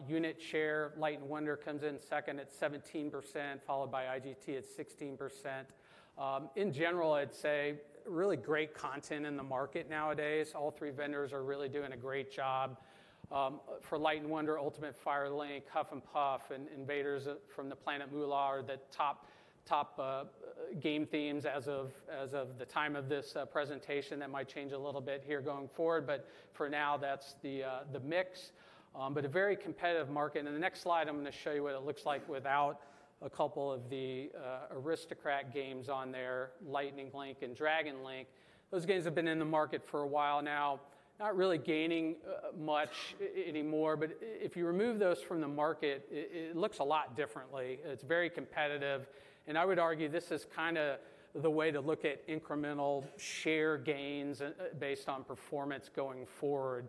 Unit share, Light & Wonder comes in second at 17%, followed by IGT at 16%. In general, I'd say really great content in the market nowadays. All three vendors are really doing a great job. For Light & Wonder, Ultimate Fire Link, Huff N'Puff, and Invaders from the Planet Moolah are the top game themes as of the time of this presentation. That might change a little bit here going forward, but for now, that's the mix. It is a very competitive market. The next slide, I'm going to show you what it looks like without a couple of the Aristocrat games on there, Lightning Link and Dragon Link. Those games have been in the market for a while now, not really gaining much anymore. If you remove those from the market, it looks a lot different. It is very competitive. I would argue this is kind of the way to look at incremental share gains based on performance going forward.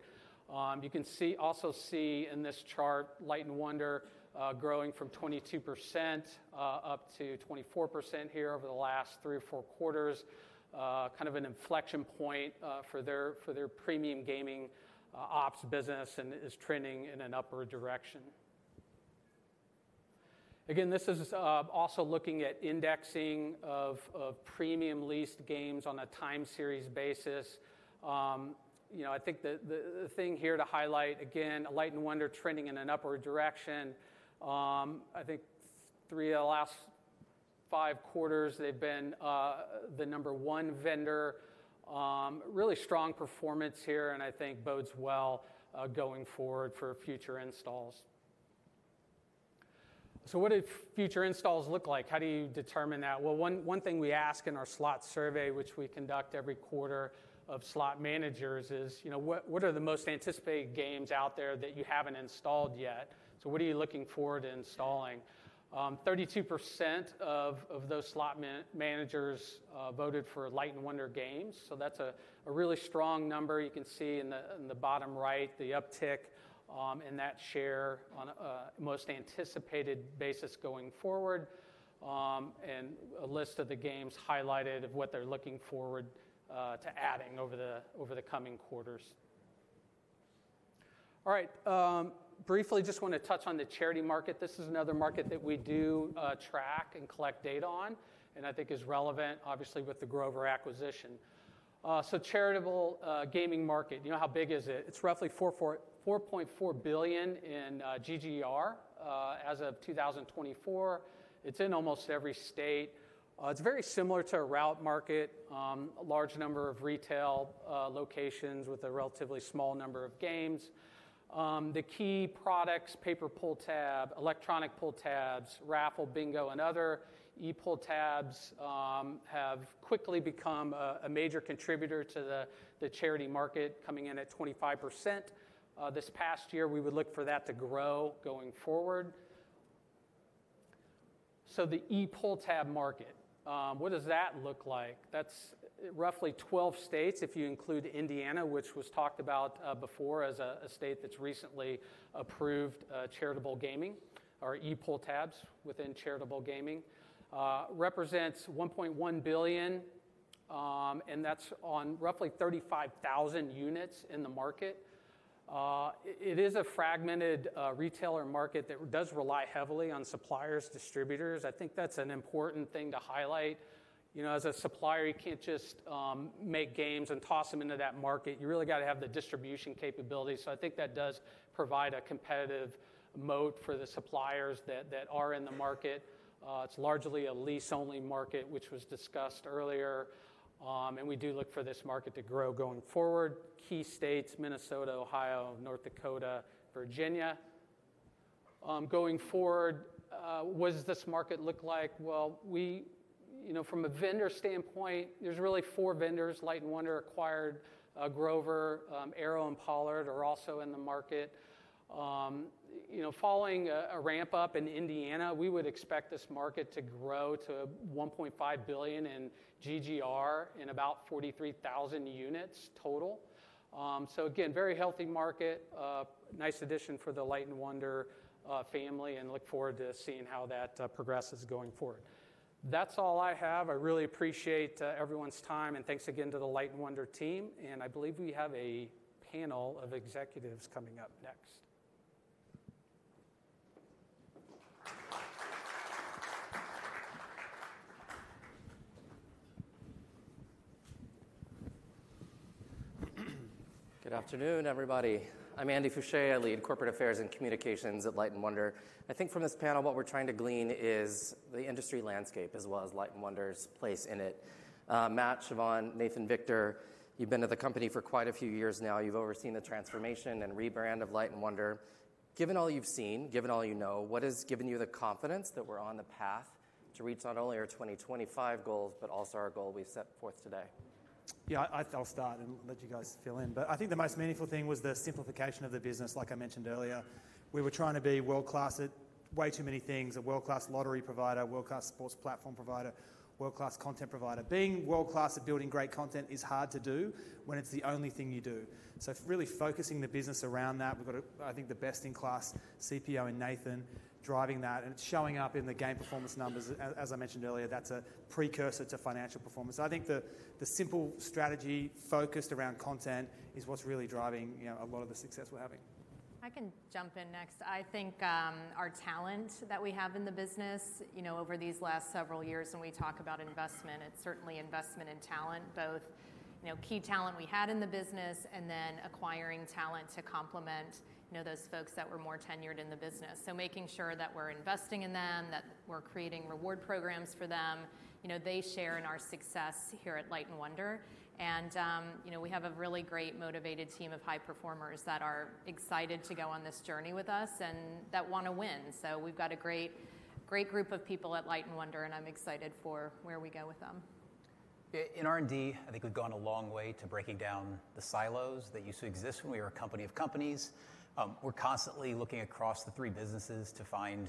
You can also see in this chart, Light & Wonder growing from 22% up to 24% here over the last three or four quarters, kind of an inflection point for their premium gaming ops business and is trending in an upward direction. Again, this is also looking at indexing of premium leased games on a time series basis. I think the thing here to highlight, again, Light & Wonder trending in an upward direction. I think three of the last five quarters, they've been the number one vendor. Really strong performance here, and I think bodes well going forward for future installs. What do future installs look like? How do you determine that? One thing we ask in our slot survey, which we conduct every quarter of slot managers, is what are the most anticipated games out there that you haven't installed yet? So what are you looking forward to installing? 32% of those slot managers voted for Light & Wonder games. That is a really strong number. You can see in the bottom right, the uptick in that share on a most anticipated basis going forward. A list of the games highlighted of what they are looking forward to adding over the coming quarters. All right. Briefly, just want to touch on the charity market. This is another market that we do track and collect data on, and I think is relevant, obviously, with the Grover acquisition. Charitable gaming market, you know how big is it? It is roughly $4.4 billion in GGR as of 2024. It is in almost every state. It is very similar to a route market, a large number of retail locations with a relatively small number of games. The key products, paper pull tab, electronic pull tabs, raffle, bingo, and other e-pull tabs have quickly become a major contributor to the charity market, coming in at 25%. This past year, we would look for that to grow going forward. The e-pull tab market, what does that look like? That's roughly 12 states if you include Indiana, which was talked about before as a state that's recently approved charitable gaming or e-pull tabs within charitable gaming. Represents $1.1 billion, and that's on roughly 35,000 units in the market. It is a fragmented retailer market that does rely heavily on suppliers, distributors. I think that's an important thing to highlight. As a supplier, you can't just make games and toss them into that market. You really got to have the distribution capability. I think that does provide a competitive moat for the suppliers that are in the market. It's largely a lease-only market, which was discussed earlier. We do look for this market to grow going forward. Key states, Minnesota, Ohio, North Dakota, Virginia. Going forward, what does this market look like? From a vendor standpoint, there's really four vendors. Light & Wonder acquired Grover, Arrow, and Pollard are also in the market. Following a ramp up in Indiana, we would expect this market to grow to $1.5 billion in GGR and about 43,000 units total. Again, very healthy market, nice addition for the Light & Wonder family, and look forward to seeing how that progresses going forward. That's all I have. I really appreciate everyone's time, and thanks again to the Light & Wonder team. I believe we have a panel of executives coming up next. Good afternoon, everybody. I'm Andy Fouché. I lead corporate affairs and communications at Light & Wonder. I think from this panel, what we're trying to glean is the industry landscape as well as Light & Wonder's place in it. Matt, Siobhan, Nathan, Victor, you've been at the company for quite a few years now. You've overseen the transformation and rebrand of Light & Wonder. Given all you've seen, given all you know, what has given you the confidence that we're on the path to reach not only our 2025 goals, but also our goal we've set forth today? Yeah, I'll start and let you guys fill in. I think the most meaningful thing was the simplification of the business, like I mentioned earlier. We were trying to be world-class at way too many things, a world-class lottery provider, a world-class sports platform provider, a world-class content provider. Being world-class at building great content is hard to do when it's the only thing you do. Really focusing the business around that. We've got, I think, the best-in-class CPO and Nathan driving that, and it's showing up in the game performance numbers. As I mentioned earlier, that's a precursor to financial performance. I think the simple strategy focused around content is what's really driving a lot of the success we're having. I can jump in next. I think our talent that we have in the business over these last several years, when we talk about investment, it's certainly investment in talent, both key talent we had in the business and then acquiring talent to complement those folks that were more tenured in the business. Making sure that we're investing in them, that we're creating reward programs for them, they share in our success here at Light & Wonder. We have a really great motivated team of high performers that are excited to go on this journey with us and that want to win. We have a great group of people at Light & Wonder, and I'm excited for where we go with them. In R&D, I think we've gone a long way to breaking down the silos that used to exist when we were a company of companies. We're constantly looking across the three businesses to find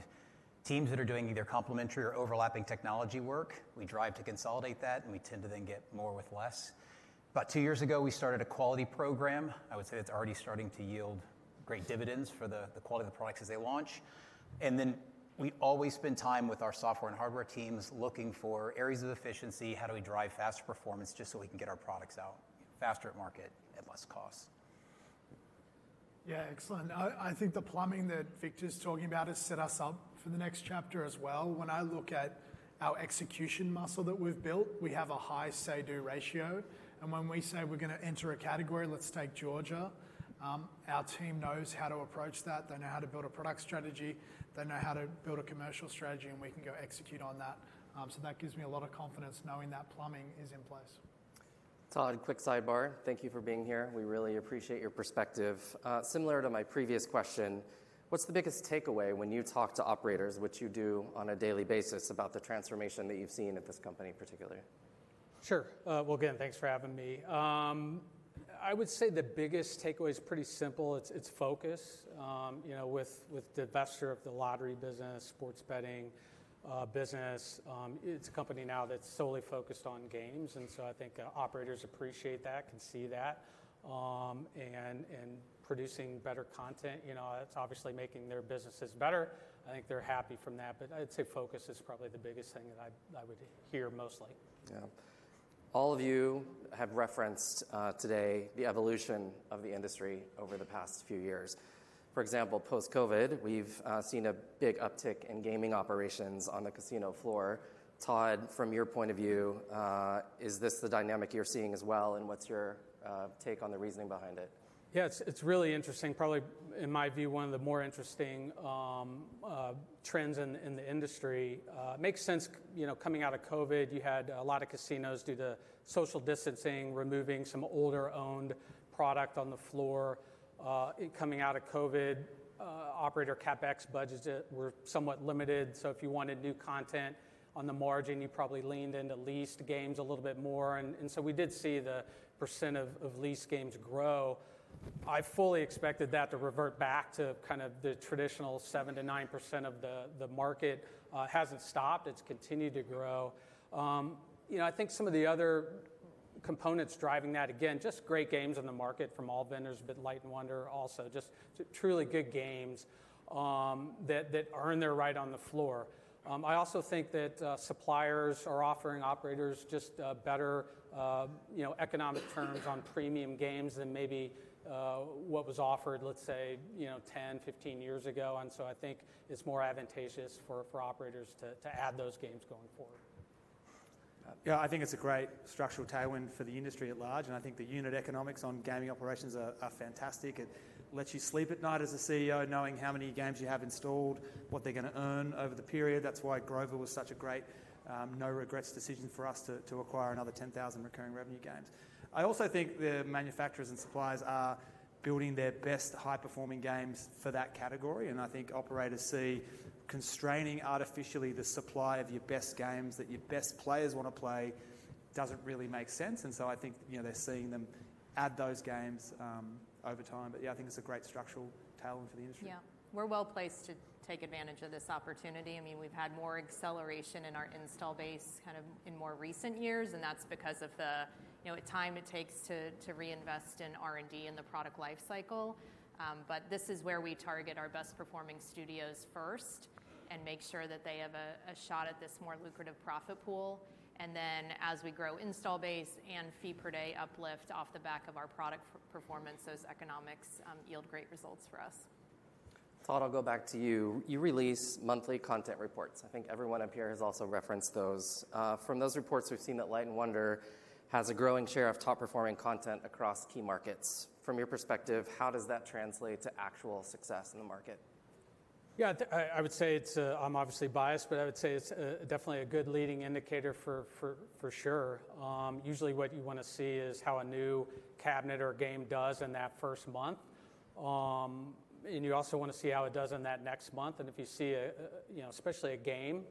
teams that are doing either complementary or overlapping technology work. We drive to consolidate that, and we tend to then get more with less. About two years ago, we started a quality program. I would say it's already starting to yield great dividends for the quality of the products as they launch. We always spend time with our software and hardware teams looking for areas of efficiency. How do we drive faster performance just so we can get our products out faster at market at less cost? Yeah, excellent. I think the plumbing that Victor's talking about has set us up for the next chapter as well. When I look at our execution muscle that we've built, we have a high say-do ratio. When we say we're going to enter a category, let's take Georgia, our team knows how to approach that. They know how to build a product strategy. They know how to build a commercial strategy, and we can go execute on that. That gives me a lot of confidence knowing that plumbing is in place. Todd, quick sidebar. Thank you for being here. We really appreciate your perspective. Similar to my previous question, what's the biggest takeaway when you talk to operators, which you do on a daily basis, about the transformation that you've seen at this company in particular? Sure. Again, thanks for having me. I would say the biggest takeaway is pretty simple. It's focus. With the divestiture of the lottery business, sports betting business, it's a company now that's solely focused on games. I think operators appreciate that, can see that. Producing better content, it's obviously making their businesses better. I think they're happy from that. I'd say focus is probably the biggest thing that I would hear mostly. Yeah. All of you have referenced today the evolution of the industry over the past few years. For example, post-COVID, we've seen a big uptick in gaming operations on the casino floor. Todd, from your point of view, is this the dynamic you're seeing as well, and what's your take on the reasoning behind it? Yeah, it's really interesting. Probably, in my view, one of the more interesting trends in the industry. Makes sense. Coming out of COVID, you had a lot of casinos due to social distancing, removing some older-owned product on the floor. Coming out of COVID, operator CapEx budgets were somewhat limited. If you wanted new content on the margin, you probably leaned into leased games a little bit more. We did see the percent of leased games grow. I fully expected that to revert back to kind of the traditional 7%-9% of the market. It hasn't stopped. It's continued to grow. I think some of the other components driving that, again, just great games on the market from all vendors, but Light & Wonder also, just truly good games that earn their right on the floor. I also think that suppliers are offering operators just better economic terms on premium games than maybe what was offered, let's say, 10, 15 years ago. I think it's more advantageous for operators to add those games going forward. Yeah, I think it's a great structural tailwind for the industry at large. I think the unit economics on gaming operations are fantastic. It lets you sleep at night as a CEO knowing how many games you have installed, what they're going to earn over the period. That's why Grover was such a great no-regrets decision for us to acquire another 10,000 recurring revenue games. I also think the manufacturers and suppliers are building their best high-performing games for that category. I think operators see constraining artificially the supply of your best games that your best players want to play does not really make sense. I think they are seeing them add those games over time. Yeah, I think it is a great structural tailwind for the industry. We are well placed to take advantage of this opportunity. I mean, we have had more acceleration in our install base kind of in more recent years, and that is because of the time it takes to reinvest in R&D and the product lifecycle. This is where we target our best-performing studios first and make sure that they have a shot at this more lucrative profit pool. As we grow install base and fee-per-day uplift off the back of our product performance, those economics yield great results for us. Todd, I'll go back to you. You release monthly content reports. I think everyone up here has also referenced those. From those reports, we've seen that Light & Wonder has a growing share of top-performing content across key markets. From your perspective, how does that translate to actual success in the market? Yeah, I would say it's—I'm obviously biased—but I would say it's definitely a good leading indicator for sure. Usually, what you want to see is how a new cabinet or game does in that first month. You also want to see how it does in that next month. If you see especially a game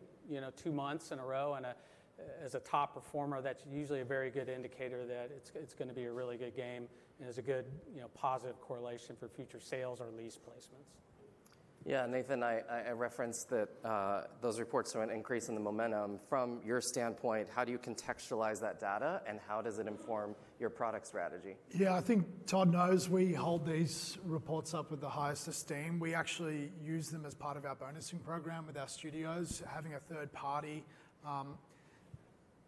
two months in a row as a top performer, that's usually a very good indicator that it's going to be a really good game and is a good positive correlation for future sales or lease placements. Yeah, Nathan, I referenced that those reports show an increase in the momentum. From your standpoint, how do you contextualize that data, and how does it inform your product strategy? Yeah, I think Todd knows we hold these reports up with the highest esteem. We actually use them as part of our bonusing program with our studios. Having a third party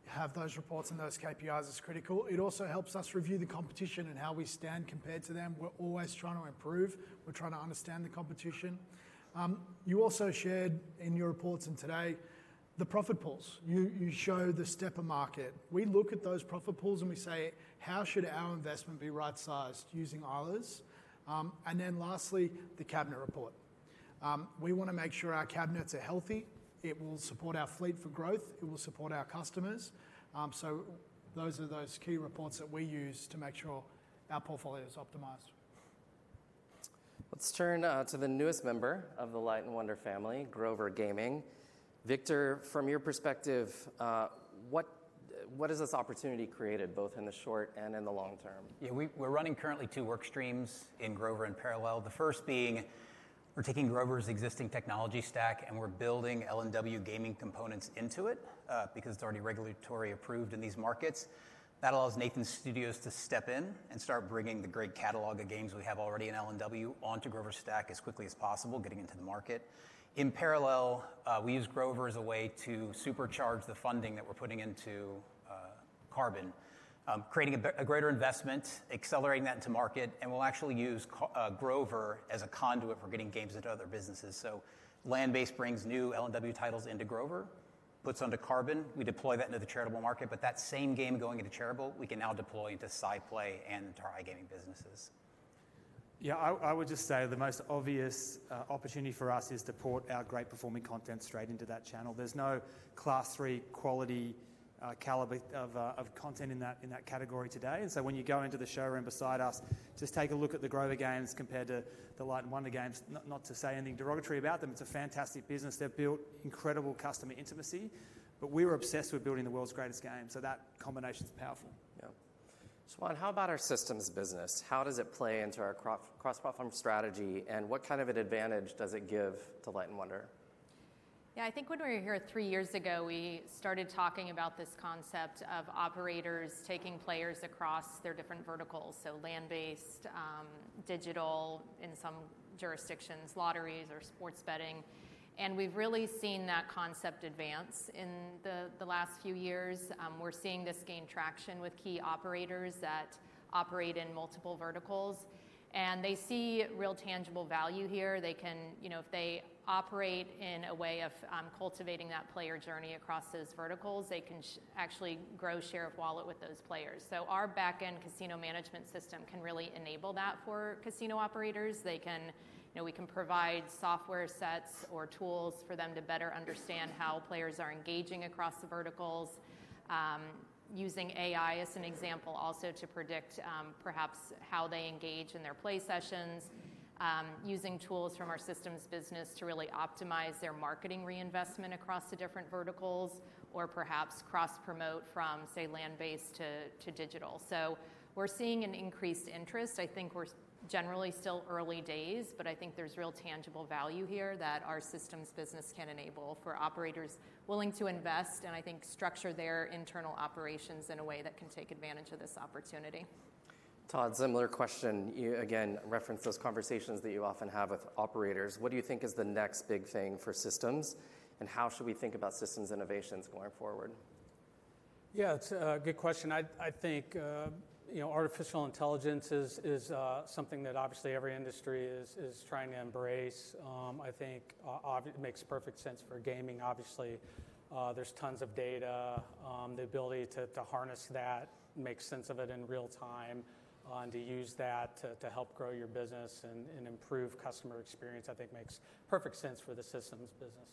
have those reports and those KPIs is critical. It also helps us review the competition and how we stand compared to them. We're always trying to improve. We're trying to understand the competition. You also shared in your reports in today the profit pools. You show the stepper market. We look at those profit pools and we say, "How should our investment be right-sized using Isla's?" Lastly, the cabinet report. We want to make sure our cabinets are healthy. It will support our fleet for growth. It will support our customers. Those are those key reports that we use to make sure our portfolio is optimized. Let's turn to the newest member of the Light & Wonder family, Grover Gaming. Victor, from your perspective, what has this opportunity created both in the short and in the long term? Yeah, we're running currently two work streams in Grover in parallel. The first being, we're taking Grover's existing technology stack and we're building LNW gaming components into it because it's already regulatory approved in these markets. That allows Nathan's studios to step in and start bringing the great catalog of games we have already in LNW onto Grover's stack as quickly as possible, getting into the market. In parallel, we use Grover as a way to supercharge the funding that we're putting into Carbon, creating a greater investment, accelerating that into market. We will actually use Grover as a conduit for getting games into other businesses. Land-based brings new LNW titles into Grover, puts under Carbon. We deploy that into the charitable market. That same game going into charitable, we can now deploy into SidePlay and to our iGaming businesses. Yeah, I would just say the most obvious opportunity for us is to port our great-performing content straight into that channel. There's no class 3 quality caliber of content in that category today. And when you go into the showroom beside us, just take a look at the Grover Gaming games compared to the Light & Wonder games, not to say anything derogatory about them. It's a fantastic business. They've built incredible customer intimacy. We were obsessed with building the world's greatest game. That combination is powerful. Yeah. Siobhan, how about our systems business? How does it play into our cro ss-platform strategy? What kind of an advantage does it give to Light & Wonder? Yeah, I think when we were here three years ago, we started talking about this concept of operators taking players across their different verticals, so land-based, digital in some jurisdictions, lotteries or sports betting. We have really seen that concept advance in the last few years. We are seeing this gain traction with key operators that operate in multiple verticals. They see real tangible value here. If they operate in a way of cultivating that player journey across those verticals, they can actually grow share of wallet with those players. Our back-end casino management system can really enable that for casino operators. We can provide software sets or tools for them to better understand how players are engaging across the verticals, using AI as an example also to predict perhaps how they engage in their play sessions, using tools from our systems business to really optimize their marketing reinvestment across the different verticals or perhaps cross-promote from, say, LandBase to digital. We are seeing an increased interest. I think we are generally still early days, but I think there is real tangible value here that our systems business can enable for operators willing to invest and I think structure their internal operations in a way that can take advantage of this opportunity. Todd, similar question. You again referenced those conversations that you often have with operators. What do you think is the next big thing for systems? How should we think about systems innovations going forward? Yeah, it's a good question. I think artificial intelligence is something that obviously every industry is trying to embrace. I think it makes perfect sense for gaming. Obviously, there's tons of data. The ability to harness that, make sense of it in real time, and to use that to help grow your business and improve customer experience, I think makes perfect sense for the systems business.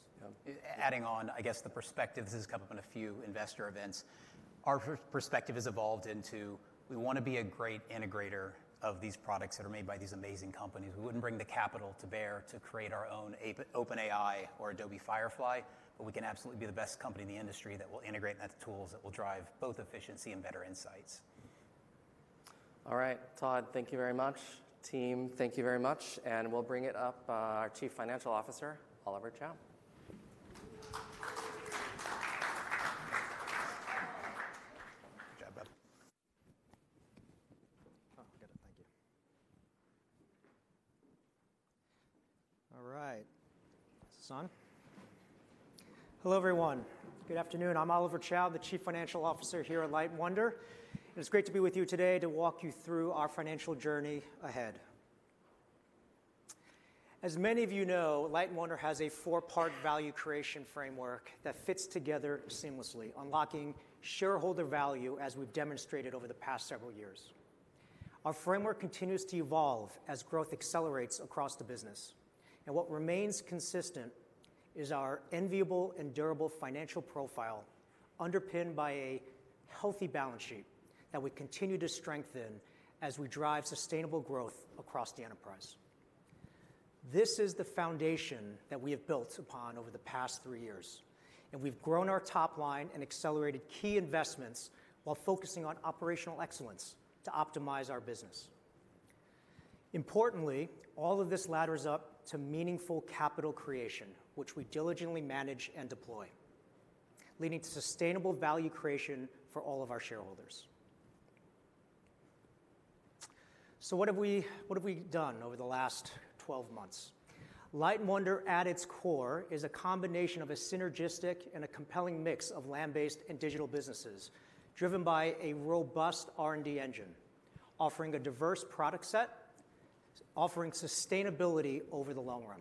Yeah. Adding on, I guess the perspectives has come up in a few investor events. Our perspective has evolved into we want to be a great integrator of these products that are made by these amazing companies. We wouldn't bring the capital to bear to create our own OpenAI or Adobe Firefly, but we can absolutely be the best company in the industry that will integrate into tools that will drive both efficiency and better insigh ts. All right. Todd, thank you very much. Team, thank you very much. And we'll bring up our Chief Financial Officer, Oliver Chow. Good job, bud. Oh, get it. Thank you. All right. This is on. Hello, everyone. Good afternoon. I'm Oliver Chow, the Chief Financial Officer here at Light & Wonder. And it's great to be with you today to walk you through our financial journey ahead. As many of you know, Light & Wonder has a four-part value creation framework that fits together seamlessly, unlocking shareholder value as we've demonstrated over the past several years. Our framework continues to evolve as growth accelerates across the business. What remains consistent is our enviable and durable financial profile underpinned by a healthy balance sheet that we continue to strengthen as we drive sustainable growth across the enterprise. This is the foundation that we have built upon over the past three years. We have grown our top line and accelerated key investments while focusing on operational excellence to optimize our business. Importantly, all of this ladders up to meaningful capital creation, which we diligently manage and deploy, leading to sustainable value creation for all of our shareholders. What have we done over the last 12 months? Light & Wonder, at its core, is a combination of a synergistic and a compelling mix of land-based and digital businesses driven by a robust R&D engine, offering a diverse product set, offering sustainability over the long run.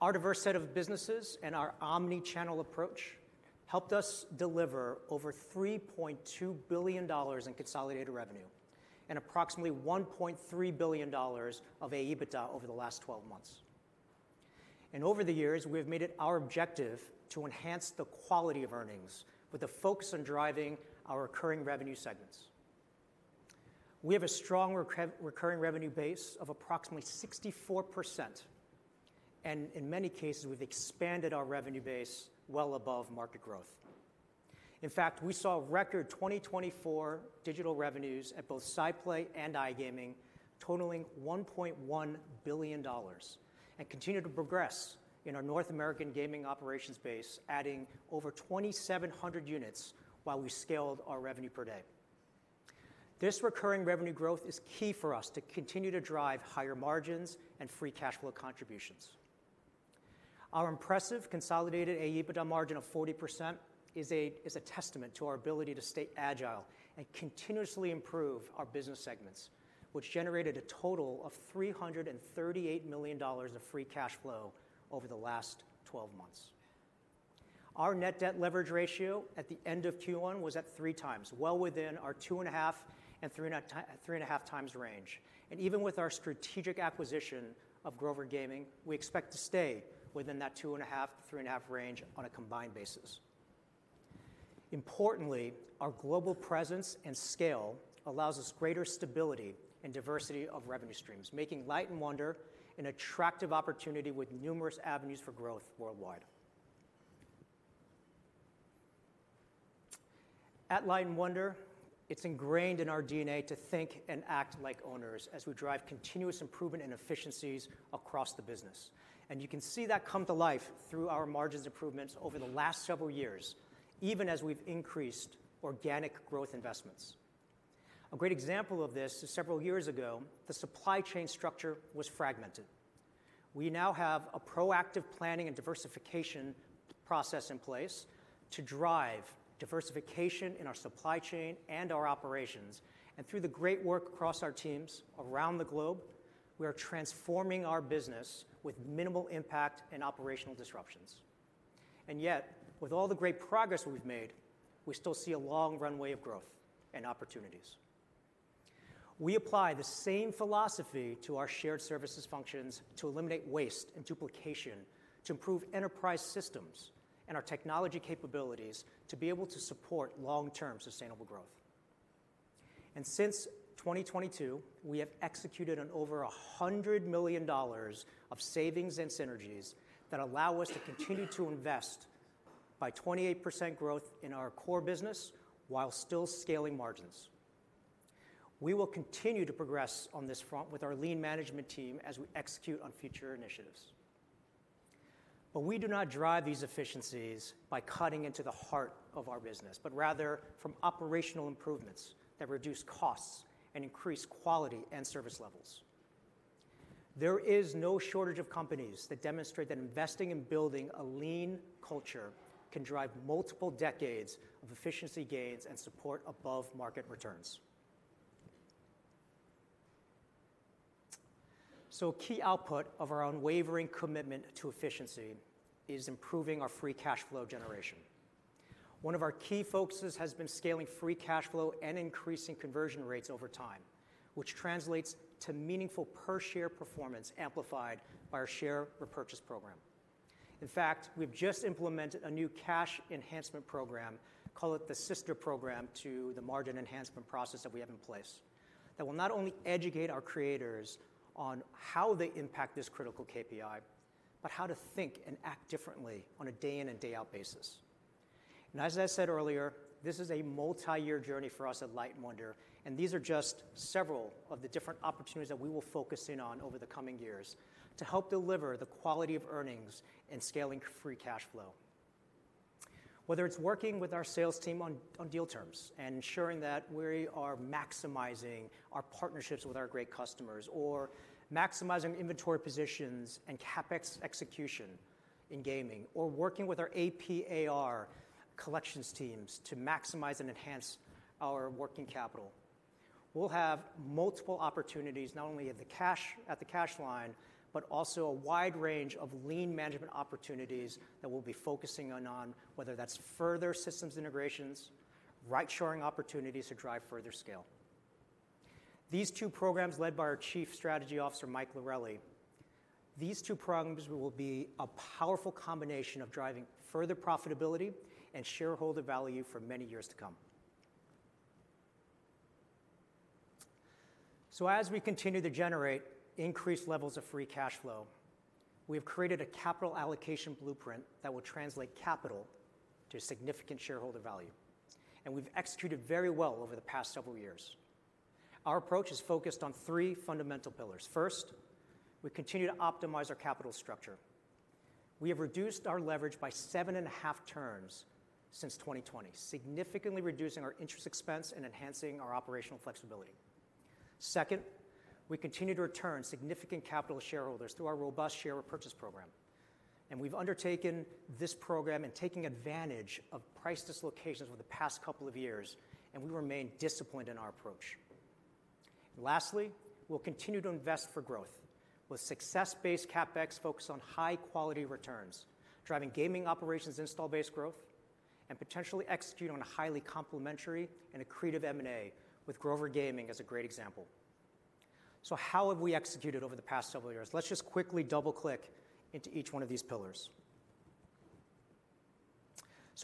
Our diverse set of businesses and our omnichannel approach helped us deliver over $3.2 billion in consolidated revenue and approximately $1.3 billion of EBITDA over the last 12 months. Over the years, we have made it our objective to enhance the quality of earnings with a focus on driving our recurring revenue segments. We have a strong recurring revenue base of approximately 64%. In many cases, we have expanded our revenue base well above market growth. In fact, we saw record 2024 digital revenues at both SidePlay and iGaming totaling $1.1 billion and continue to progress in our North American gaming operations base, adding over 2,700 units while we scaled our revenue per day. This recurring revenue growth is key for us to continue to drive higher margins and free cash flow contributions. Our impressive consolidated EBITDA margin of 40% is a testament to our ability to stay agile and continuously improve our business segments, which generated a total of $338 million of free cash flow over the last 12 months. Our net debt leverage ratio at the end of Q1 was at three times, well within our two and a half- to three and a half-times range. Even with our strategic acquisition of Grover Gaming, we expect to stay within that two and a half- to three and a half-times range on a combined basis. Importantly, our global presence and scale allows us greater stability and diversity of revenue streams, making Light & Wonder an attractive opportunity with numerous avenues for growth worldwide. At Light & Wonder, it is ingrained in our DNA to think and act like owners as we drive continuous improvement and efficiencies across the business. You can see that come to life through our margins improvements over the last several years, even as we've increased organic growth investments. A great example of this is several years ago, the supply chain structure was fragmented. We now have a proactive planning and diversification process in place to drive diversification in our supply chain and our operations. Through the great work across our teams around the globe, we are transforming our business with minimal impact and operational disruptions. Yet, with all the great progress we've made, we still see a long runway of growth and opportunities. We apply the same philosophy to our shared services functions to eliminate waste and duplication, to improve enterprise systems and our technology capabilities to be able to support long-term sustainable growth. Since 2022, we have executed on over $100 million of savings and synergies that allow us to continue to invest by 28% growth in our core business while still scaling margins. We will continue to progress on this front with our lean management team as we execute on future initiatives. We do not drive these efficiencies by cutting into the heart of our business, but rather from operational improvements that reduce costs and increase quality and service levels. There is no shortage of companies that demonstrate that investing in building a lean culture can drive multiple decades of efficiency gains and support above market returns. A key output of our unwavering commitment to efficiency is improving our free cash flow generation. One of our key focuses has been scaling free cash flow and increasing conversion rates over time, which translates to meaningful per-share performance amplified by our share repurchase program. In fact, we've just implemented a new cash enhancement program, call it the sister program to the margin enhancement process that we have in place, that will not only educate our creators on how they impact this critical KPI, but how to think and act differently on a day-in and day-out basis. As I said earlier, this is a multi-year journey for us at Light & Wonder. These are just several of the different opportunities that we will focus in on over the coming years to help deliver the quality of earnings and scaling free cash flow. Whether it's working with our sales team on deal terms and ensuring that we are maximizing our partnerships with our great customers, or maximizing inventory positions and CapEx execution in gaming, or working with our APAR collections teams to maximize and enhance our working capital, we'll have multiple opportunities not only at the cash line, but also a wide range of lean management opportunities that we'll be focusing on, whether that's further systems integrations, ride-sharing opportunities to drive further scale. These two programs led by our Chief Strategy Officer, Mike Lorelli, these two programs will be a powerful combination of driving further profitability and shareholder value for many years to come. As we continue to generate increased levels of free cash flow, we have created a capital allocation blueprint that will translate capital to significant shareholder value. We've executed very well over the past several years. Our approach is focused on three fundamental pillars. First, we continue to optimize our capital structure. We have reduced our leverage by seven and a half turns since 2020, significantly reducing our interest expense and enhancing our operational flexibility. Second, we continue to return significant capital to shareholders through our robust share repurchase program. We have undertaken this program and taken advantage of price dislocations over the past couple of years, and we remain disciplined in our approach. Lastly, we will continue to invest for growth with success-based CapEx focused on high-quality returns, driving gaming operations install-based growth, and potentially execute on a highly complementary and accretive M&A with Grover Gaming as a great example. How have we executed over the past several years? Let's just quickly double-click into each one of these pillars.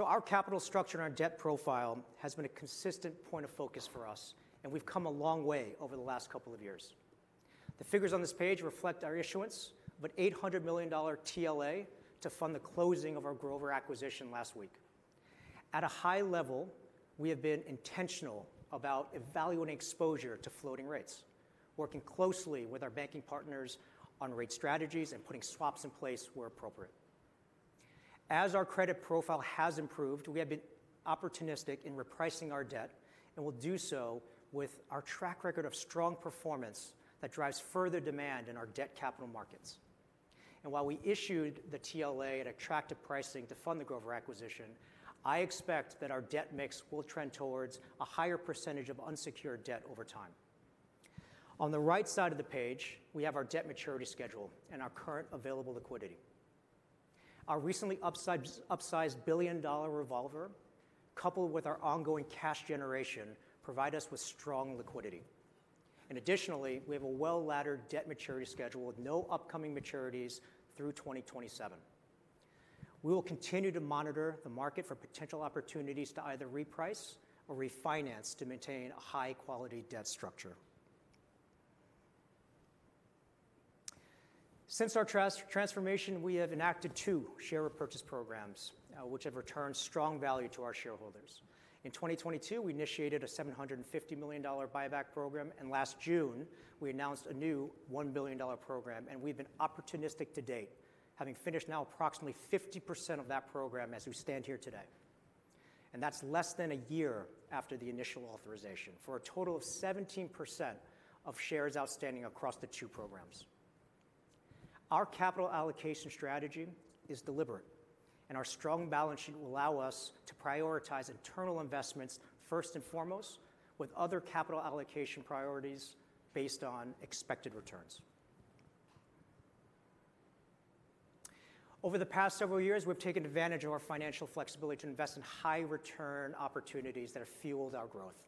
Our capital structure and our debt profile has been a consistent point of focus for us, and we've come a long way over the last couple of years. The figures on this page reflect our issuance of an $800 million TLA to fund the closing of our Grover acquisition last week. At a high level, we have been intentional about evaluating exposure to floating rates, working closely with our banking partners on rate strategies and putting swaps in place where appropriate. As our credit profile has improved, we have been opportunistic in repricing our debt and will do so with our track record of strong performance that drives further demand in our debt capital markets. While we issued the TLA at attractive pricing to fund the Grover acquisition, I expect that our debt mix will trend towards a higher percentage of unsecured debt over time. On the right side of the page, we have our debt maturity schedule and our current available liquidity. Our recently upsized $1 billion revolver, coupled with our ongoing cash generation, provide us with strong liquidity. Additionally, we have a well-laddered debt maturity schedule with no upcoming maturities through 2027. We will continue to monitor the market for potential opportunities to either reprice or refinance to maintain a high-quality debt structure. Since our transformation, we have enacted two share repurchase programs, which have returned strong value to our shareholders. In 2022, we initiated a $750 million buyback program, and last June, we announced a new $1 billion program. We have been opportunistic to date, having finished now approximately 50% of that program as we stand here today. That is less than a year after the initial authorization for a total of 17% of shares outstanding across the two programs. Our capital allocation strategy is deliberate, and our strong balance sheet will allow us to prioritize internal investments first and foremost, with other capital allocation priorities based on expected returns. Over the past several years, we've taken advantage of our financial flexibility to invest in high-return opportunities that have fueled our growth.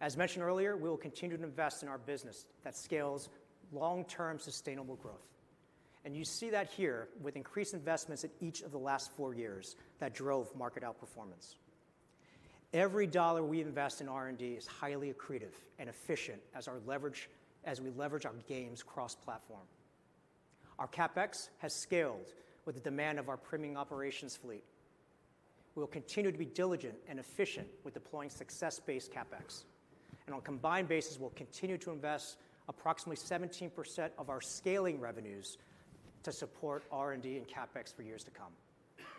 As mentioned earlier, we will continue to invest in our business that scales long-term sustainable growth. You see that here with increased investments in each of the last four years that drove market outperformance. Every dollar we invest in R&D is highly accretive and efficient as we leverage our games cross-platform. Our CapEx has scaled with the demand of our priming operations fleet. We will continue to be diligent and efficient with deploying success-based CapEx. On a combined basis, we'll continue to invest approximately 17% of our scaling revenues to support R&D and CapEx for years to come.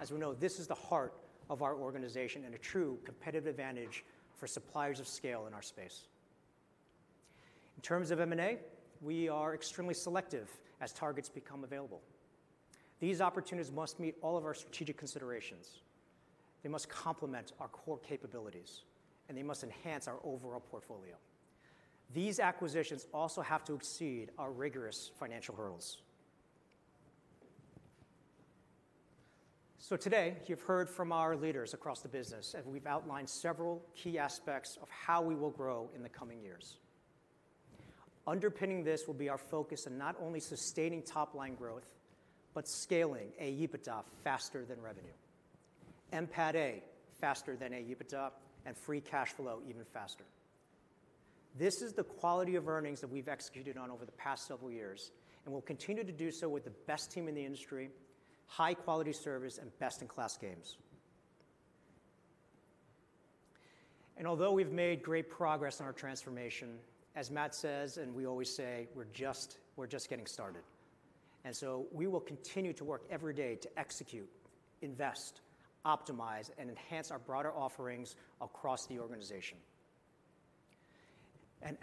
As we know, this is the heart of our organization and a true competitive advantage for suppliers of scale in our space. In terms of M&A, we are extremely selective as targets become available. These opportunities must meet all of our strategic considerations. They must complement our core capabilities, and they must enhance our overall portfolio. These acquisitions also have to exceed our rigorous financial hurdles. Today, you've heard from our leaders across the business, and we've outlined several key aspects of how we will grow in the coming years. Underpinning this will be our focus on not only sustaining top-line growth, but scaling EBITDA faster than revenue, MPATA faster than EBITDA, and free cash flow even faster. This is the quality of earnings that we've executed on over the past several years and will continue to do so with the best team in the industry, high-quality service, and best-in-class games. Although we've made great progress on our transformation, as Matt says and we always say, we're just getting started. We will continue to work every day to execute, invest, optimize, and enhance our broader offerings across the organization.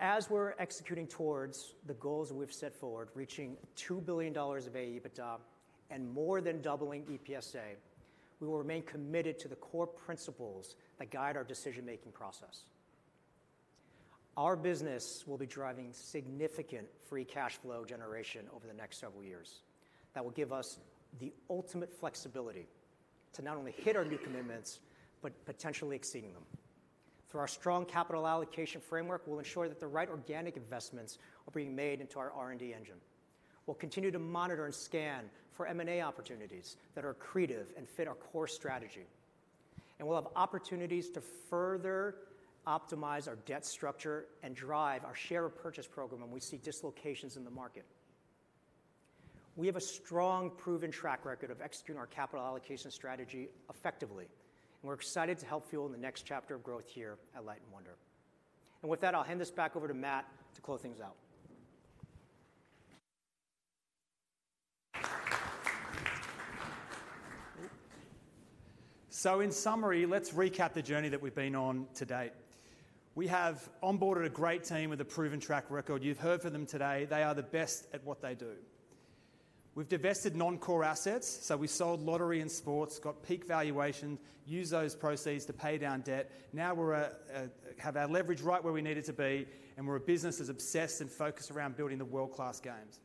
As we're executing towards the goals we've set forward, reaching $2 billion of EBITDA and more than doubling EPSA, we will remain committed to the core principles that guide our decision-making process. Our business will be driving significant free cash flow generation over the next several years that will give us the ultimate flexibility to not only hit our new commitments, but potentially exceeding them. Through our strong capital allocation framework, we will ensure that the right organic investments are being made into our R&D engine. We will continue to monitor and scan for M&A opportunities that are accretive and fit our core strategy. We will have opportunities to further optimize our debt structure and drive our share repurchase program when we see dislocations in the market. We have a strong, proven track record of executing our capital allocation strategy effectively. We are excited to help fuel the next chapter of growth here at Light & Wonder. With that, I will hand this back over to Matt to close things out. In summary, let's recap the journey that we have been on to date. We have onboarded a great team with a proven track record. You have heard from them today. They are the best at what they do. We've divested non-core assets, so we sold lottery and sports, got peak valuations, used those proceeds to pay down debt. Now we have our leverage right where we need it to be, and we're a business that's obsessed and focused around building the world-class games.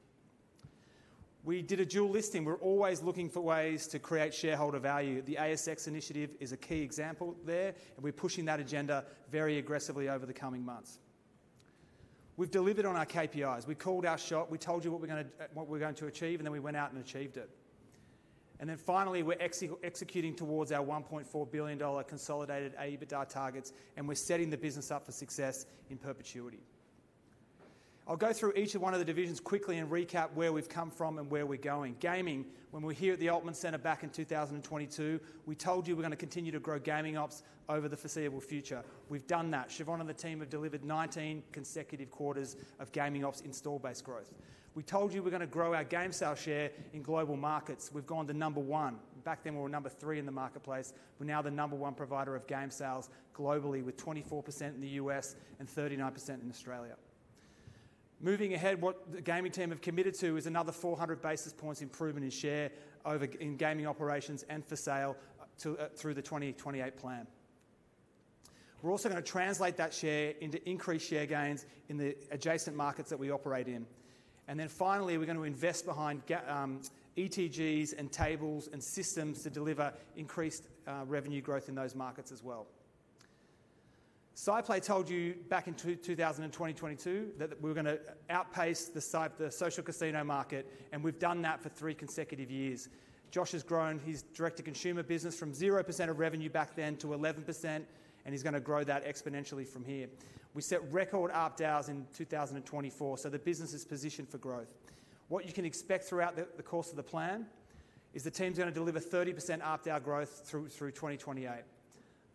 We did a dual listing. We're always looking for ways to create shareholder value. The ASX initiative is a key example there, and we're pushing that agenda very aggressively over the coming months. We've delivered on our KPIs. We called our shot. We told you what we're going to achieve, and then we went out and achieved it. Finally, we're executing towards our $1.4 billion consolidated EBITDA targets, and we're setting the business up for success in perpetuity. I'll go through each of one of the divisions quickly and recap where we've come from and where we're going. Gaming, when we were here at the Altman Center back in 2022, we told you we're going to continue to grow gaming ops over the foreseeable future. We've done that. Siobhan and the team have delivered 19 consecutive quarters of gaming ops install-based growth. We told you we're going to grow our game sales share in global markets. We've gone to number one. Back then, we were number three in the marketplace. We're now the number one provider of game sales globally with 24% in the US and 39% in Australia. Moving ahead, what the gaming team have committed to is another 400 basis points improvement in share in gaming operations and for sale through the 2028 plan. We're also going to translate that share into increased share gains in the adjacent markets that we operate in. Finally, we're going to invest behind ETGs and tables and systems to deliver increased revenue growth in those markets as well. SciPlay told you back in 2022 that we were going to outpace the social casino market, and we've done that for three consecutive years. Josh has grown his direct-to-consumer business from 0% of revenue back then to 11%, and he's going to grow that exponentially from here. We set record ARPDAs in 2024, so the business is positioned for growth. What you can expect throughout the course of the plan is the team's going to deliver 30% ARPDA growth through 2028.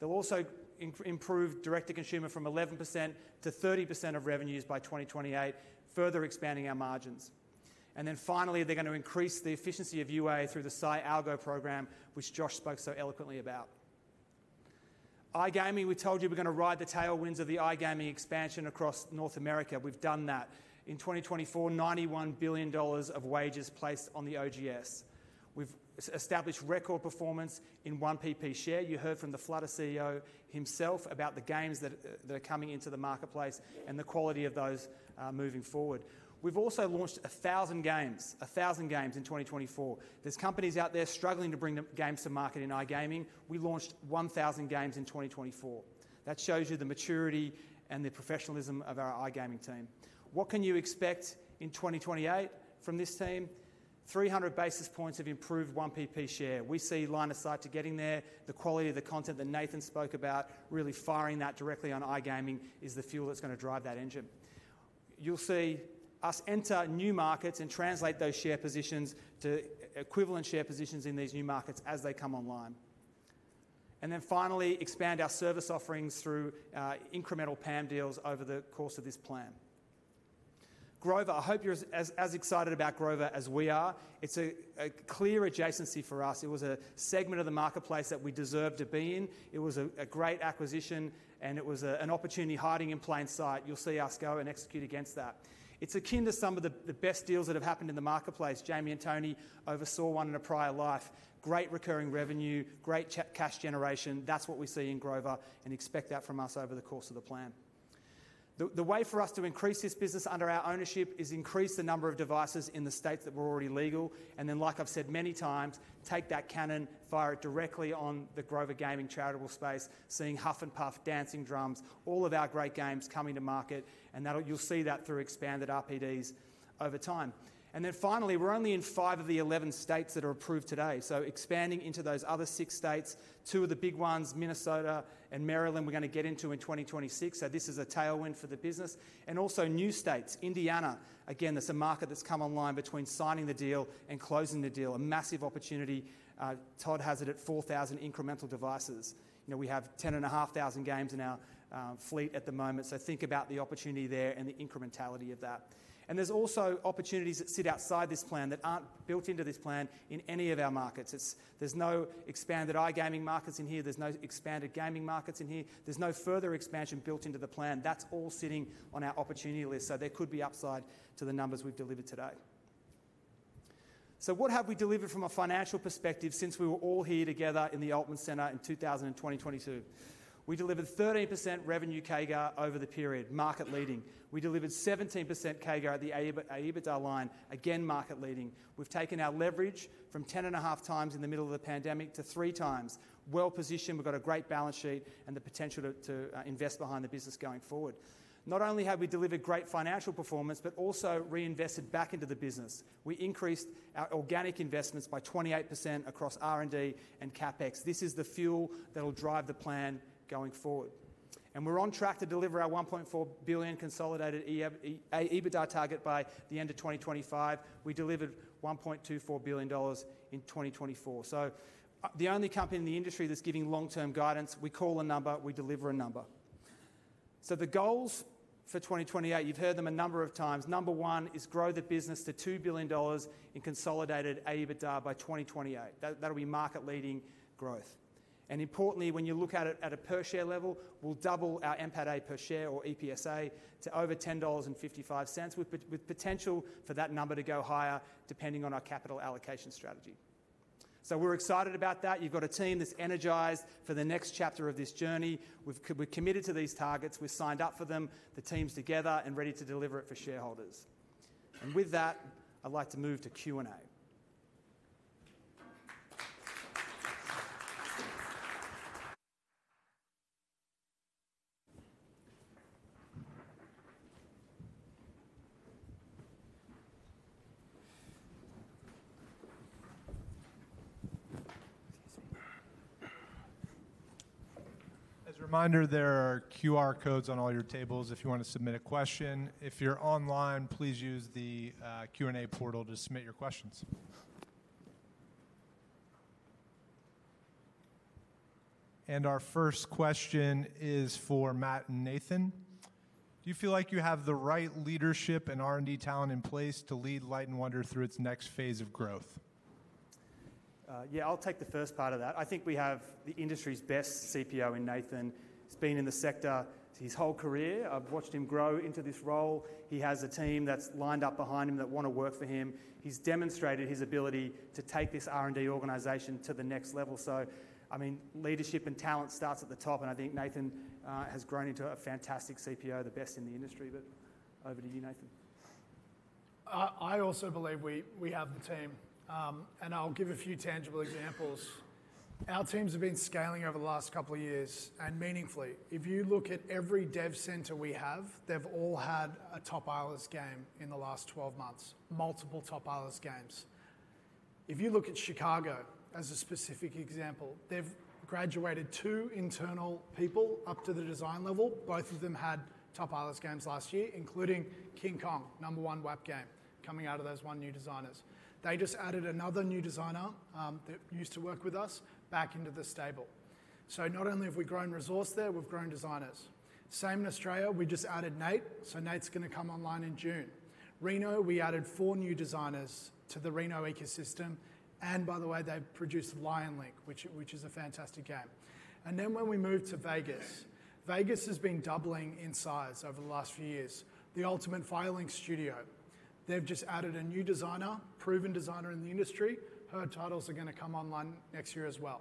They'll also improve direct-to-consumer from 11% to 30% of revenues by 2028, further expanding our margins. Finally, they're going to increase the efficiency of UA through the Sci Algo program, which Josh spoke so eloquently about. iGaming, we told you we're going to ride the tailwinds of the iGaming expansion across North America. We've done that. In 2024, $91 billion of wagers placed on the OGS. We've established record performance in one PP share. You heard from the Flutter CEO himself about the games that are coming into the marketplace and the quality of those moving forward. We've also launched 1,000 games, 1,000 games in 2024. There's companies out there struggling to bring the games to market in iGaming. We launched 1,000 games in 2024. That shows you the maturity and the professionalism of our iGaming team. What can you expect in 2028 from this team? 300 basis points of improved one PP share. We see line of sight to getting there. The quality of the content that Nathan spoke about, really firing that directly on iGaming, is the fuel that's going to drive that engine. You'll see us enter new markets and translate those share positions to equivalent share positions in these new markets as they come online. Finally, expand our service offerings through incremental PAM deals over the course of this plan. Grover, I hope you're as excited about Grover as we are. It's a clear adjacency for us. It was a segment of the marketplace that we deserved to be in. It was a great acquisition, and it was an opportunity hiding in plain sight. You'll see us go and execute against that. It's akin to some of the best deals that have happened in the marketplace. Jamie and Tony oversaw one in a prior life. Great recurring revenue, great cash generation. That's what we see in Grover and expect that from us over the course of the plan. The way for us to increase this business under our ownership is increase the number of devices in the states that were already legal. Like I have said many times, take that cannon, fire it directly on the Grover Gaming charitable space, seeing Huff N'Puff, Dancing Drums, all of our great games coming to market. You will see that through expanded RPDs over time. Finally, we are only in five of the 11 states that are approved today. Expanding into those other six states, two of the big ones, Minnesota and Maryland, we are going to get into in 2026. This is a tailwind for the business. Also new states, Indiana. Again, that is a market that has come online between signing the deal and closing the deal. A massive opportunity. Todd has it at 4,000 incremental devices. We have 10,500 games in our fleet at the moment. Think about the opportunity there and the incrementality of that. There are also opportunities that sit outside this plan that are not built into this plan in any of our markets. There are no expanded iGaming markets in here. There are no expanded gaming markets in here. There is no further expansion built into the plan. That is all sitting on our opportunity list. There could be upside to the numbers we have delivered today. What have we delivered from a financial perspective since we were all here together in the Altman Center in 2022? We delivered 13% revenue CAGR over the period, market leading. We delivered 17% CAGR at the EBITDA line, again market leading. We have taken our leverage from 10.5 times in the middle of the pandemic to 3 times. Well positioned. We've got a great balance sheet and the potential to invest behind the business going forward. Not only have we delivered great financial performance, but also reinvested back into the business. We increased our organic investments by 28% across R&D and CapEx. This is the fuel that will drive the plan going forward. We're on track to deliver our $1.4 billion consolidated EBITDA target by the end of 2025. We delivered $1.24 billion in 2024. The only company in the industry that's giving long-term guidance, we call a number, we deliver a number. The goals for 2028, you've heard them a number of times. Number one is grow the business to $2 billion in consolidated EBITDA by 2028. That'll be market-leading growth. Importantly, when you look at it at a per-share level, we will double our MPATA per share or EPSA to over $10.55, with potential for that number to go higher depending on our capital allocation strategy. We are excited about that. You have got a team that is energized for the next chapter of this journey. We are committed to these targets. We have signed up for them. The team is together and ready to deliver it for shareholders. With that, I would like to move to Q&A. As a reminder, there are QR codes on all your tables if you want to submit a question. If you are online, please use the Q&A portal to submit your questions. Our first question is for Matt and Nathan. Do you feel like you have the right leadership and R&D talent in place to lead Light & Wonder through its next phase of growth? Yeah, I'll take the first part of that. I think we have the industry's best CPO in Nathan. He's been in the sector his whole career. I've watched him grow into this role. He has a team that's lined up behind him that want to work for him. He's demonstrated his ability to take this R&D organization to the next level. I mean, leadership and talent starts at the top. I think Nathan has grown into a fantastic CPO, the best in the industry. Over to you, Nathan. I also believe we have the team. I'll give a few tangible examples. Our teams have been scaling over the last couple of years and meaningfully. If you look at every dev center we have, they've all had a top-island game in the last 12 months, multiple top-island games. If you look at Chicago, as a specific example, they've graduated two internal people up to the design level. Both of them had top-island games last year, including Kong, number one WAP game, coming out of those one new designers. They just added another new designer that used to work with us back into the stable. Not only have we grown resource there, we've grown designers. Same in Australia. We just added Nate. Nate's going to come online in June. Reno, we added four new designers to the Reno ecosystem. By the way, they've produced Lion Link, which is a fantastic game. When we moved to Vegas, Vegas has been doubling in size over the last few years. The Ultimate Fire Link Studio, they've just added a new designer, proven designer in the industry. Her titles are going to come online next year as well.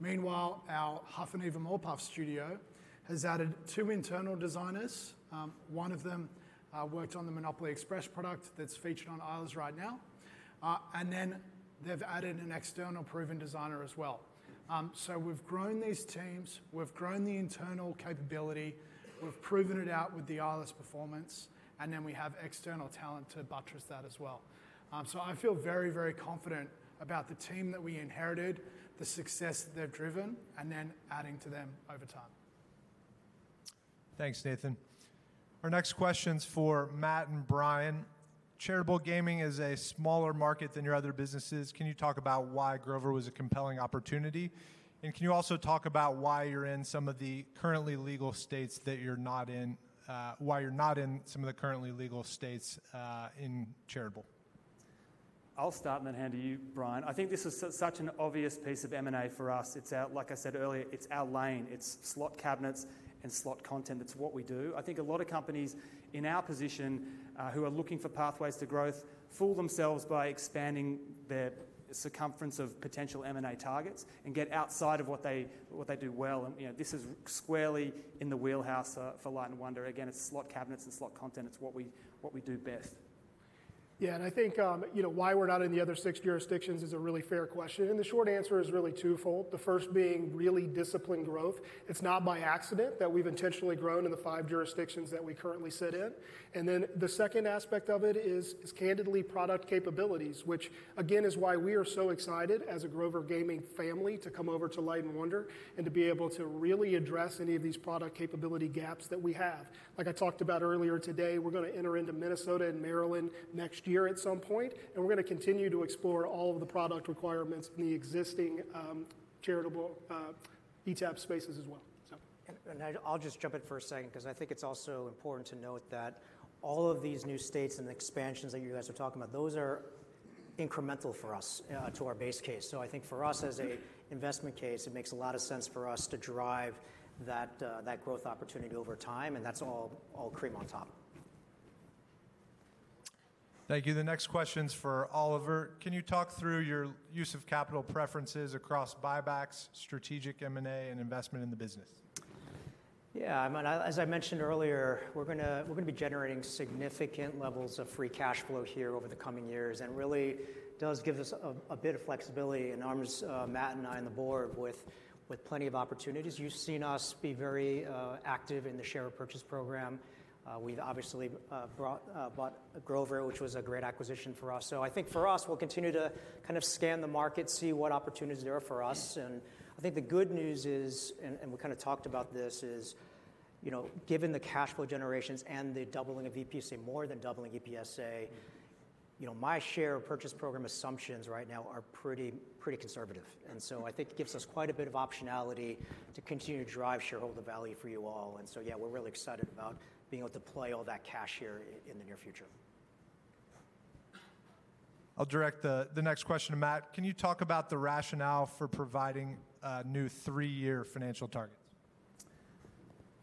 Meanwhile, our Huff and Even More Puff studio has added two internal designers. One of them worked on the Monopoly Express product that's featured on Isles right now. They have added an external proven designer as well. We have grown these teams. We have grown the internal capability. We have proven it out with the Isles performance. We have external talent to buttress that as well. I feel very, very confident about the team that we inherited, the success they've driven, and adding to them over time. Thanks, Nathan. Our next question is for Matt and Brian. Charitable gaming is a smaller market than your other businesses. Can you talk about why Grover was a compelling opportunity? Can you also talk about why you're in some of the currently legal states that you're not in, why you're not in some of the currently legal states in charitable? I'll start and then hand to you, Brian. I think this is such an obvious piece of M&A for us. Like I said earlier, it's our lane. It's slot cabinets and slot content. That's what we do. I think a lot of companies in our position who are looking for pathways to growth fool themselves by expanding their circumference of potential M&A targets and get outside of what they do well. This is squarely in the wheelhouse for Light & Wonder. Again, it's slot cabinets and slot content. It's what we do best. Yeah, I think why we're not in the other six jurisdictions is a really fair question. The short answer is really twofold. The first being really disciplined growth. It's not by accident that we've intentionally grown in the five jurisdictions that we currently sit in. The second aspect of it is candidly product capabilities, which again is why we are so excited as a Grover Gaming family to come over to Light & Wonder and to be able to really address any of these product capability gaps that we have. Like I talked about earlier today, we're going to enter into Minnesota and Maryland next year at some point. We are going to continue to explore all of the product requirements in the existing charitable ETAP spaces as well. I'll just jump in for a second because I think it's also important to note that all of these new states and expansions that you guys are talking about, those are incremental for us to our base case. I think for us as an investment case, it makes a lot of sense for us to drive that growth opportunity over time. That's all cream on top. Thank you. The next question's for Oliver. Can you talk through your use of capital preferences across buybacks, strategic M&A, and investment in the business? Yeah, I mean, as I mentioned earlier, we're going to be generating significant levels of free cash flow here over the coming years. It really does give us a bit of flexibility and arms Matt and me on the board with plenty of opportunities. You've seen us be very active in the share purchase program. We've obviously bought Grover, which was a great acquisition for us. I think for us, we'll continue to kind of scan the market, see what opportunities there are for us. I think the good news is, and we kind of talked about this, is given the cash flow generations and the doubling of EPSA, more than doubling EPSA, my share purchase program assumptions right now are pretty conservative. I think it gives us quite a bit of optionality to continue to drive shareholder value for you all. Yeah, we're really excited about being able to play all that cash here in the near future. I'll direct the next question to Matt. Can you talk about the rationale for providing new three-year financial targets?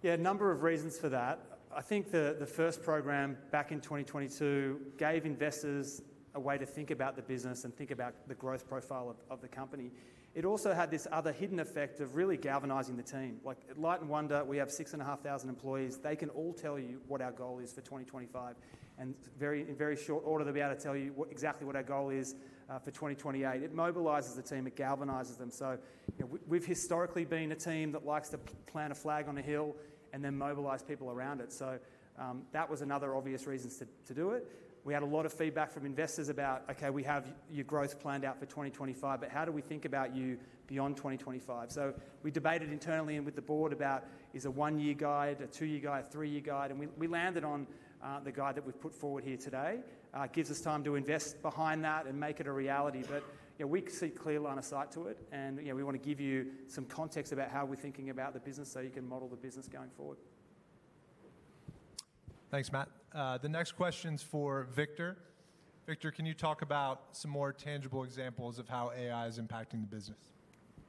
Yeah, a number of reasons for that. I think the first program back in 2022 gave investors a way to think about the business and think about the growth profile of the company. It also had this other hidden effect of really galvanizing the team. Like Light & Wonder, we have 6,500 employees. They can all tell you what our goal is for 2025. In very short order, they'll be able to tell you exactly what our goal is for 2028. It mobilizes the team. It galvanizes them. We have historically been a team that likes to plant a flag on a hill and then mobilize people around it. That was another obvious reason to do it. We had a lot of feedback from investors about, "Okay, we have your growth planned out for 2025, but how do we think about you beyond 2025?" We debated internally and with the board about, "Is a one-year guide, a two-year guide, a three-year guide?" We landed on the guide that we've put forward here today. It gives us time to invest behind that and make it a reality. We see clear line of sight to it. We want to give you some context about how we're thinking about the business so you can model the business going forward. Thanks, Matt. The next question's for Victor. Victor, can you talk about some more tangible examples of how AI is impacting the business?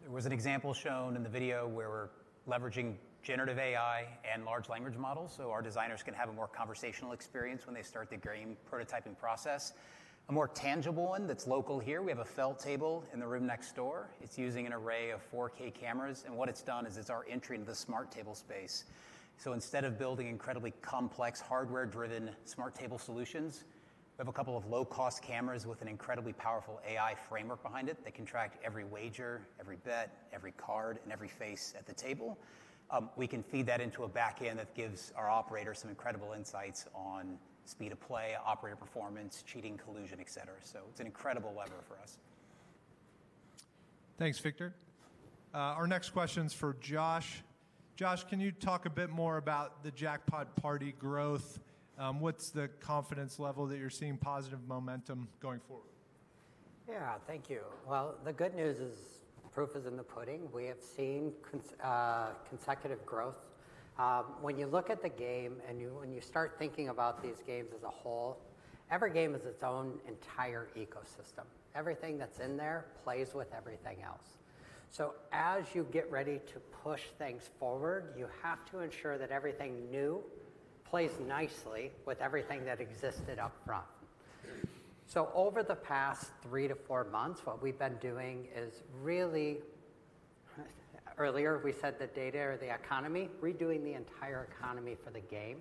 There was an example shown in the video where we're leveraging generative AI and large language models. Our designers can have a more conversational experience when they start the game prototyping process. A more tangible one that's local here, we have a felt table in the room next door. It's using an array of 4K cameras. What it's done is it's our entry into the smart table space. Instead of building incredibly complex hardware-driven smart table solutions, we have a couple of low-cost cameras with an incredibly powerful AI framework behind it that can track every wager, every bet, every card, and every face at the table. We can feed that into a backend that gives our operators some incredible insights on speed of play, operator performance, cheating, collusion, etc. It is an incredible lever for us. Thanks, Victor. Our next question is for Josh. Josh, can you talk a bit more about the Jackpot Party growth? What is the confidence level that you are seeing positive momentum going forward? Yeah, thank you. The good news is proof is in the pudding. We have seen consecutive growth. When you look at the game and when you start thinking about these games as a whole, every game is its own entire ecosystem. Everything that is in there plays with everything else. As you get ready to push things forward, you have to ensure that everything new plays nicely with everything that existed upfront. Over the past three to four months, what we've been doing is really, earlier we said the data or the economy, redoing the entire economy for the game.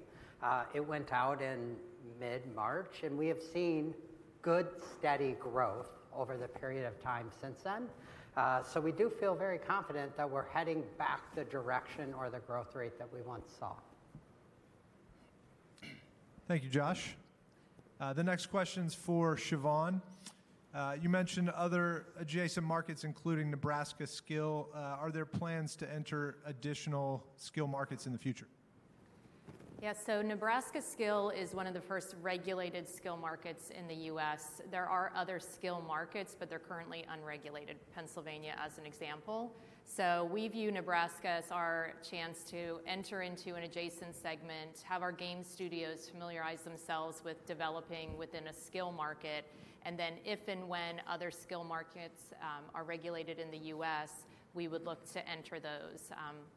It went out in mid-March, and we have seen good steady growth over the period of time since then. We do feel very confident that we're heading back the direction or the growth rate that we once saw. Thank you, Josh. The next question's for Siobhan. You mentioned other adjacent markets, including Nebraska Skill. Are there plans to enter additional skill markets in the future? Yes, Nebraska Skill is one of the first regulated skill markets in the U.S. There are other skill markets, but they're currently unregulated, Pennsylvania as an example. We view Nebraska as our chance to enter into an adjacent segment, have our game studios familiarize themselves with developing within a skill market. If and when other skill markets are regulated in the U.S., we would look to enter those,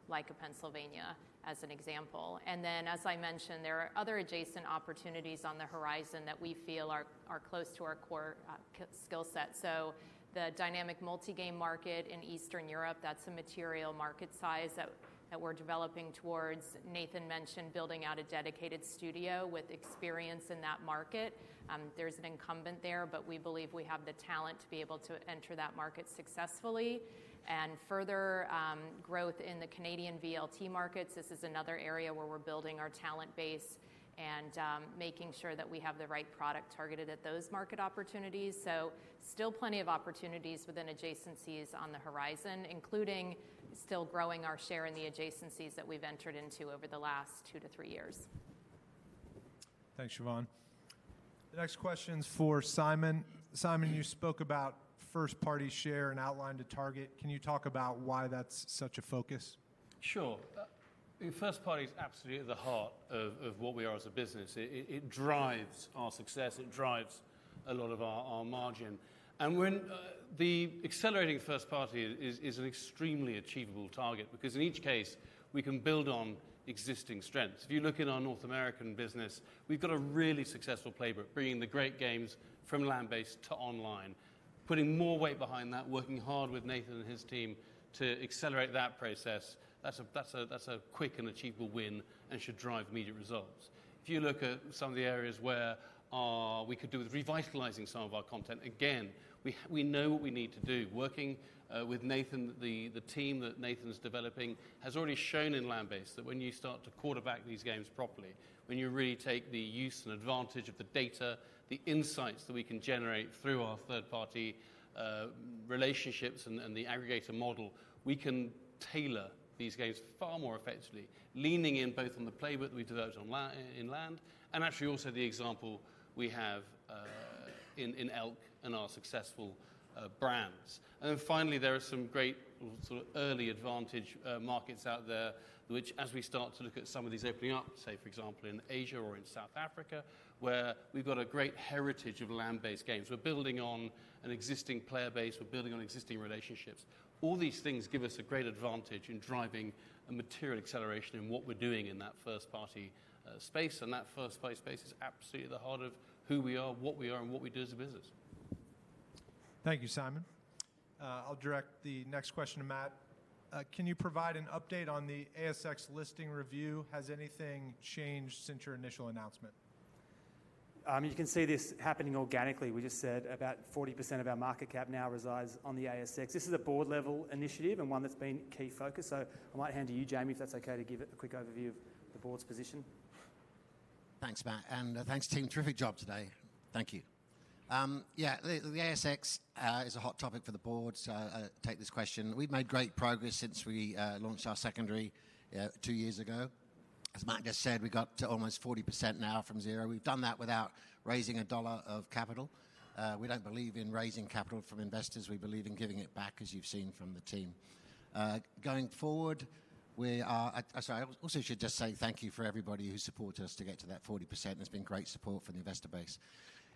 like Pennsylvania as an example. As I mentioned, there are other adjacent opportunities on the horizon that we feel are close to our core skill set. The dynamic multi-game market in Eastern Europe is a material market size that we are developing towards. Nathan mentioned building out a dedicated studio with experience in that market. There is an incumbent there, but we believe we have the talent to be able to enter that market successfully. Further growth in the Canadian VLT markets, this is another area where we're building our talent base and making sure that we have the right product targeted at those market opportunities. Still plenty of opportunities within adjacencies on the horizon, including still growing our share in the adjacencies that we've entered into over the last two to three years. Thanks, Siobhan. The next question's for Simon. Simon, you spoke about first-party share and outlined a target. Can you talk about why that's such a focus? Sure. First-party is absolutely at the heart of what we are as a business. It drives our success. It drives a lot of our margin. The accelerating first-party is an extremely achievable target because in each case, we can build on existing strengths. If you look at our North American business, we've got a really successful playbook bringing the great games from land-based to online, putting more weight behind that, working hard with Nathan and his team to accelerate that process. That's a quick and achievable win and should drive immediate results. If you look at some of the areas where we could do with revitalizing some of our content, again, we know what we need to do. Working with Nathan, the team that Nathan is developing has already shown in land-based that when you start to quarterback these games properly, when you really take the use and advantage of the data, the insights that we can generate through our third-party relationships and the aggregator model, we can tailor these games far more effectively, leaning in both on the playbook that we developed in land and actually also the example we have in Elk and our successful brands. There are some great sort of early advantage markets out there which, as we start to look at some of these opening up, say, for example, in Asia or in South Africa, where we have got a great heritage of land-based games. We are building on an existing player base. We are building on existing relationships. All these things give us a great advantage in driving a material acceleration in what we're doing in that first-party space. That first-party space is absolutely at the heart of who we are, what we are, and what we do as a business. Thank you, Simon. I'll direct the next question to Matt. Can you provide an update on the ASX listing review? Has anything changed since your initial announcement? You can see this happening organically. We just said about 40% of our market cap now resides on the ASX. This is a board-level initiative and one that's been key focus. I might hand to you, Jamie, if that's okay to give a quick overview of the board's position. Thanks, Matt. And thanks, team. Terrific job today. Thank you. Yeah, the ASX is a hot topic for the board. Take this question. We've made great progress since we launched our secondary two years ago. As Matt just said, we got to almost 40% now from zero. We've done that without raising a dollar of capital. We don't believe in raising capital from investors. We believe in giving it back, as you've seen from the team. Going forward, we are—sorry, I also should just say thank you for everybody who supports us to get to that 40%. It's been great support for the investor base.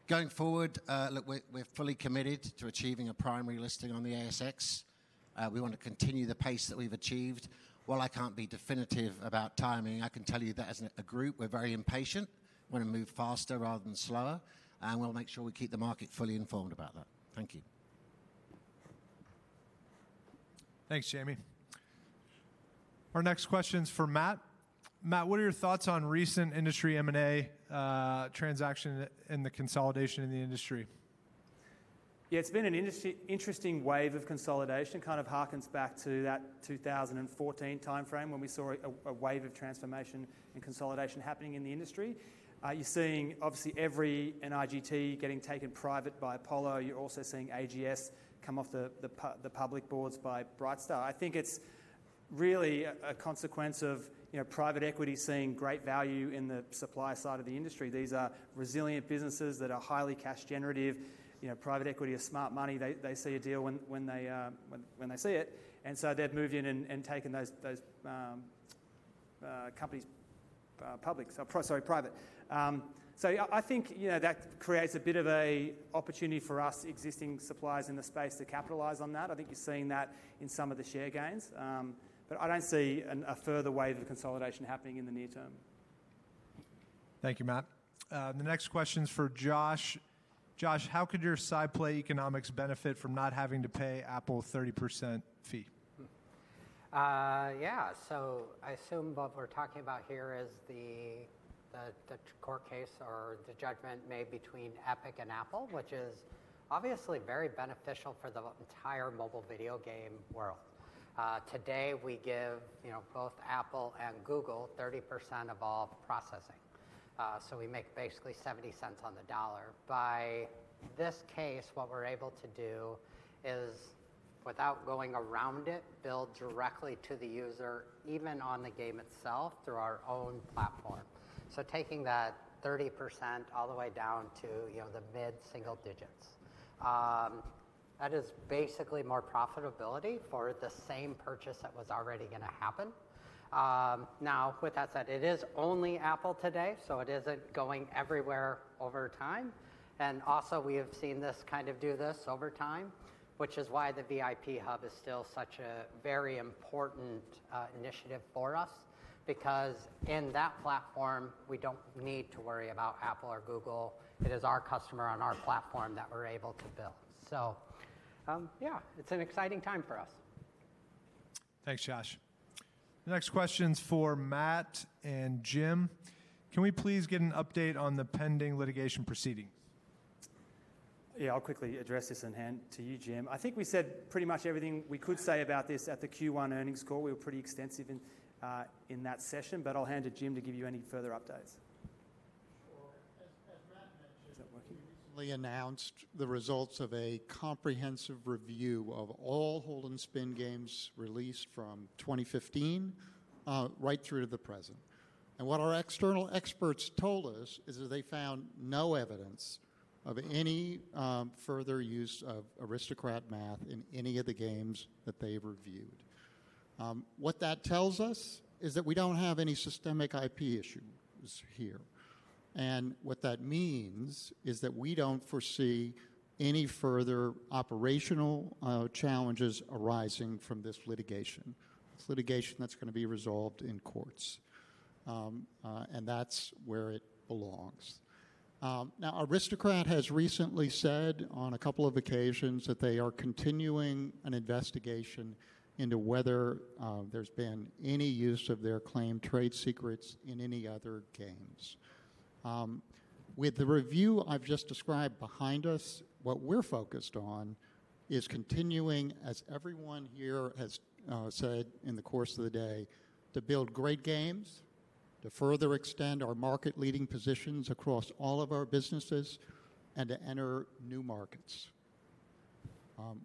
Going forward, look, we're fully committed to achieving a primary listing on the ASX. We want to continue the pace that we've achieved. While I can't be definitive about timing, I can tell you that as a group, we're very impatient. We want to move faster rather than slower. We will make sure we keep the market fully informed about that. Thank you. Thanks, Jamie. Our next question's for Matt. Matt, what are your thoughts on recent industry M&A transactions and the consolidation in the industry? Yeah, it's been an interesting wave of consolidation. It kind of harkens back to that 2014 timeframe when we saw a wave of transformation and consolidation happening in the industry. You're seeing, obviously, every IGT getting taken private by Apollo. You're also seeing AGS come off the public boards by Brightstar. I think it's really a consequence of private equity seeing great value in the supply side of the industry. These are resilient businesses that are highly cash-generative. Private equity is smart money. They see a deal when they see it. They have moved in and taken those companies private. I think that creates a bit of an opportunity for us existing suppliers in the space to capitalize on that. I think you're seeing that in some of the share gains. I don't see a further wave of consolidation happening in the near term. Thank you, Matt. The next question's for Josh. Josh, how could your SciPlay economics benefit from not having to pay Apple a 30% fee? Yeah, I assume what we're talking about here is the court case or the judgment made between Epic and Apple, which is obviously very beneficial for the entire mobile video game world. Today, we give both Apple and Google 30% of all processing. We make basically 70 cents on the dollar. By this case, what we're able to do is, without going around it, bill directly to the user, even on the game itself, through our own platform. Taking that 30% all the way down to the mid-single digits, that is basically more profitability for the same purchase that was already going to happen. Now, with that said, it is only Apple today, so it is not going everywhere over time. Also, we have seen this kind of do this over time, which is why the VIP Hub is still such a very important initiative for us because in that platform, we do not need to worry about Apple or Google. It is our customer on our platform that we are able to build. Yeah, it is an exciting time for us. Thanks, Josh. The next question is for Matt and Jim. Can we please get an update on the pending litigation proceedings? I will quickly address this and hand it to you, Jim. I think we said pretty much everything we could say about this at the Q1 earnings call. We were pretty extensive in that session, but I'll hand it to Jim to give you any further updates. Sure. As Matt mentioned, we recently announced the results of a comprehensive review of all hold-and-spin games released from 2015 right through to the present. What our external experts told us is that they found no evidence of any further use of Aristocrat math in any of the games that they've reviewed. What that tells us is that we don't have any systemic IP issues here. What that means is that we don't foresee any further operational challenges arising from this litigation. It's litigation that's going to be resolved in courts, and that's where it belongs. Now, Aristocrat has recently said on a couple of occasions that they are continuing an investigation into whether there's been any use of their claimed trade secrets in any other games. With the review I've just described behind us, what we're focused on is continuing, as everyone here has said in the course of the day, to build great games, to further extend our market-leading positions across all of our businesses, and to enter new markets.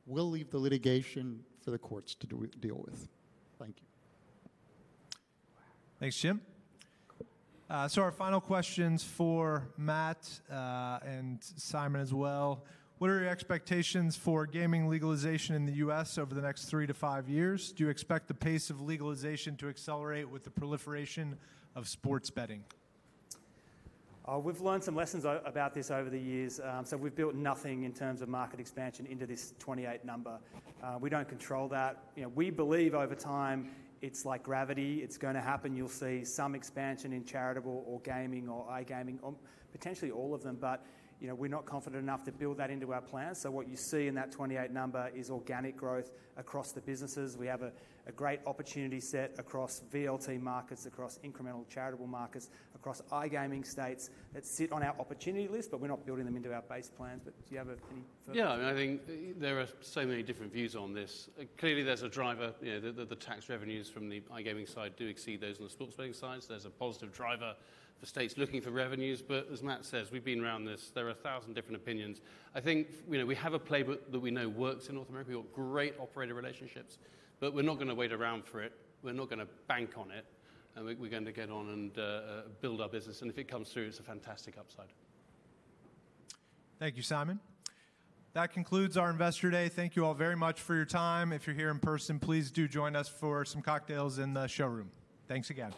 We'll leave the litigation for the courts to deal with. Thank you. Thanks, Jim. Our final questions for Matt and Simon as well. What are your expectations for gaming legalization in the U.S. over the next three to five years? Do you expect the pace of legalization to accelerate with the proliferation of sports betting? We've learned some lessons about this over the years. We've built nothing in terms of market expansion into this 28 number. We don't control that. We believe over time it's like gravity. It's going to happen. You'll see some expansion in charitable or gaming or iGaming or potentially all of them, but we're not confident enough to build that into our plans. What you see in that 28 number is organic growth across the businesses. We have a great opportunity set across VLT markets, across incremental charitable markets, across iGaming states that sit on our opportunity list, but we're not building them into our base plans. Do you have any further? Yeah, I mean, I think there are so many different views on this. Clearly, there's a driver. The tax revenues from the iGaming side do exceed those on the sports betting side. There's a positive driver for states looking for revenues. As Matt says, we've been around this. There are a thousand different opinions. I think we have a playbook that we know works in North America. We've got great operator relationships. We're not going to wait around for it. We're not going to bank on it. We're going to get on and build our business. If it comes through, it's a fantastic upside. Thank you, Simon. That concludes our Investor Day. Thank you all very much for your time. If you're here in person, please do join us for some cocktails in the showroom. Thanks again.